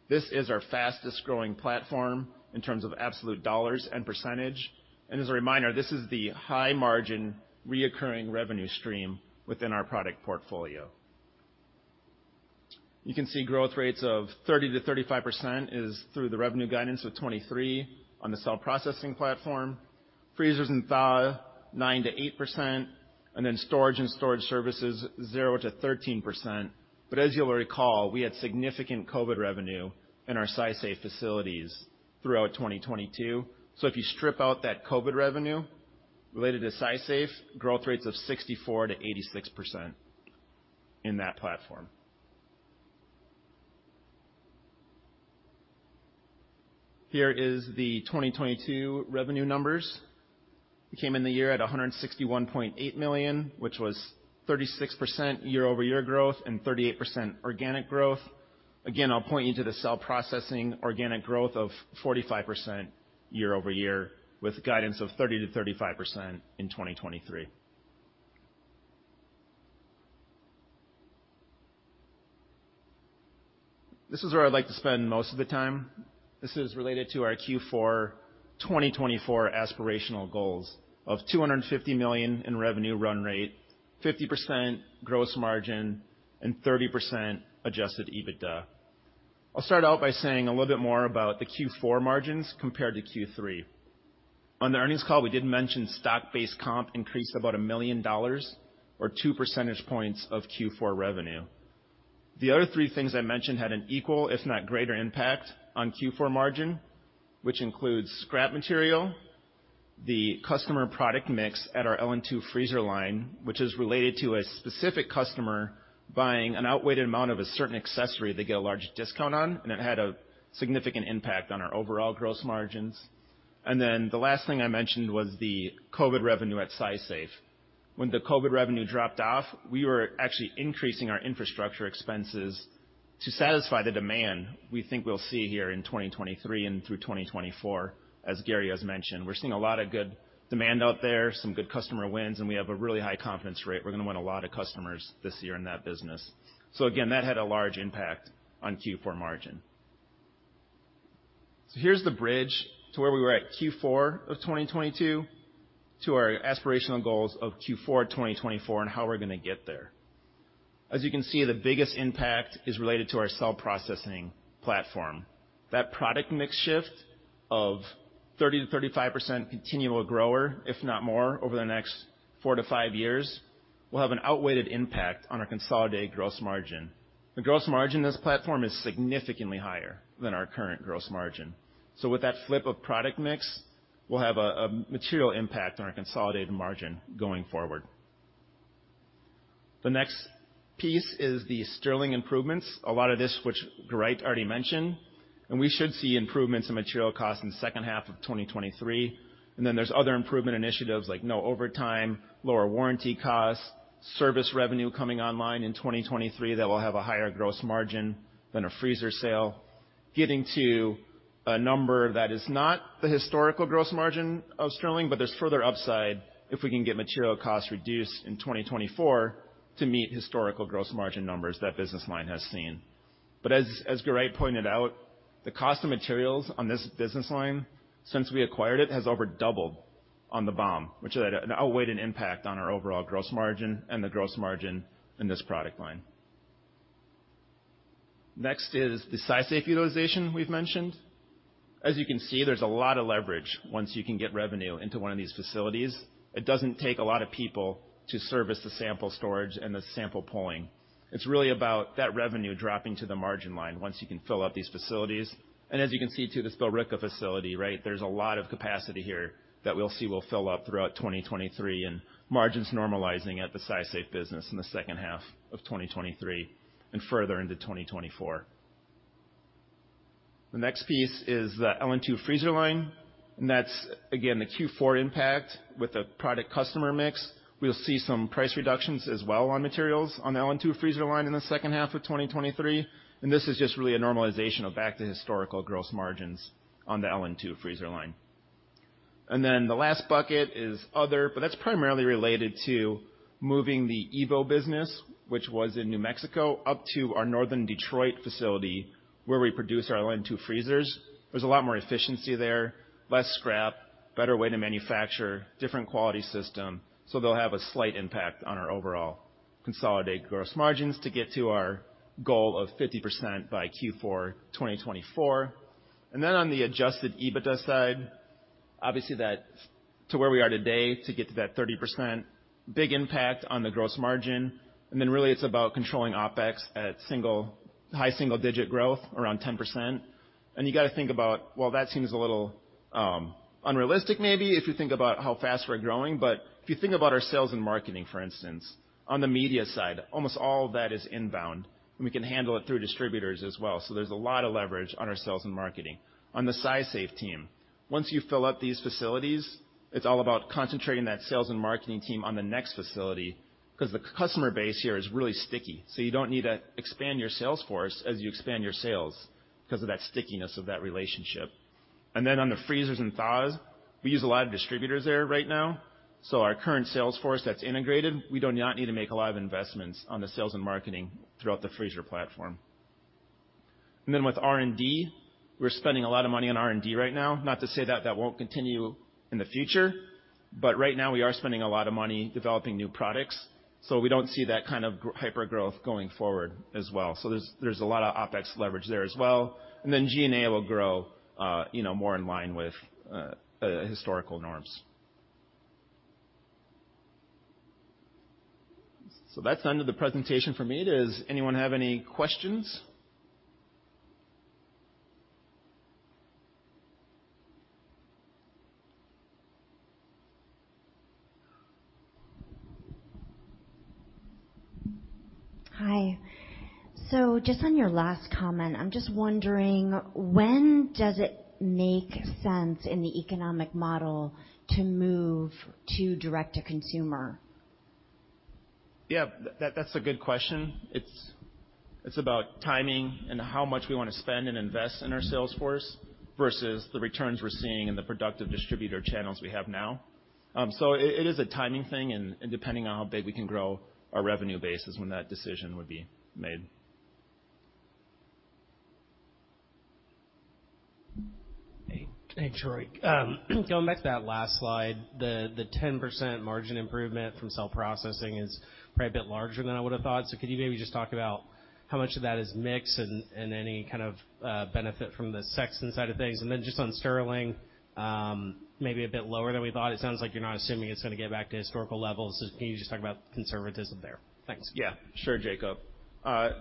This is our fastest-growing platform in terms of absolute dollars and %. As a reminder, this is the high margin recurring revenue stream within our product portfolio. You can see growth rates of 30%-35% is through the revenue guidance of 2023 on the cell processing platform. Freezers and thaw, 9%-8%, and then storage and storage services, 0%-13%. As you'll recall, we had significant COVID revenue in our SciSafe facilities throughout 2022. If you strip out that COVID revenue related to SciSafe, growth rates of 64%-86% in that platform. Here is the 2022 revenue numbers. We came in the year at $161.8 million, which was 36% year-over-year growth and 38% organic growth. Again, I'll point you to the cell processing organic growth of 45% year-over-year with guidance of 30%-35% in 2023. This is where I'd like to spend most of the time. This is related to our Q4 2024 aspirational goals of $250 million in revenue run rate, 50% gross margin and 30% Adjusted EBITDA. I'll start out by saying a little bit more about the Q4 margins compared to Q3. On the earnings call, we did mention stock-based comp increased about $1 million or 2 percentage points of Q4 revenue. The other three things I mentioned had an equal, if not greater, impact on Q4 margin, which includes scrap material, the customer product mix at our LN2 freezer line, which is related to a specific customer buying an outweighed amount of a certain accessory they get a large discount on, and it had a significant impact on our overall gross margins. The last thing I mentioned was the COVID revenue at SciSafe. When the COVID revenue dropped off, we were actually increasing our infrastructure expenses to satisfy the demand we think we'll see here in 2023 and through 2024, as Garrie has mentioned. We're seeing a lot of good demand out there, some good customer wins, and we have a really high confidence rate. We're gonna win a lot of customers this year in that business. Again, that had a large impact on Q4 margin. Here's the bridge to where we were at Q4 of 2022 to our aspirational goals of Q4 2024 and how we're gonna get there. As you can see, the biggest impact is related to our cell processing platform. That product mix shift of 30%-35% continual grower, if not more, over the next four to five years, will have an outweighed impact on our consolidated gross margin. The gross margin in this platform is significantly higher than our current gross margin. With that flip of product mix, we'll have a material impact on our consolidated margin going forward. The next piece is the Stirling improvements, a lot of this which Geraint already mentioned. We should see improvements in material costs in the second half of 2023. There's other improvement initiatives like no overtime, lower warranty costs, service revenue coming online in 2023 that will have a higher gross margin than a freezer sale. Getting to a number that is not the historical gross margin of Stirling. There's further upside if we can get material costs reduced in 2024 to meet historical gross margin numbers that business line has seen. As Geraint pointed out, the cost of materials on this business line since we acquired it has over doubled on the BoM, which had an outweighed impact on our overall gross margin and the gross margin in this product line. Next is the SciSafe utilization we've mentioned. As you can see, there's a lot of leverage once you can get revenue into one of these facilities. It doesn't take a lot of people to service the sample storage and the sample pulling. It's really about that revenue dropping to the margin line once you can fill up these facilities. As you can see to the Billerica facility, right? There's a lot of capacity here that we'll see will fill up throughout 2023 and margins normalizing at the SciSafe business in the second half of 2023 and further into 2024. The next piece is the LN2 freezer line. That's again, the Q4 impact with the product customer mix. We'll see some price reductions as well on materials on the LN2 freezer line in the second half of 2023. This is just really a normalization of back to historical gross margins on the LN2 freezer line. The last bucket is other, but that's primarily related to moving the EVO business, which was in New Mexico, up to our northern Detroit facility where we produce our LN2 freezers. There's a lot more efficiency there, less scrap, better way to manufacture, different quality system, so they'll have a slight impact on our overall consolidated gross margins to get to our goal of 50% by Q4 2024. On the Adjusted EBITDA side, obviously that's to where we are today to get to that 30% big impact on the gross margin. Really it's about controlling OpEx at High single-digit growth around 10%. You got to think about, well, that seems a little unrealistic maybe if you think about how fast we're growing. If you think about our sales and marketing, for instance, on the media side, almost all of that is inbound, and we can handle it through distributors as well. There's a lot of leverage on our sales and marketing. The SciSafe team, once you fill up these facilities, it's all about concentrating that sales and marketing team on the next facility 'cause the customer base here is really sticky. You don't need to expand your sales force as you expand your sales because of that stickiness of that relationship. On the freezers and thaws, we use a lot of distributors there right now. Our current sales force that's integrated, we do not need to make a lot of investments on the sales and marketing throughout the freezer platform. With R&D, we're spending a lot of money on R&D right now. Not to say that that won't continue in the future, right now we are spending a lot of money developing new products, we don't see that kind of hypergrowth going forward as well. There's a lot of OpEx leverage there as well. Then G&A will grow, you know, more in line with historical norms. That's the end of the presentation for me. Does anyone have any questions? Hi. Just on your last comment, I'm just wondering, when does it make sense in the economic model to move to direct to consumer? Yeah. That's a good question. It's about timing and how much we wanna spend and invest in our sales force versus the returns we're seeing in the productive distributor channels we have now. It is a timing thing, and depending on how big we can grow our revenue base is when that decision would be made. Hey. Hey, Troy. Going back to that last slide, the 10% margin improvement from cell processing is probably a bit larger than I would have thought. Could you maybe just talk about how much of that is mix and any kind of benefit from the Sexton side of things? Just on Stirling, maybe a bit lower than we thought. It sounds like you're not assuming it's gonna get back to historical levels. Can you just talk about conservatism there? Thanks. Yeah. Sure, Jacob,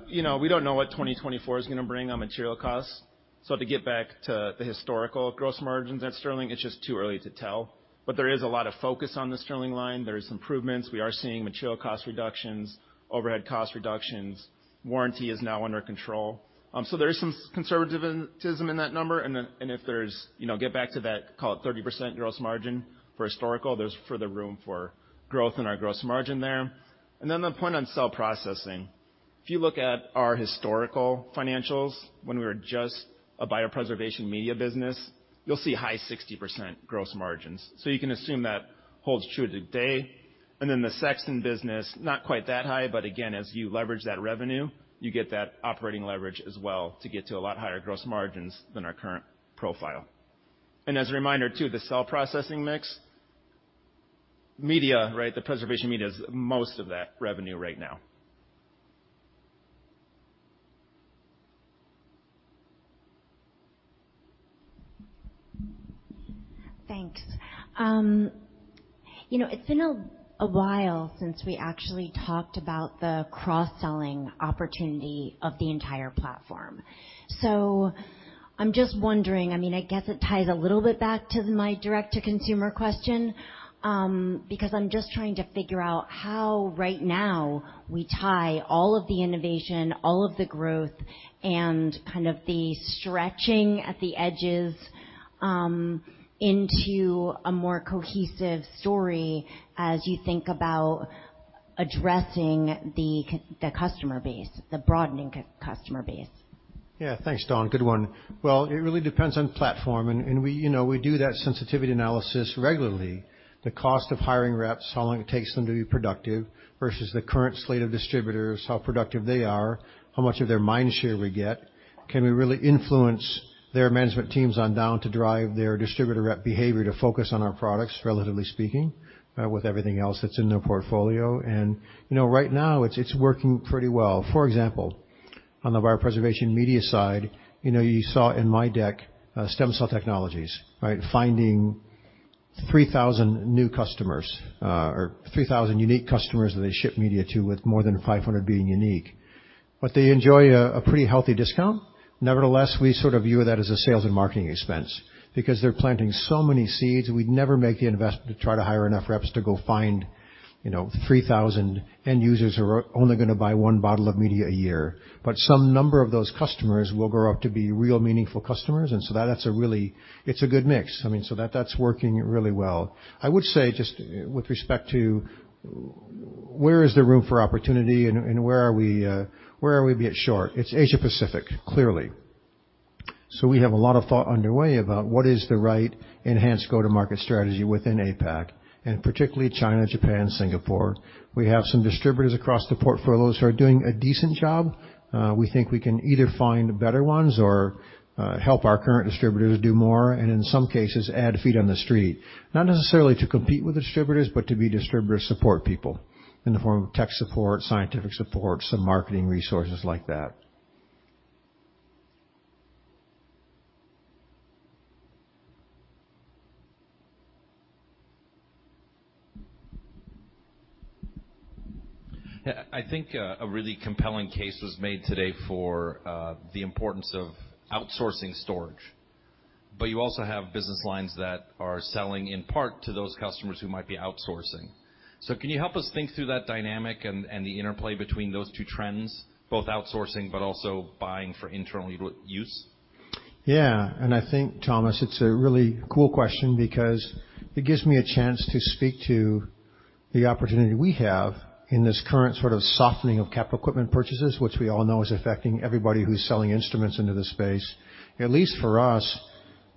you know, we don't know what 2024 is gonna bring on material costs. To get back to the historical gross margins at Stirling, it's just too early to tell. There is a lot of focus on the Stirling line. There's improvements. We are seeing material cost reductions, overhead cost reductions. Warranty is now under control. There is some conservatism in that number. If there's, you know, get back to that, call it 30% gross margin for historical, there's further room for growth in our gross margin there. The point on cell processing. If you look at our historical financials when we were just a biopreservation media business, you'll see high 60% gross margins. You can assume that holds true today. The Sexton business, not quite that high, but again, as you leverage that revenue, you get that operating leverage as well to get to a lot higher gross margins than our current profile. As a reminder too, the cell processing mix, media, right? The preservation media is most of that revenue right now. Thanks. You know, it's been a while since we actually talked about the cross-selling opportunity of the entire platform. I'm just wondering, I mean, I guess it ties a little bit back to my direct to consumer question, because I'm just trying to figure out how right now we tie all of the innovation, all of the growth, and kind of the stretching at the edges, into a more cohesive story as you think about addressing the customer base, the broadening customer base. Yeah. Thanks, Dawn. Good one. Well, it really depends on platform, and we, you know, we do that sensitivity analysis regularly. The cost of hiring reps, how long it takes them to be productive versus the current slate of distributors, how productive they are, how much of their mindshare we get, can we really influence their management teams on down to drive their distributor rep behavior to focus on our products, relatively speaking, with everything else that's in their portfolio. You know, right now it's working pretty well. For example, on the biopreservation media side, you know, you saw in my deck, STEMCELL Technologies, right? Finding 3,000 new customers, or 3,000 unique customers that they ship media to with more than 500 being unique. They enjoy a pretty healthy discount. Nevertheless, we sort of view that as a sales and marketing expense because they're planting so many seeds, we'd never make the investment to try to hire enough reps to go find, you know, 3,000 end users who are only gonna buy 1 bottle of media a year. Some number of those customers will grow up to be real meaningful customers, and that's a really. It's a good mix. I mean, that's working really well. I would say, just with respect to where is there room for opportunity and where are we a bit short? It's Asia-Pacific, clearly. We have a lot of thought underway about what is the right enhanced go-to-market strategy within APAC, and particularly China, Japan, Singapore. We have some distributors across the portfolios who are doing a decent job. We think we can either find better ones or help our current distributors do more. In some cases, add feet on the street. Not necessarily to compete with distributors, but to be distributor support people in the form of tech support, scientific support, some marketing resources like that. Yeah. I think a really compelling case was made today for the importance of outsourcing storage. You also have business lines that are selling in part to those customers who might be outsourcing. Can you help us think through that dynamic and the interplay between those two trends, both outsourcing but also buying for internal use? Yeah. I think, Thomas, it's a really cool question because it gives me a chance to speak The opportunity we have in this current sort of softening of capital equipment purchases, which we all know is affecting everybody who's selling instruments into the space, at least for us,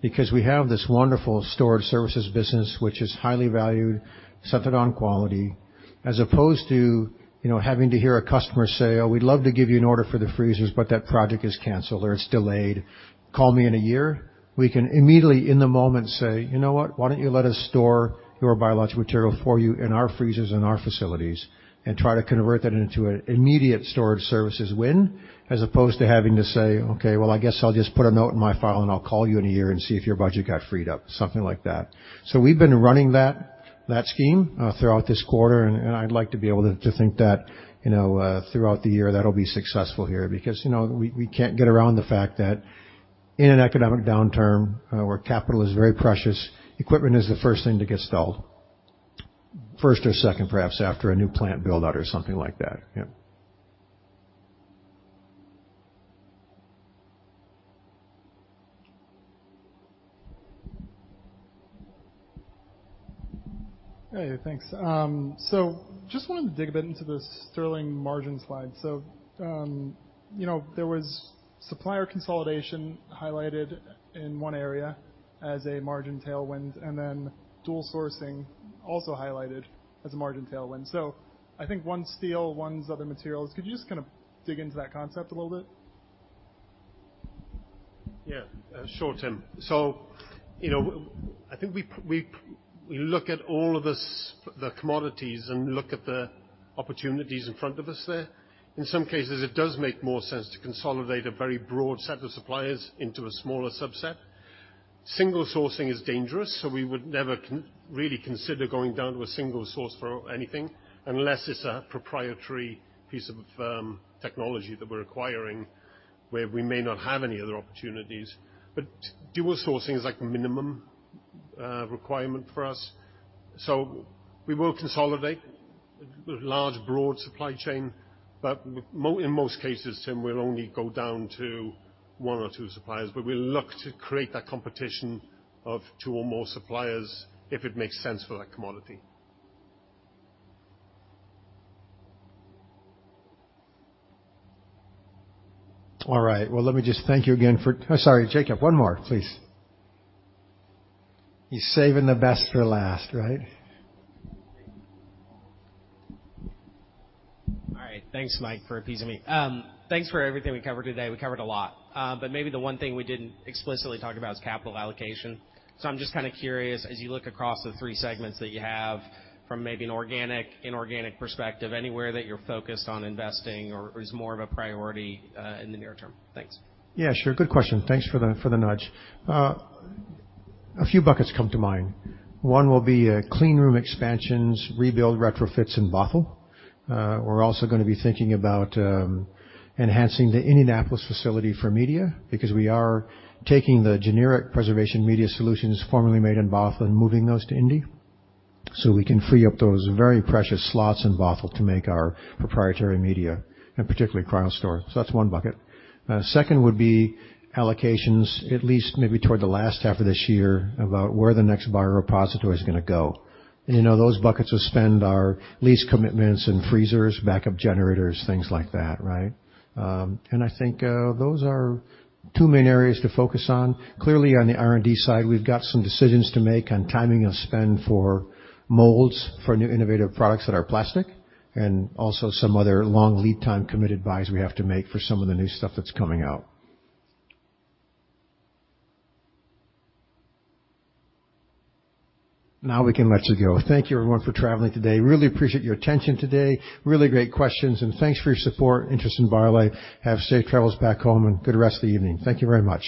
because we have this wonderful storage services business which is highly valued, centered on quality, as opposed to, you know, having to hear a customer say, "Oh, we'd love to give you an order for the freezers, but that project is canceled or it's delayed. Call me in a year." We can immediately, in the moment say, "You know what? Why don't you let us store your biologic material for you in our freezers, in our facilities, and try to convert that into an immediate storage services win, as opposed to having to say, "Okay, well, I guess I'll just put a note in my file, and I'll call you in 1 year and see if your budget got freed up." Something like that. We've been running that scheme throughout this quarter, and I'd like to be able to think that, you know, throughout the year that'll be successful here because, you know, we can't get around the fact that in an economic downturn, where capital is very precious, equipment is the first thing to get stalled. First or second, perhaps after a new plant build-out or something like that. Yeah. Hey, thanks. just wanted to dig a bit into the Stirling margin slide. you know, there was supplier consolidation highlighted in one area as a margin tailwind and then dual sourcing also highlighted as a margin tailwind. I think one Stirling, one's other materials. Could you just kinda dig into that concept a little bit? Sure, Tim. You know, I think we look at all of this, the commodities, and look at the opportunities in front of us there. In some cases, it does make more sense to consolidate a very broad set of suppliers into a smaller subset. Single sourcing is dangerous, we would never really consider going down to a single source for anything unless it's a proprietary piece of technology that we're acquiring, where we may not have any other opportunities. Dual sourcing is like minimum requirement for us. We will consolidate large, broad supply chain, but in most cases, Tim, we'll only go down to one or two suppliers, but we'll look to create that competition of two or more suppliers if it makes sense for that commodity. All right. Well, let me just thank you again for... I'm sorry, Jacob, one more, please. He's saving the best for last, right? All right. Thanks, Mike, for appeasing me. Thanks for everything we covered today. We covered a lot. Maybe the one thing we didn't explicitly talk about is capital allocation. I'm just kinda curious, as you look across the 3 segments that you have, from maybe an organic, inorganic perspective, anywhere that you're focused on investing or is more of a priority in the near term. Thanks. Yeah, sure. Good question. Thanks for the nudge. A few buckets come to mind. One will be clean room expansions, rebuild retrofits in Bothell. We're also gonna be thinking about enhancing the Indianapolis facility for media because we are taking the generic preservation media solutions formerly made in Bothell and moving those to Indy so we can free up those very precious slots in Bothell to make our proprietary media and particularly CryoStor. That's one bucket. Second would be allocations at least maybe toward the last half of this year about where the next bio repository is gonna go. You know, those buckets will spend our lease commitments and freezers, backup generators, things like that, right? I think those are two main areas to focus on. Clearly, on the R&D side, we've got some decisions to make on timing of spend for molds for new innovative products that are plastic and also some other long lead time committed buys we have to make for some of the new stuff that's coming out. We can let you go. Thank you everyone for traveling today. Really appreciate your attention today. Really great questions and thanks for your support and interest in BioLife. Have safe travels back home and good rest of the evening. Thank you very much.